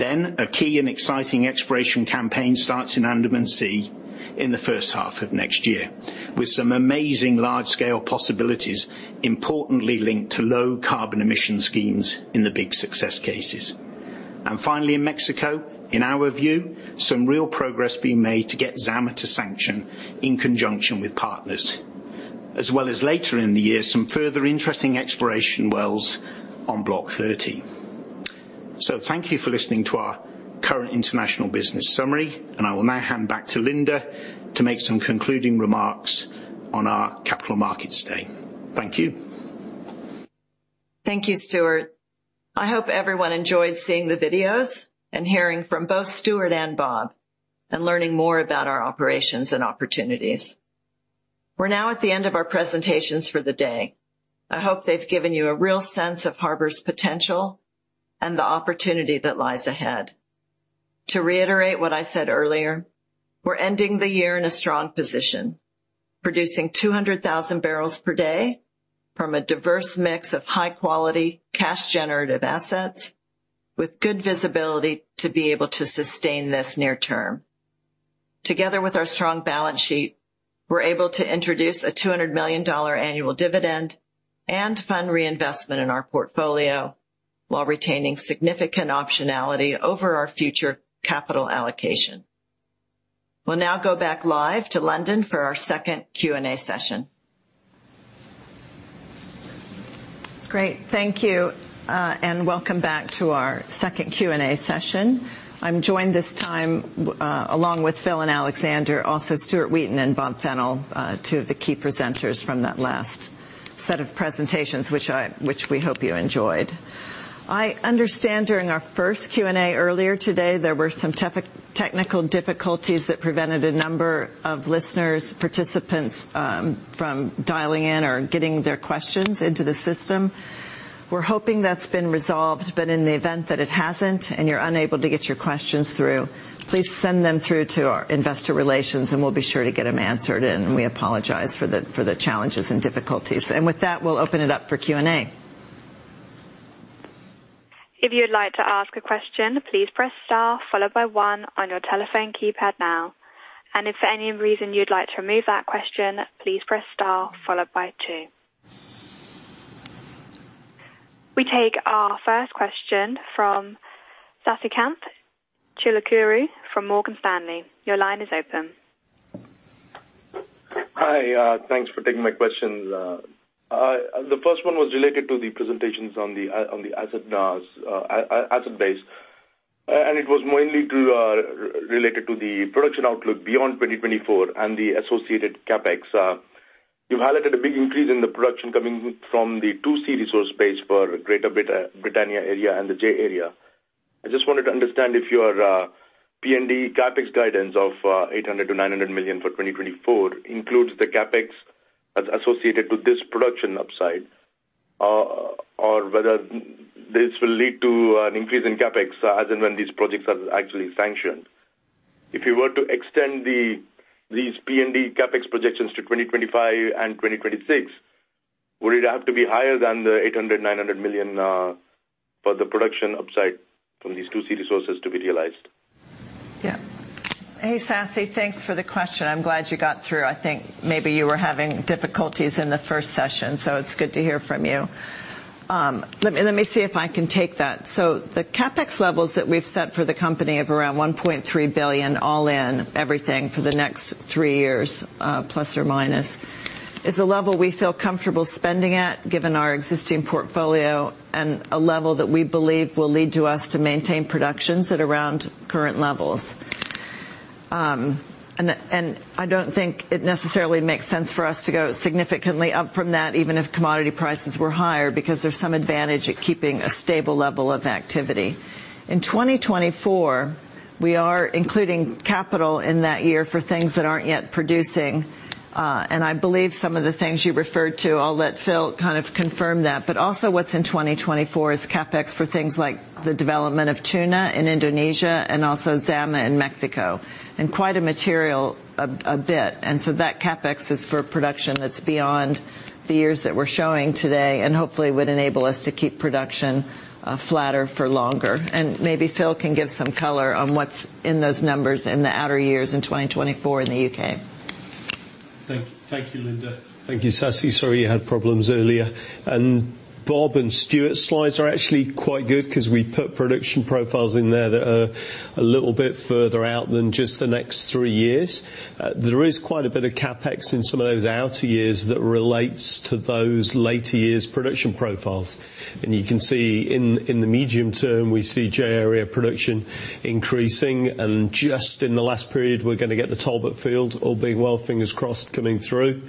A key and exciting exploration campaign starts in Andaman Sea in the first half of next year, with some amazing large-scale possibilities, importantly linked to low carbon emission schemes in the big success cases. Finally, in Mexico, in our view, some real progress being made to get Zama to sanction in conjunction with partners, as well as later in the year, some further interesting exploration wells on Block 30. Thank you for listening to our current international business summary, and I will now hand back to Linda to make some concluding remarks on our capital markets day. Thank you. Thank you, Stuart. I hope everyone enjoyed seeing the videos and hearing from both Stuart and Bob, and learning more about our operations and opportunities. We're now at the end of our presentations for the day. I hope they've given you a real sense of Harbour's potential and the opportunity that lies ahead. To reiterate what I said earlier, we're ending the year in a strong position, producing 200,000 bpd from a diverse mix of high quality cash generative assets with good visibility to be able to sustain this near term. Together with our strong balance sheet, we're able to introduce a $200 million annual dividend and fund reinvestment in our portfolio while retaining significant optionality over our future capital allocation. We'll now go back live to London for our second Q&A session. Great, thank you, and welcome back to our second Q&A session. I'm joined this time, along with Phil and Alexander, also Stuart Wheaton and Bob Fennell, two of the key presenters from that last set of presentations, which we hope you enjoyed. I understand during our first Q&A earlier today, there were some technical difficulties that prevented a number of listeners, participants, from dialing in or getting their questions into the system. We're hoping that's been resolved, but in the event that it hasn't and you're unable to get your questions through, please send them through to our investor relations, and we'll be sure to get them answered, and we apologize for the challenges and difficulties. With that, we'll open it up for Q&A. If you'd like to ask a question, please press star followed by one on your telephone keypad now. And if for any reason you'd like to remove that question, please press star followed by two. We take our first question from Sasikanth Chilukuru from Morgan Stanley. Your line is open. Hi, thanks for taking my questions. The first one was related to the presentations on the asset base. It was mainly related to the production outlook beyond 2024 and the associated CapEx. You highlighted a big increase in the production coming from the 2C resource base for Greater Britannia Area and the J-Area. I just wanted to understand if your P&D CapEx guidance of $800 million-$900 million for 2024 includes the CapEx associated to this production upside, or whether this will lead to an increase in CapEx as in when these projects are actually sanctioned. If you were to extend these P&D CapEx projections to 2025 and 2026, would it have to be higher than the $800 million-$900 million for the production upside from these 2C resources to be realized? Yeah. Hey, Sasi, thanks for the question. I'm glad you got through. I think maybe you were having difficulties in the first session, so it's good to hear from you. Let me see if I can take that. The CapEx levels that we've set for the company of around $1.3 billion all-in everything for the next three years, plus or minus, is a level we feel comfortable spending at given our existing portfolio and a level that we believe will lead to us to maintain productions at around current levels. I don't think it necessarily makes sense for us to go significantly up from that even if commodity prices were higher, because there's some advantage at keeping a stable level of activity. In 2024, we are including capital in that year for things that aren't yet producing, and I believe some of the things you referred to. I'll let Phil kind of confirm that. Also what's in 2024 is CapEx for things like the development of Tuna in Indonesia and also Zama in Mexico, and quite a material bit. That CapEx is for production that's beyond the years that we're showing today, and hopefully would enable us to keep production flatter for longer. Maybe Phil can give some color on what's in those numbers in the outer years in 2024 in the U.K. Thank you, Linda. Thank you, Sasi. Sorry you had problems earlier. Bob and Stuart's slides are actually quite good because we put production profiles in there that are a little bit further out than just the next three years. There is quite a bit of CapEx in some of those outer years that relates to those later years production profiles. You can see in the medium term, we see J-Area production increasing, and just in the last period, we're gonna get the Talbot Field, all being well, fingers crossed, coming through.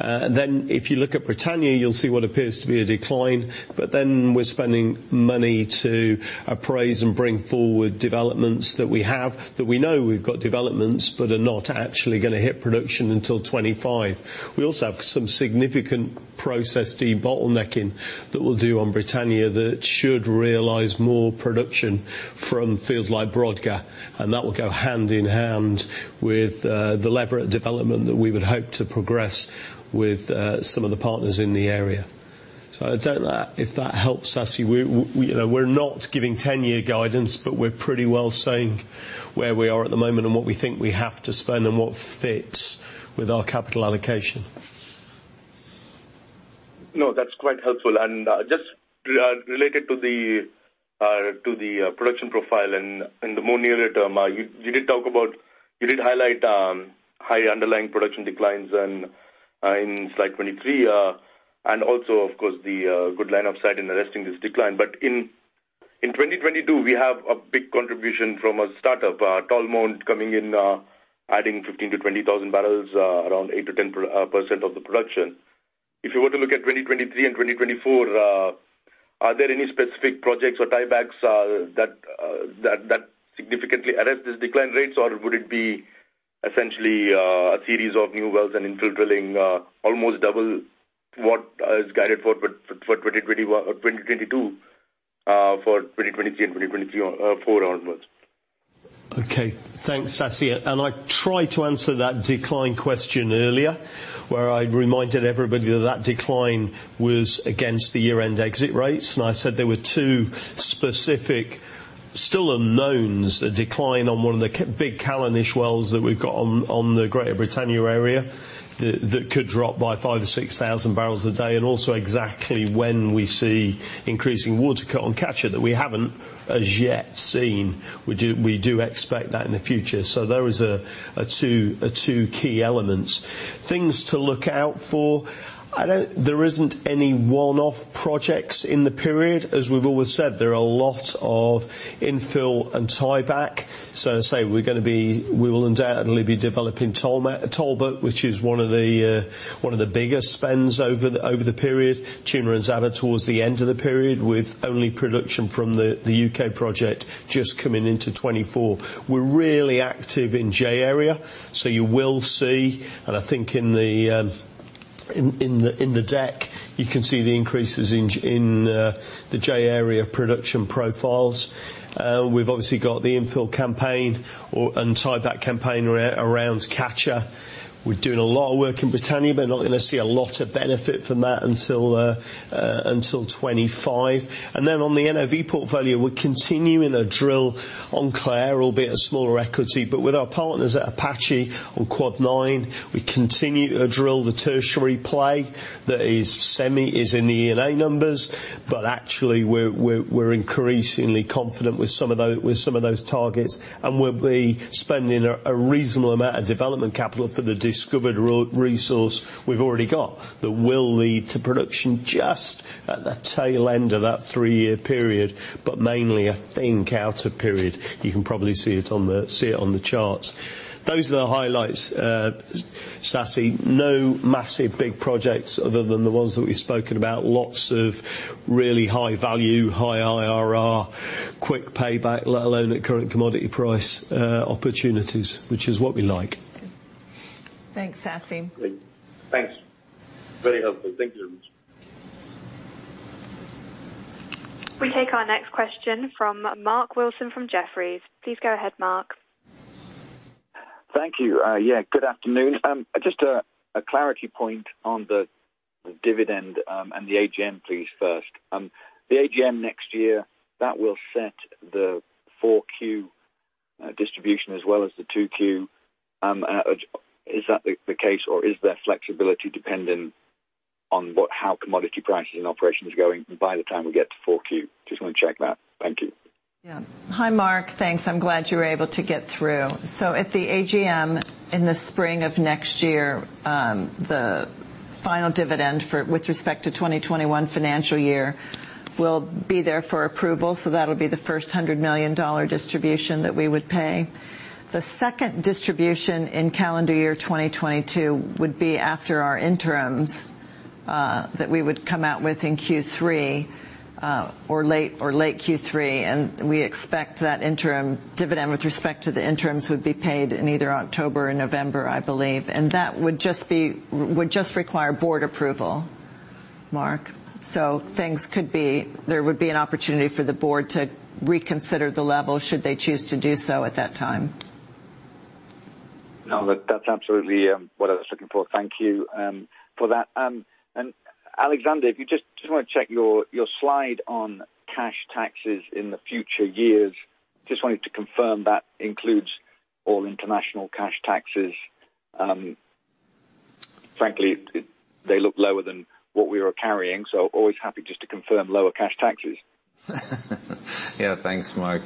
Then if you look at Britannia, you'll see what appears to be a decline, but then we're spending money to appraise and bring forward developments that we have, that we know we've got developments but are not actually gonna hit production until 2025. We also have some significant process de-bottlenecking that we'll do on Britannia that should realize more production from fields like Brodgar, and that will go hand in hand with the Leveret development that we would hope to progress with some of the partners in the area. I don't know if that helps, Sasi. We you know, we're not giving 10-year guidance, but we're pretty well saying where we are at the moment and what we think we have to spend and what fits with our capital allocation. No, that's quite helpful. Just related to the production profile and the more nearer term, you did highlight high underlying production declines and in Slide 23, and also of course the good line of sight in arresting this decline. In 2022, we have a big contribution from a startup, Tolmount coming in, adding 15,000-20,000 bbl, around 8%-10% of the production. If you were to look at 2023 and 2024, are there any specific projects or tiebacks that significantly arrest these decline rates? Would it be essentially a series of new wells and infill drilling, almost double what is guided for 2021 or 2022, for 2023 or 2024 onwards? Okay. Thanks, Sasi. I tried to answer that decline question earlier, where I reminded everybody that decline was against the year-end exit rates. I said there were two specific still unknowns, a decline on one of the big Callanish wells that we've got on the Greater Britannia Area that could drop by 5,000-6,000 bbl a day, and also exactly when we see increasing water cut on Catcher that we haven't as yet seen. We do expect that in the future. There is two key elements. Things to look out for. There isn't any one-off projects in the period. As we've always said, there are a lot of infill and tie-back. Say we will undoubtedly be developing Talbot, which is one of the biggest spends over the period. Tuna and Zama towards the end of the period, with only production from the U.K. project just coming into 2024. We're really active in J-Area, so you will see, and I think in the deck, you can see the increases in the J-Area production profiles. We've obviously got the infill campaign and tieback campaign around Catcher. We're doing a lot of work in Britannia, but not gonna see a lot of benefit from that until 2025. On the NOV portfolio, we're continuing to drill on Clair, albeit a smaller equity. With our partners at Apache on Quad 9, we continue to drill the tertiary play that is semi, is in the E&A numbers. Actually we're increasingly confident with some of those targets. We'll be spending a reasonable amount of development capital for the discovered resources we've already got that will lead to production just at the tail end of that three-year period. Mainly a think outer period. You can probably see it on the charts. Those are the highlights, Sasi. No massive big projects other than the ones that we've spoken about. Lots of really high value, high IRR, quick payback, let alone at current commodity price, opportunities, which is what we like. Thanks, Sasi. Great. Thanks. Very helpful. Thank you. We take our next question from Mark Wilson from Jefferies. Please go ahead, Mark. Thank you. Yeah, good afternoon. Just a clarity point on the dividend and the AGM please first. The AGM next year, that will set the 4Q distribution as well as the 2Q. Is that the case or is there flexibility depending on how commodity pricing and operations are going by the time we get to 4Q? Just wanna check that. Thank you. Yeah. Hi Mark, thanks. I'm glad you were able to get through. At the AGM in the spring of next year, the final dividend for, with respect to 2021 financial year will be there for approval. That'll be the first $100 million distribution that we would pay. The second distribution in calendar year 2022 would be after our interims, that we would come out with in Q3, or late Q3. We expect that interim dividend with respect to the interims would be paid in either October or November, I believe. That would just require board approval, Mark. Things could be, there would be an opportunity for the board to reconsider the level should they choose to do so at that time. No, that's absolutely what I was looking for. Thank you for that. Alexander, if you just wanna check your slide on cash taxes in the future years, just wanted to confirm that includes all international cash taxes. Frankly they look lower than what we were carrying, so always happy just to confirm lower cash taxes. Yeah. Thanks, Mark.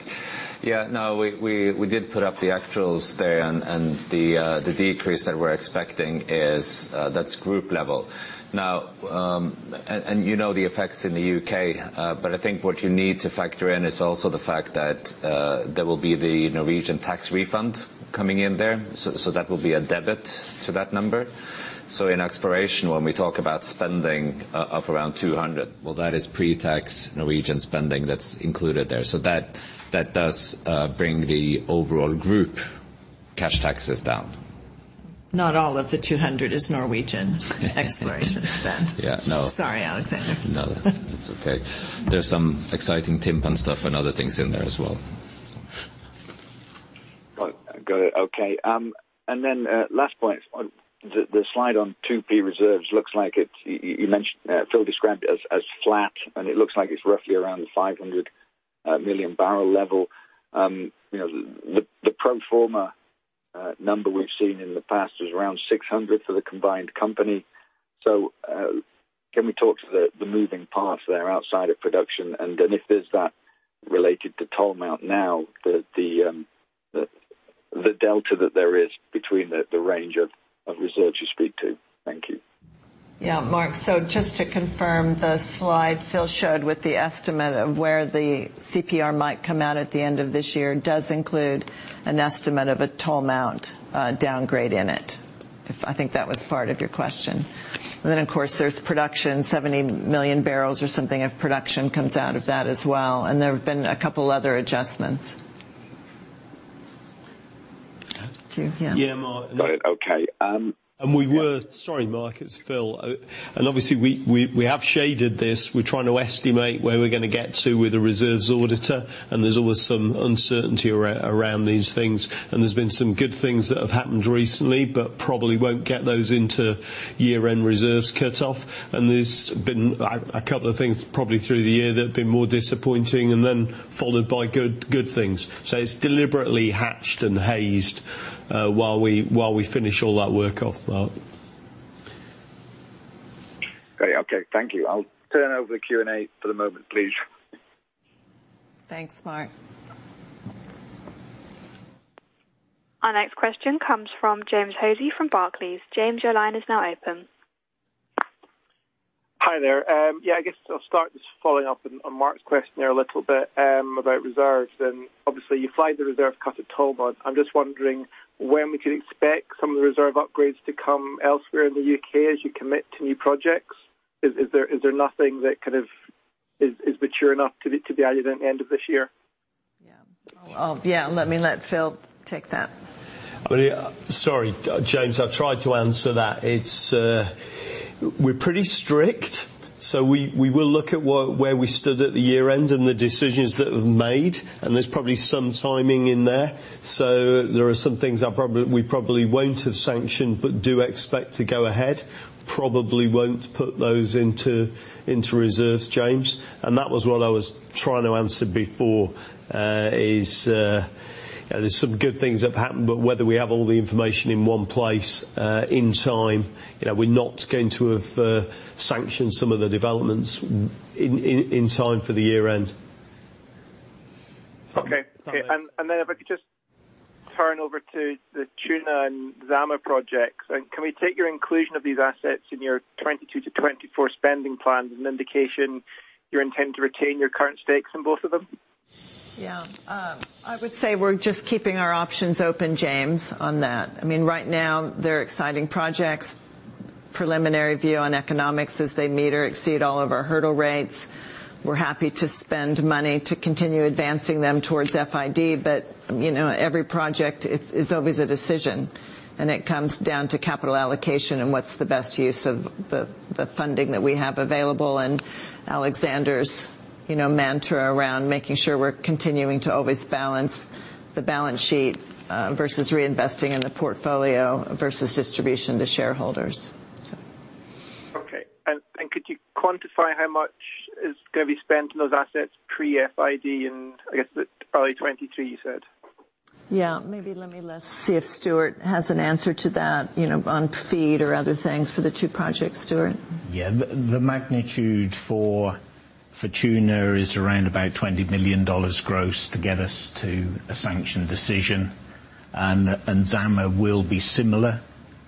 Yeah, no, we did put up the actuals there and the decrease that we're expecting is. That's group level. Now, you know the effects in the U.K., but I think what you need to factor in is also the fact that there will be the Norwegian tax refund coming in there. That will be a debit to that number. In exploration, when we talk about spending of around $200, well that is pre-tax Norwegian spending that's included there. That does bring the overall group cash taxes down. Not all of the $200 is Norwegian exploration spend. Yeah, no. Sorry, Alexander. No, that's okay. There's some exciting Timpan stuff and other things in there as well. Got it. Okay. Last point. The slide on 2P reserves looks like it's. You mentioned Phil described it as flat, and it looks like it's roughly around the 500 MMb level. You know, the pro forma number we've seen in the past was around 600 for the combined company. Can we talk to the moving parts there outside of production? Then if there's that related to Tolmount now, the delta that there is between the range of reserves you speak to. Thank you. Yeah, Mark. Just to confirm the slide Phil showed with the estimate of where the CPR might come out at the end of this year does include an estimate of a Tolmount downgrade in it. Yes, I think that was part of your question. Then of course there's production, 70 MMb or something of production comes out of that as well. There have been a couple other adjustments too. Yeah. Yeah, Mark. Got it. Okay. Sorry Mark, it's Phil. Obviously we have shaded this. We're trying to estimate where we're gonna get to with a reserves auditor, and there's always some uncertainty around these things. There's been some good things that have happened recently, but probably won't get those into year-end reserves cutoff. There's been a couple of things probably through the year that have been more disappointing and then followed by good things. It's deliberately hatched and hazed, while we finish all that work off, Mark. Okay. Thank you. I'll turn over the Q&A for the moment, please. Thanks Mark. Our next question comes from James Hosie from Barclays. James, your line is now open. Hi there. Yeah, I guess I'll start just following up on Mark's question there a little bit, about reserves. Obviously you flagged the reserve cut at Tolmount. I'm just wondering when we can expect some of the reserve upgrades to come elsewhere in the U.K. as you commit to new projects. Is there nothing that kind of is mature enough to be added at the end of this year? Oh, yeah. Let me let Phil take that. I mean, sorry, James, I tried to answer that. It's we're pretty strict, so we will look at where we stood at the year-end and the decisions that we've made, and there's probably some timing in there. There are some things we probably won't have sanctioned but do expect to go ahead. Probably won't put those into reserves, James. That was what I was trying to answer before, is that there's some good things have happened, but whether we have all the information in one place, in time. You know, we're not going to have sanctioned some of the developments in time for the year-end. Okay. Sorry. If I could just turn over to the Tuna and Zama projects. Can we take your inclusion of these assets in your 2022-2024 spending plans as an indication you intend to retain your current stakes in both of them? Yeah. I would say we're just keeping our options open, James, on that. I mean, right now they're exciting projects. Preliminary view on economics is they meet or exceed all of our hurdle rates. We're happy to spend money to continue advancing them towards FID, but, you know, every project is always a decision, and it comes down to capital allocation and what's the best use of the funding that we have available and Alexander's, you know, mantra around making sure we're continuing to always balance the balance sheet versus reinvesting in the portfolio versus distribution to shareholders so. Okay. Could you quantify how much is gonna be spent on those assets pre-FID in, I guess, probably 2023 you said? Yeah. Maybe let me see if Stuart has an answer to that, you know, on FID or other things for the two projects. Stuart? Yeah. The magnitude for Tuna is around about $20 million gross to get us to a sanctioned decision. Zama will be similar.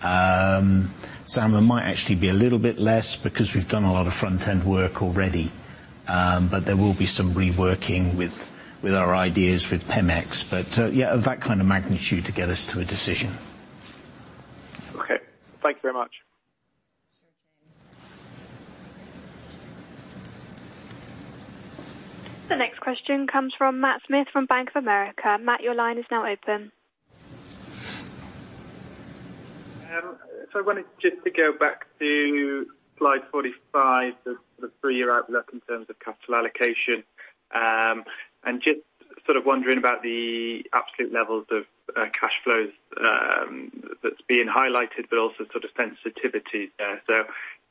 Zama might actually be a little bit less because we've done a lot of front-end work already. There will be some reworking with our ideas with Pemex. Yeah, of that kind of magnitude to get us to a decision. Okay. Thank you very much. Sure, James. The next question comes from Matt Smith from Bank of America. Matt, your line is now open. I wanted just to go back to Slide 45, the three-year outlook in terms of capital allocation. Just sort of wondering about the absolute levels of cash flows that's being highlighted, but also sort of sensitivity there.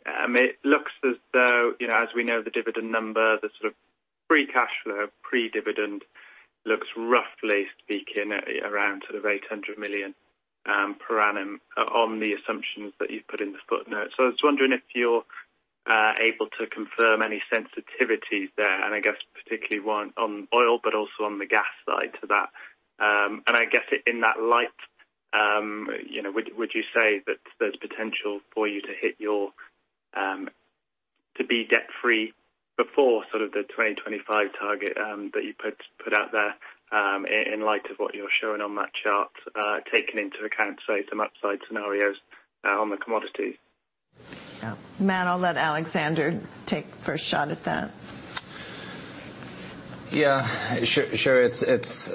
I mean, it looks as though, you know, as we know the dividend number, the sort of free cash flow pre-dividend looks roughly speaking around sort of $800 million per annum on the assumptions that you've put in the footnote. I was wondering if you're able to confirm any sensitivities there, and I guess particularly one on oil but also on the gas side to that. In that light, you know, would you say that there's potential for you to hit your to be debt free before sort of the 2025 target that you put out there, in light of what you're showing on that chart, taking into account, say, some upside scenarios on the commodities? Yeah. Matt, I'll let Alexander take first shot at that. Sure. It's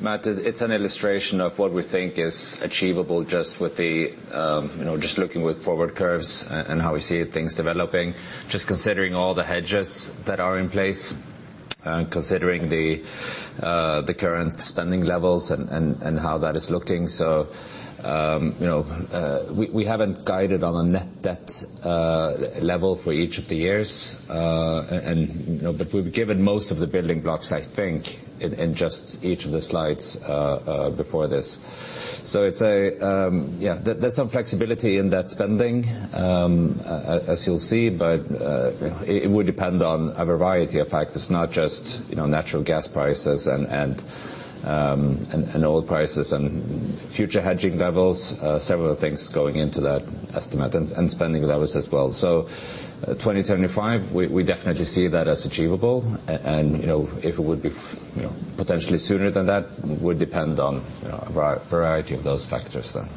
Matt, it's an illustration of what we think is achievable just with the you know just looking with forward curves and how we see things developing. Just considering all the hedges that are in place and considering the current spending levels and how that is looking. We haven't guided on a net debt level for each of the years. You know, but we've given most of the building blocks I think in just each of the slides before this. It's a yeah, there's some flexibility in that spending as you'll see, but it would depend on a variety of factors, not just you know natural gas prices and oil prices and future hedging levels. Several things going into that estimate and spending levels as well. 2025, we definitely see that as achievable. You know, if it would be, you know, potentially sooner than that would depend on, you know, a variety of those factors then.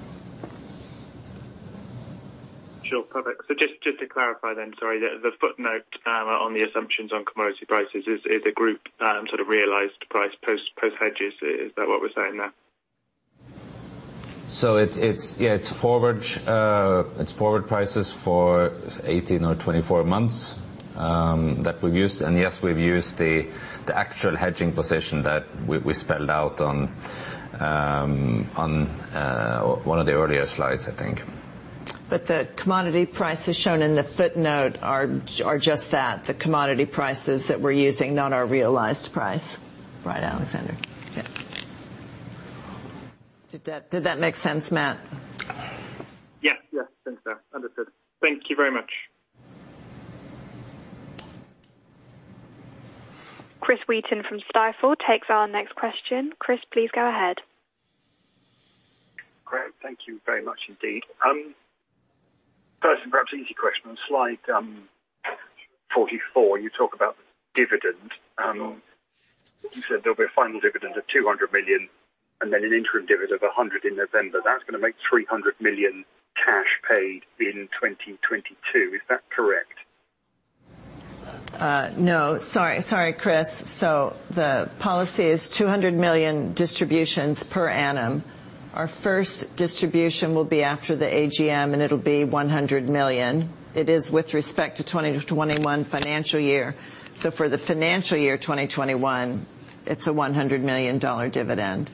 Sure. Perfect. Just to clarify then, sorry. The footnote on the assumptions on commodity prices is a group sort of realized price post hedges. Is that what we're saying there? It's forward prices for 18 or 24 months that we've used. Yes, we've used the actual hedging position that we spelled out on one of the earlier slides, I think. The commodity prices shown in the footnote are just that, the commodity prices that we're using, not our realized price. Right, Alexander? Yeah. Did that make sense, Matt? Yes. Yes. Thanks. Understood. Thank you very much. Chris Wheaton from Stifel takes our next question. Chris, please go ahead. Great. Thank you very much indeed. First and perhaps easy question. On Slide 44 you talk about dividend. You said there'll be a final dividend of $200 million and then an interim dividend of $100 in November. That's gonna make $300 million cash paid in 2022. Is that correct? No. Sorry, sorry, Chris. The policy is $200 million distributions per annum. Our first distribution will be after the AGM, and it'll be $100 million. It is with respect to 2020-2021 financial year. For the financial year 2021, it's a $100 million dividend.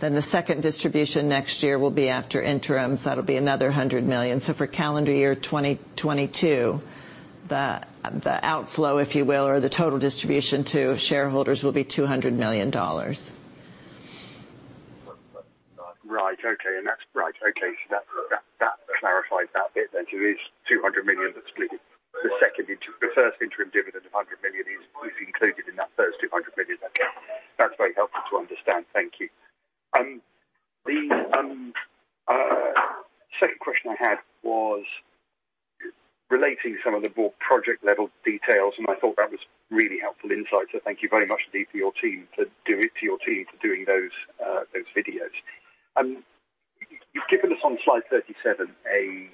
Then the second distribution next year will be after interims. That'll be another $100 million. For calendar year 2022, the outflow, if you will, or the total distribution to shareholders will be $200 million. Right. Okay, that's right. Okay. That clarifies that bit then. It is $200 million that's split. The first interim dividend of $100 million is included in that first $200 million. Okay. That's very helpful to understand. Thank you. The second question I had was relating some of the more project-level details, and I thought that was really helpful insight. Thank you very much indeed to your team for doing those videos. You've given us on Slide 37 a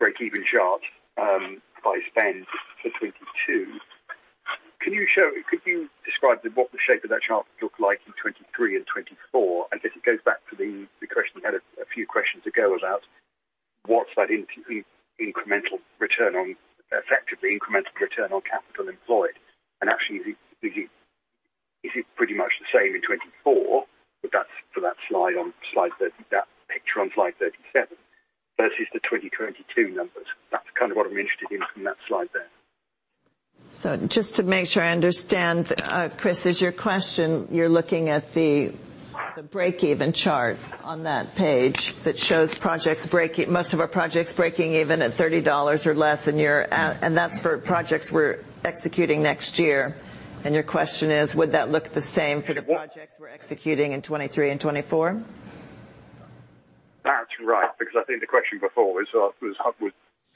breakeven chart by spend for 2022. Could you describe what the shape of that chart look like in 2023 and 2024? If it goes back to the question you had a few questions ago about what's that incremental return on, effectively incremental return on capital employed. Actually is it pretty much the same in 2024? That's for that slide on Slide 30. That picture on Slide 37 versus the 2022 numbers. That's kind of what I'm interested in from that slide there. Just to make sure I understand, Chris, is your question, you're looking at the breakeven chart on that page that shows most of our projects breaking even at $30 or less, and that's for projects we're executing next year. Your question is, would that look the same for the projects we're executing in 2023 and 2024? That's right, because I think the question before was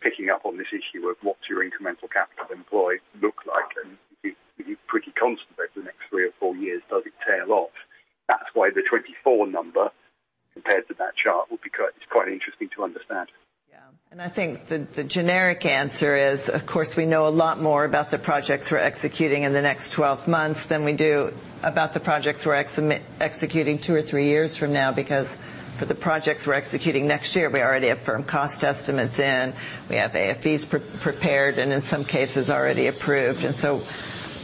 picking up on this issue of what's your incremental capital employed look like, and is it pretty constant over the next three or four years? Does it tail off? That's why the 24 number compared to that chart would be quite interesting to understand. Yeah. I think the generic answer is, of course, we know a lot more about the projects we're executing in the next 12 months than we do about the projects we're executing two or three years from now. Because for the projects we're executing next year, we already have firm cost estimates in, we have AFEs prepared and in some cases already approved.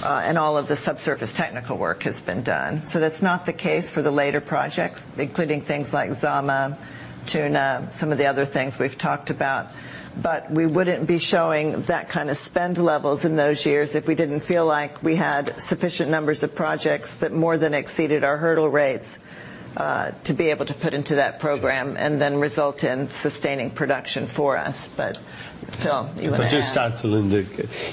All of the subsurface technical work has been done. That's not the case for the later projects, including things like Zama, Tuna, some of the other things we've talked about. We wouldn't be showing that kind of spend levels in those years if we didn't feel like we had sufficient numbers of projects that more than exceeded our hurdle rates, to be able to put into that program and then result in sustaining production for us. Phil, you wanna add? If I just add to Linda.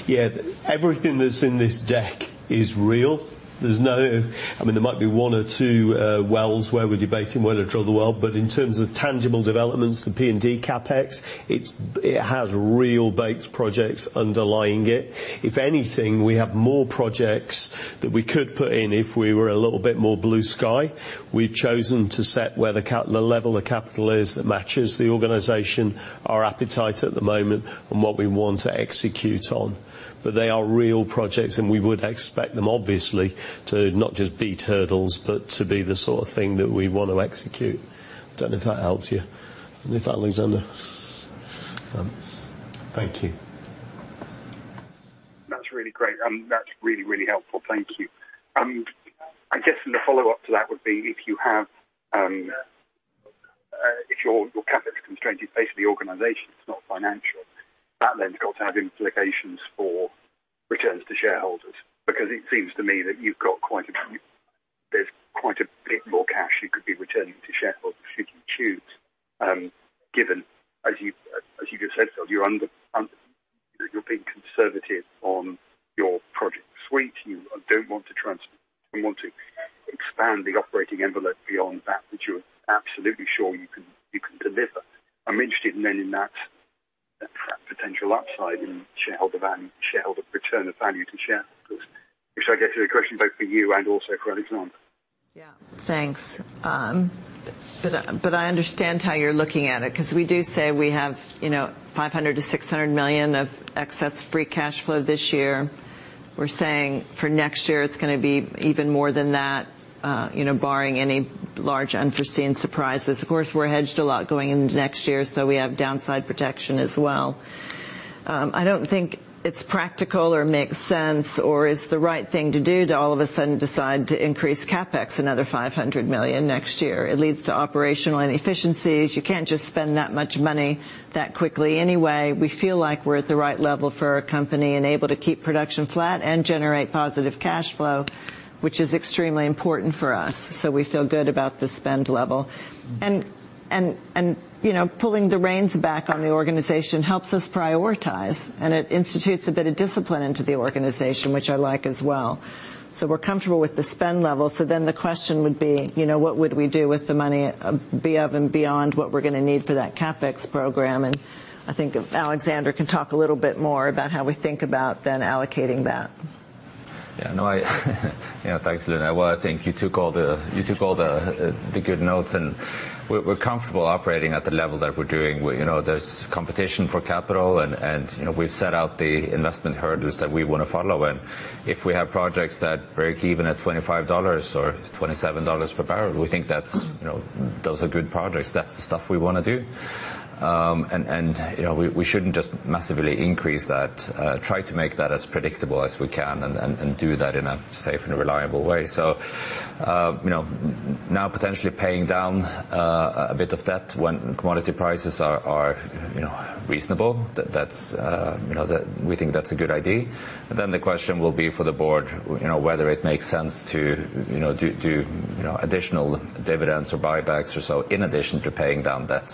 Yeah. Everything that's in this deck is real. There's no I mean, there might be one or two wells where we're debating whether to drill the well, but in terms of tangible developments, the P&D CapEx, it has real baked projects underlying it. If anything, we have more projects that we could put in if we were a little bit more blue sky. We've chosen to set where the level of capital is that matches the organization, our appetite at the moment, and what we want to execute on. They are real projects, and we would expect them obviously to not just beat hurdles, but to be the sort of thing that we want to execute. I don't know if that helps you. With that, Alexander. Thank you. That's really great. That's really, really helpful. Thank you. I guess then the follow-up to that would be if you have, if your capital constraint is basically organization, it's not financial, that then has got to have implications for returns to shareholders. Because it seems to me that you've got quite a bit more cash you could be returning to shareholders should you choose, given, as you just said, Phil, you're being conservative on your project suite. You don't want to expand the operating envelope beyond that which you're absolutely sure you can deliver. I'm interested then in that potential upside in shareholder value, shareholder return of value to shareholders. Which I guess is a question both for you and also for Alexander. Yeah. Thanks. But I understand how you're looking at it. 'Cause we do say we have, you know, $500 million-$600 million of excess free cash flow this year. We're saying for next year it's gonna be even more than that, you know, barring any large unforeseen surprises. Of course, we're hedged a lot going into next year, so we have downside protection as well. I don't think it's practical or makes sense or is the right thing to do to all of a sudden decide to increase CapEx another $500 million next year. It leads to operational inefficiencies. You can't just spend that much money that quickly anyway. We feel like we're at the right level for our company and able to keep production flat and generate positive cash flow, which is extremely important for us. We feel good about the spend level. You know, pulling the reins back on the organization helps us prioritize, and it institutes a bit of discipline into the organization, which I like as well. We're comfortable with the spend level. The question would be, you know, what would we do with the money beyond what we're gonna need for that CapEx program? I think Alexander can talk a little bit more about how we think about then allocating that. Yeah, thanks, Linda Cook. Well, I think you took all the good notes, and we're comfortable operating at the level that we're doing. You know, there's competition for capital, and you know, we've set out the investment hurdles that we wanna follow. If we have projects that break even at $25 or $27 per barrel, we think that's, you know, those are good projects. That's the stuff we wanna do. You know, we shouldn't just massively increase that, try to make that as predictable as we can and do that in a safe and reliable way. Now potentially paying down a bit of debt when commodity prices are you know reasonable, that's you know that we think that's a good idea. The question will be for the board you know whether it makes sense to you know do you know additional dividends or buybacks or so in addition to paying down debt.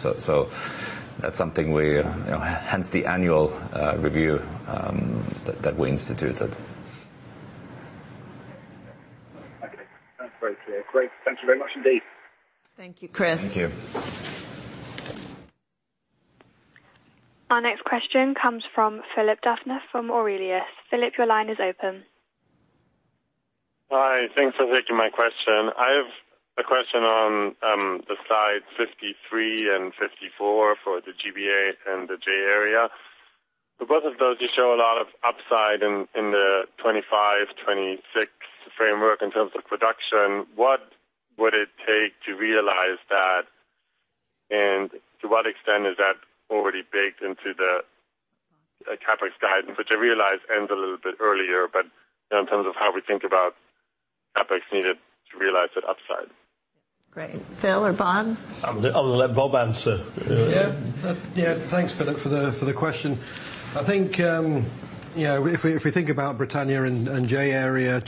That's something we you know hence the annual review that we instituted. Okay. That's very clear. Great. Thank you very much indeed. Thank you, Chris. Thank you. Our next question comes from Philipp Duffner from Aurelius. Philipp, your line is open. Hi. Thanks for taking my question. I have a question on the Slide 53 and 54 for the GBA and the J-Area. For both of those, you show a lot of upside in the 2025, 2026 framework in terms of production. What would it take to realize that? And to what extent is that already baked into the CapEx guidance, which I realize ends a little bit earlier, but you know, in terms of how we think about CapEx needed to realize that upside. Great. Phil or Bob? I'm gonna let Bob answer. Thanks, Philipp, for the question. I think you know, if we think about Britannia and J-Area,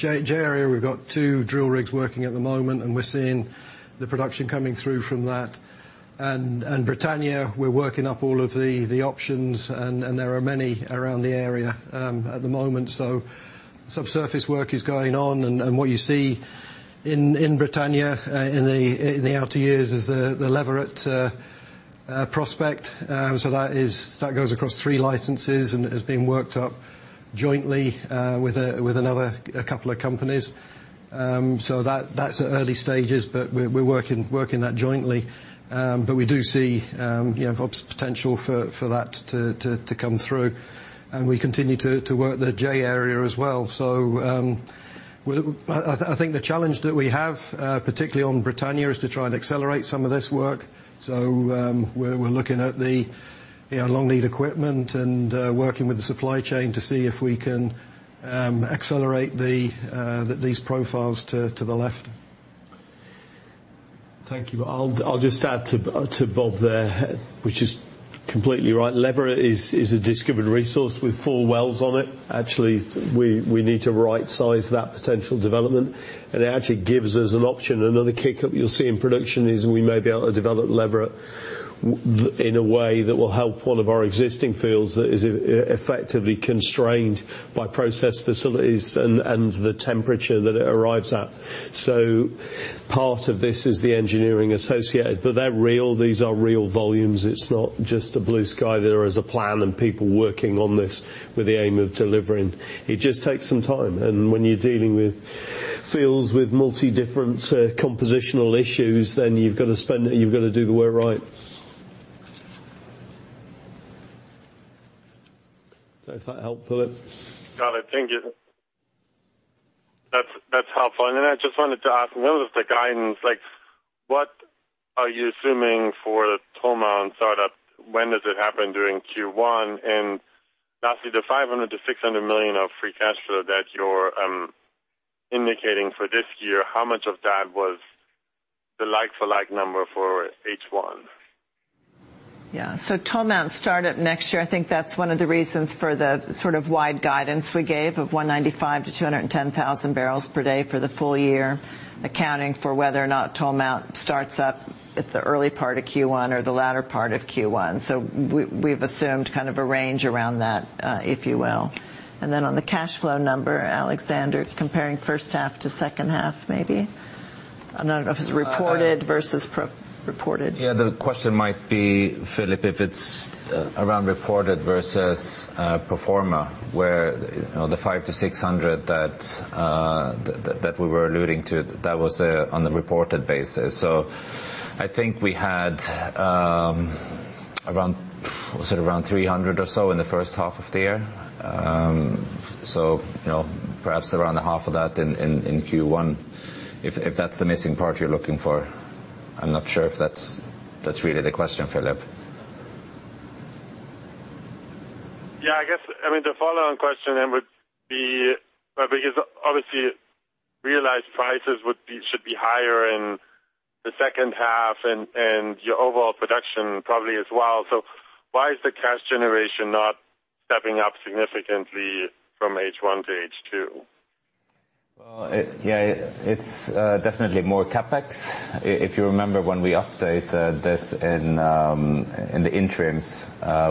we've got two drill rigs working at the moment, and we're seeing the production coming through from that. Britannia, we're working up all of the options, and there are many around the area at the moment. Subsurface work is going on. What you see in Britannia in the outer years is the Leverett prospect. That goes across three licenses and is being worked up jointly with a couple of companies. That's at early stages, but we're working that jointly. We do see, you know, obvious potential for that to come through. We continue to work the J-Area as well. Well, I think the challenge that we have, particularly on Britannia, is to try and accelerate some of this work. We're looking at the long lead equipment and working with the supply chain to see if we can accelerate these profiles to the left. Thank you. I'll just add to Bob there, which is completely right. Leverett is a discovered resource with four wells on it. Actually, we need to right-size that potential development, and it actually gives us an option. Another kick that you'll see in production is we may be able to develop Leverett in a way that will help one of our existing fields that is effectively constrained by process facilities and the temperature that it arrives at. So part of this is the engineering associated, but they're real. These are real volumes. It's not just a blue sky. There is a plan and people working on this with the aim of delivering. It just takes some time, and when you're dealing with fields with multi different compositional issues, then you've gotta spend, you've gotta do the work right. Is that helpful, Philipp? Got it. Thank you. That's helpful. I just wanted to ask, in terms of the guidance, like, what are you assuming for Tolmount startup? When does it happen during Q1? Lastly, the $500 million-$600 million of free cash flow that you're indicating for this year, how much of that was the like for like number for H1? Tolmount starts up next year. I think that's one of the reasons for the sort of wide guidance we gave of 195,000-210,000 bpd for the full year, accounting for whether or not Tolmount starts up at the early part of Q1 or the latter part of Q1. We've assumed kind of a range around that, if you will. On the cash flow number, Alexander, comparing first half to second half, maybe. I don't know if it's reported versus reported. Yeah, the question might be, Philipp, if it's around reported versus pro forma, where, you know, the $500 million-$600 million that we were alluding to, that was on the reported basis. I think we had around, was it around $300 million or so in the first half of the year. You know, perhaps around the half of that in Q1, if that's the missing part you're looking for. I'm not sure if that's really the question, Philipp. Yeah, I guess, I mean, the follow-on question then would be, because obviously realized prices would be, should be higher in the second half and your overall production probably as well. Why is the cash generation not stepping up significantly from H1 to H2? Well, yeah, it's definitely more CapEx. If you remember when we updated this in the interims,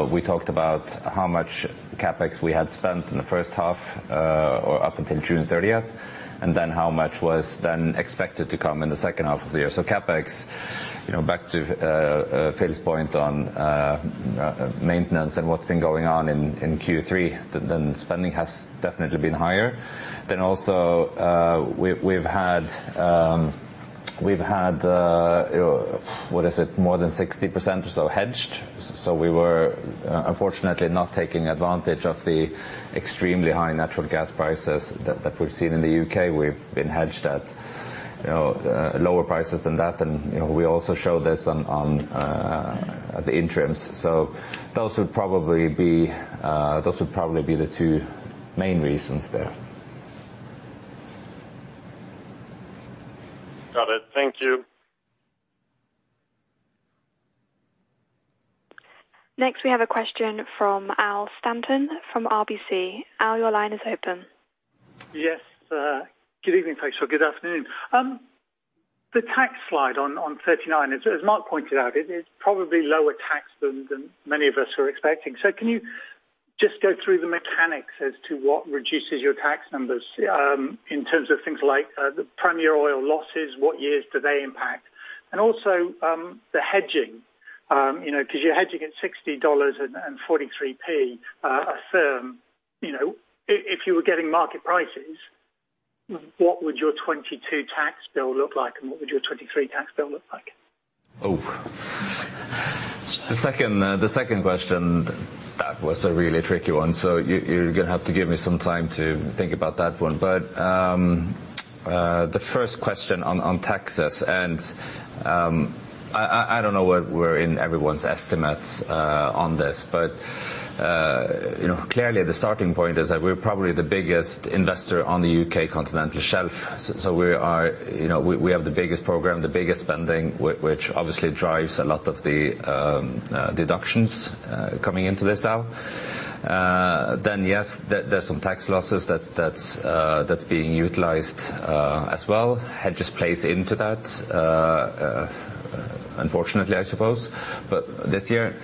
we talked about how much CapEx we had spent in the first half, or up until June 30th. Then how much was then expected to come in the second half of the year? CapEx, you know, back to Phil's point on maintenance and what's been going on in Q3, then spending has definitely been higher. Then also, we've had what is it? More than 60% or so hedged. So we were unfortunately not taking advantage of the extremely high natural gas prices that we've seen in the U.K. We've been hedged at, you know, lower prices than that. You know, we also show this on at the interims. Those would probably be the two main reasons there. Got it. Thank you. Next, we have a question from Al Stanton from RBC. Al, your line is open. Yes. Good evening to you, good afternoon. The tax Slide on 39, as Mark pointed out, it is probably lower tax than many of us were expecting. Can you just go through the mechanics as to what reduces your tax numbers, in terms of things like the Premier Oil losses, what years do they impact? And also, the hedging, you know, 'cause you're hedging at $60 and 0.43 a therm. You know, if you were getting market prices, what would your 2022 tax bill look like, and what would your 2023 tax bill look like? The second question, that was a really tricky one. You, you're gonna have to give me some time to think about that one. The first question on taxes, I don't know where we're in everyone's estimates on this. You know, clearly the starting point is that we're probably the biggest investor on the U.K. continental shelf. So we are, you know, we have the biggest program, the biggest spending, which obviously drives a lot of the deductions coming into this, Al. Then yes, there's some tax losses that's being utilized as well. Hedging plays into that, unfortunately, I suppose. This year,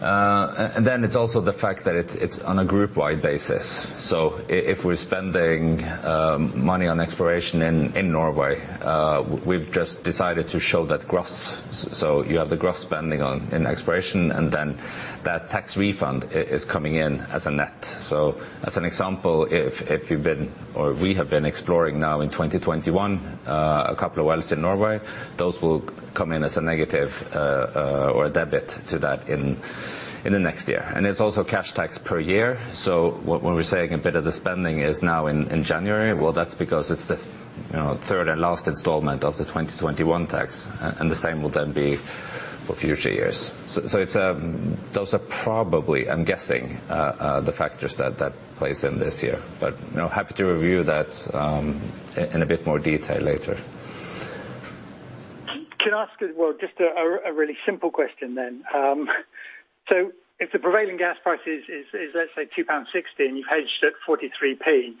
then it's also the fact that it's on a groupwide basis. If we're spending money on exploration in Norway, we've just decided to show that gross. You have the gross spending on exploration, and then that tax refund is coming in as a net. As an example, if you've been or we have been exploring now in 2021, a couple of wells in Norway, those will come in as a negative or a debit to that in the next year. It's also cash tax per year. When we're saying a bit of the spending is now in January, well, that's because it's the third and last installment of the 2021 tax, and the same will then be for future years. It's those are probably, I'm guessing, the factors that plays in this year. You know, happy to review that in a bit more detail later. Can I ask as well, just a really simple question then. If the prevailing gas price is, let's say, 2.60 pound, and you've hedged at 0.43,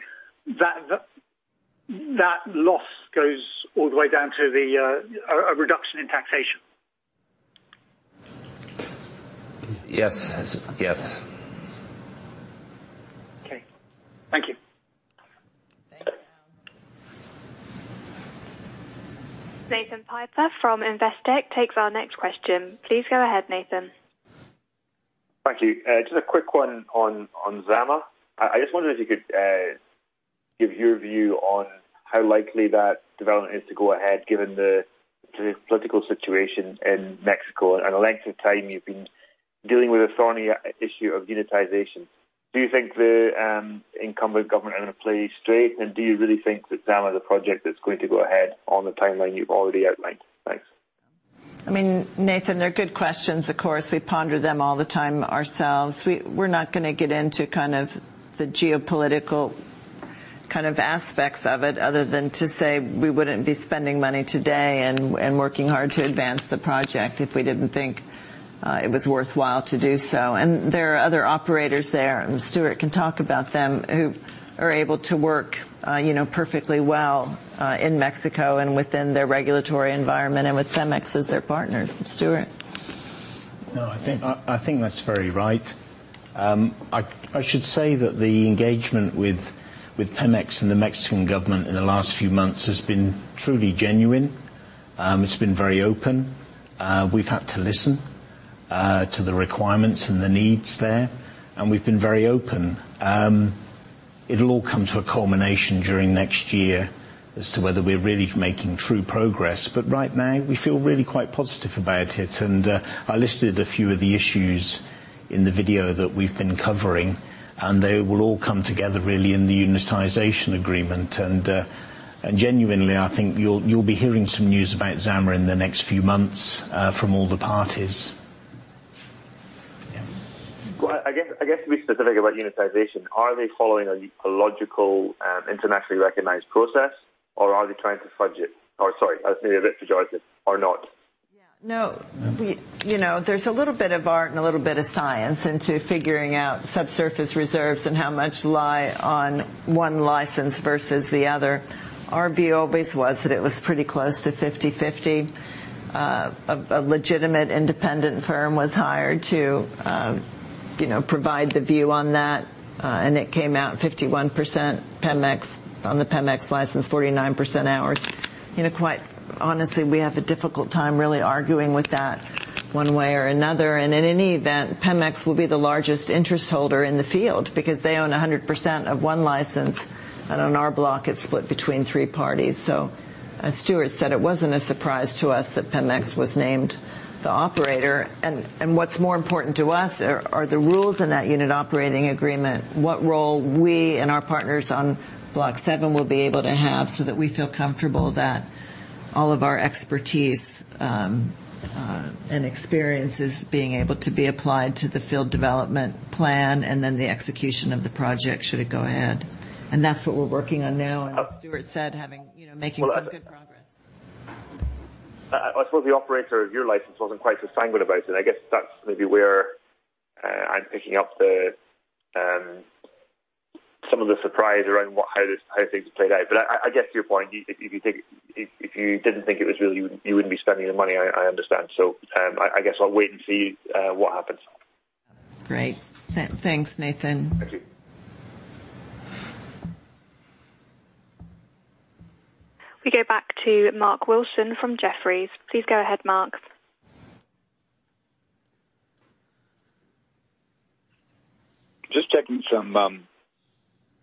that loss goes all the way down to the reduction in taxation. Yes. Yes. Okay. Thank you. Thank you. Nathan Piper from Investec takes our next question. Please go ahead, Nathan. Thank you. Just a quick one on Zama. I just wonder if you could give your view on how likely that development is to go ahead given the political situation in Mexico and the length of time you've been dealing with a thorny issue of unitization. Do you think the incumbent government are gonna play straight? Do you really think that Zama, the project, is going to go ahead on the timeline you've already outlined? Thanks. I mean, Nathan, they're good questions. Of course, we ponder them all the time ourselves. We're not gonna get into kind of the geopolitical kind of aspects of it other than to say we wouldn't be spending money today and working hard to advance the project if we didn't think it was worthwhile to do so. There are other operators there, and Stuart can talk about them, who are able to work, you know, perfectly well in Mexico and within their regulatory environment and with Pemex as their partner. Stuart? No, I think that's very right. I should say that the engagement with Pemex and the Mexican government in the last few months has been truly genuine. It's been very open. We've had to listen to the requirements and the needs there, and we've been very open. It'll all come to a culmination during next year as to whether we're really making true progress. Right now, we feel really quite positive about it. I listed a few of the issues in the video that we've been covering, and they will all come together really in the unitization agreement. Genuinely, I think you'll be hearing some news about Zama in the next few months from all the parties. Yeah. Well, I guess to be specific about unitization, are they following a logical, internationally recognized process, or are they trying to fudge it? Or sorry, maybe a bit fudge it or not? Yeah. No. We, you know, there's a little bit of art and a little bit of science into figuring out subsurface reserves and how much lie on one license versus the other. Our view always was that it was pretty close to 50/50. A legitimate independent firm was hired to, you know, provide the view on that, and it came out 51% Pemex, on the Pemex license, 49% ours. You know, quite honestly, we have a difficult time really arguing with that one way or another. In any event, Pemex will be the largest interest holder in the field because they own 100% of one license. On our block, it's split between three parties. As Stuart said, it wasn't a surprise to us that Pemex was named the operator. What's more important to us are the rules in that unit operating agreement, what role we and our partners on Block 7 will be able to have so that we feel comfortable that all of our expertise and experience is being able to be applied to the field development plan and then the execution of the project, should it go ahead. That's what we're working on now, as Stuart said, having making some good progress. I suppose the operator of your license wasn't quite so sanguine about it. I guess that's maybe where I'm picking up some of the surprise around how things played out. I guess your point, if you think. If you didn't think it was real, you wouldn't be spending the money, I understand. I guess I'll wait and see what happens. Great. Thanks, Nathan. Thank you. We go back to Mark Wilson from Jefferies. Please go ahead, Mark. Just checking some.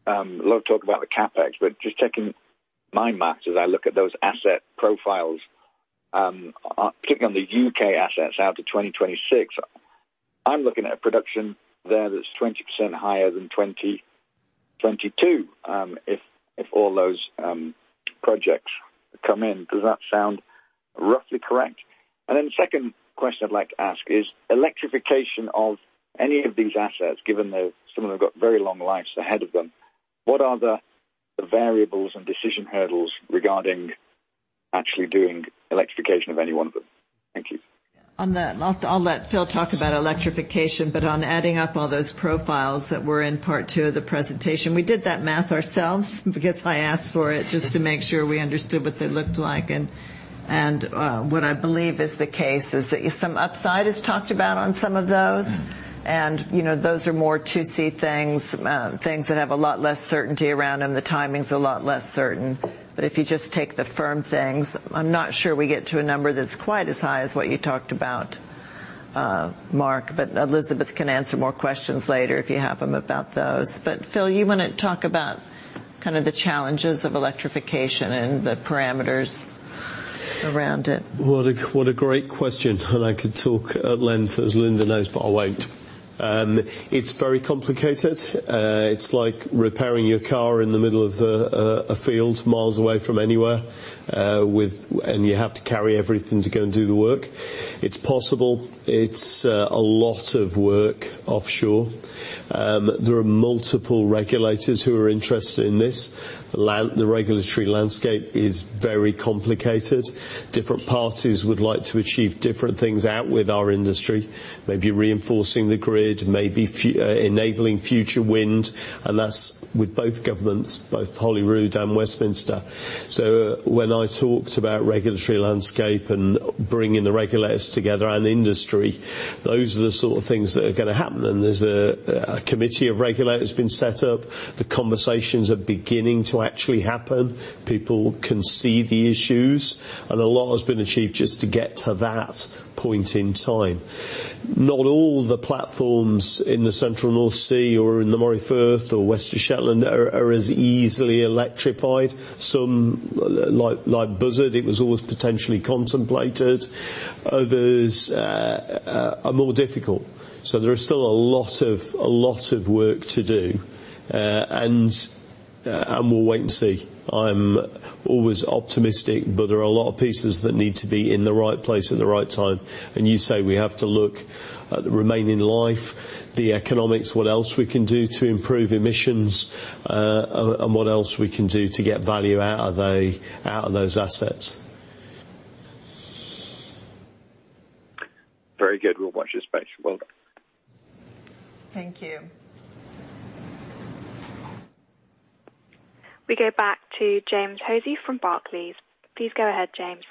A lot of talk about the CapEx, but just checking my math as I look at those asset profiles. Particularly on the U.K. assets out to 2026, I'm looking at production there that's 20% higher than 2022, if all those projects come in. Does that sound roughly correct? The second question I'd like to ask is electrification of any of these assets, given that some of them have got very long lives ahead of them, what are the variables and decision hurdles regarding actually doing electrification of any one of them? Thank you. On that, I'll let Phil talk about electrification, but on adding up all those profiles that were in part two of the presentation, we did that math ourselves because I asked for it just to make sure we understood what they looked like. What I believe is the case is that some upside is talked about on some of those. Mm-hmm. You know, those are more, you see, things that have a lot less certainty around them. The timing's a lot less certain. If you just take the firm things, I'm not sure we get to a number that's quite as high as what you talked about, Mark, but Elizabeth can answer more questions later if you have them about those. Phil, you wanna talk about kind of the challenges of electrification and the parameters around it? What a great question. I could talk at length, as Linda knows, but I won't. It's very complicated. It's like repairing your car in the middle of a field miles away from anywhere, and you have to carry everything to go and do the work. It's possible. It's a lot of work offshore. There are multiple regulators who are interested in this. The regulatory landscape is very complicated. Different parties would like to achieve different things out with our industry. Maybe reinforcing the grid, maybe enabling future wind. That's with both governments, both Holyrood and Westminster. When I talked about regulatory landscape and bringing the regulators together and industry, those are the sort of things that are gonna happen. There's a committee of regulators been set up. The conversations are beginning to actually happen. People can see the issues, and a lot has been achieved just to get to that point in time. Not all the platforms in the central North Sea or in the Moray Firth or Western Shetland are as easily electrified. Some, like Buzzard, it was always potentially contemplated. Others are more difficult. There is still a lot of work to do. We'll wait and see. I'm always optimistic, but there are a lot of pieces that need to be in the right place at the right time. You say we have to look at the remaining life, the economics, what else we can do to improve emissions, and what else we can do to get value out of those assets. Very good. We'll watch this space. Well done. Thank you. We go back to James Hosie from Barclays. Please go ahead, James.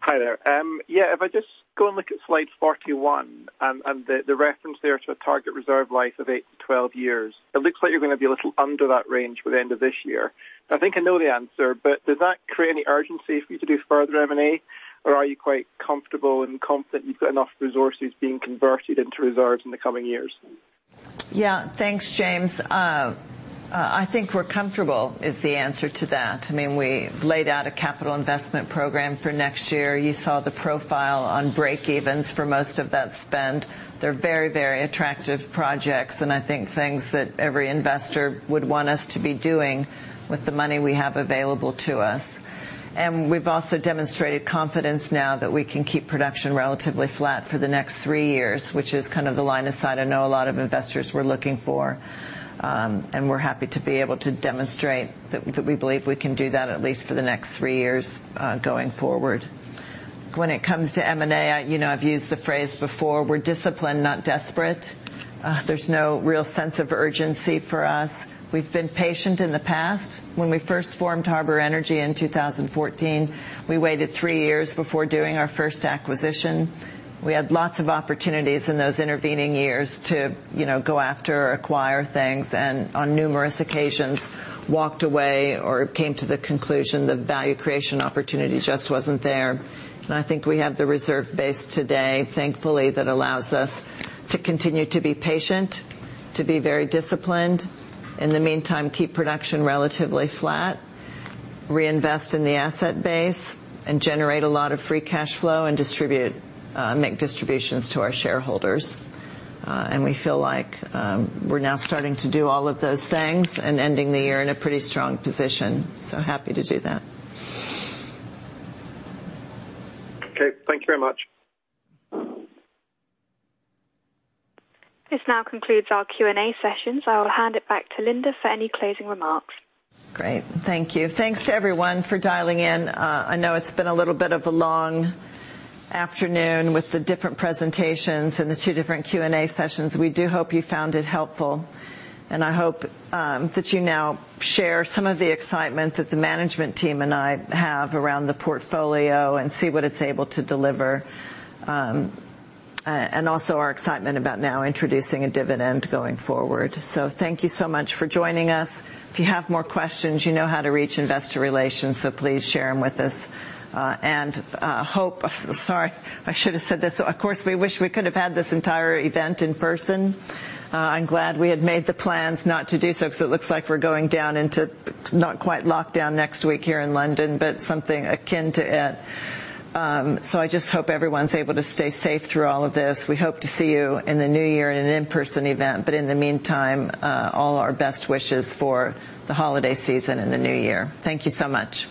Hi there. Yeah, if I just go and look at Slide 41 and the reference there to a target reserve life of 8-12 years. It looks like you're gonna be a little under that range by the end of this year. I think I know the answer, but does that create any urgency for you to do further M&A? Or are you quite comfortable and confident you've got enough resources being converted into reserves in the coming years? Yeah. Thanks, James. I think we're comfortable is the answer to that. I mean, we laid out a capital investment program for next year. You saw the profile on breakevens for most of that spend. They're very, very attractive projects, and I think things that every investor would want us to be doing with the money we have available to us. We've also demonstrated confidence now that we can keep production relatively flat for the next three years, which is kind of the line of sight I know a lot of investors were looking for. We're happy to be able to demonstrate that we believe we can do that at least for the next three years going forward. When it comes to M&A, you know, I've used the phrase before, we're disciplined, not desperate. There's no real sense of urgency for us. We've been patient in the past. When we first formed Harbour Energy in 2014, we waited three years before doing our first acquisition. We had lots of opportunities in those intervening years to, you know, go after or acquire things, and on numerous occasions walked away or came to the conclusion the value creation opportunity just wasn't there. I think we have the reserve base today, thankfully, that allows us to continue to be patient, to be very disciplined. In the meantime, keep production relatively flat. Reinvest in the asset base and generate a lot of free cash flow and distribute, make distributions to our shareholders. We feel like, we're now starting to do all of those things and ending the year in a pretty strong position. Happy to do that. Okay, thank you very much. This now concludes our Q&A sessions. I will hand it back to Linda for any closing remarks. Great. Thank you. Thanks to everyone for dialing in. I know it's been a little bit of a long afternoon with the different presentations and the two different Q&A sessions. We do hope you found it helpful, and I hope that you now share some of the excitement that the management team and I have around the portfolio and see what it's able to deliver, and also our excitement about now introducing a dividend going forward. Thank you so much for joining us. If you have more questions, you know how to reach investor relations, so please share them with us. Sorry, I should have said this. Of course, we wish we could have had this entire event in person. I'm glad we had made the plans not to do so 'cause it looks like we're going down into not quite lockdown next week here in London, but something akin to it. I just hope everyone's able to stay safe through all of this. We hope to see you in the new year in an in-person event. In the meantime, all our best wishes for the holiday season and the new year. Thank you so much.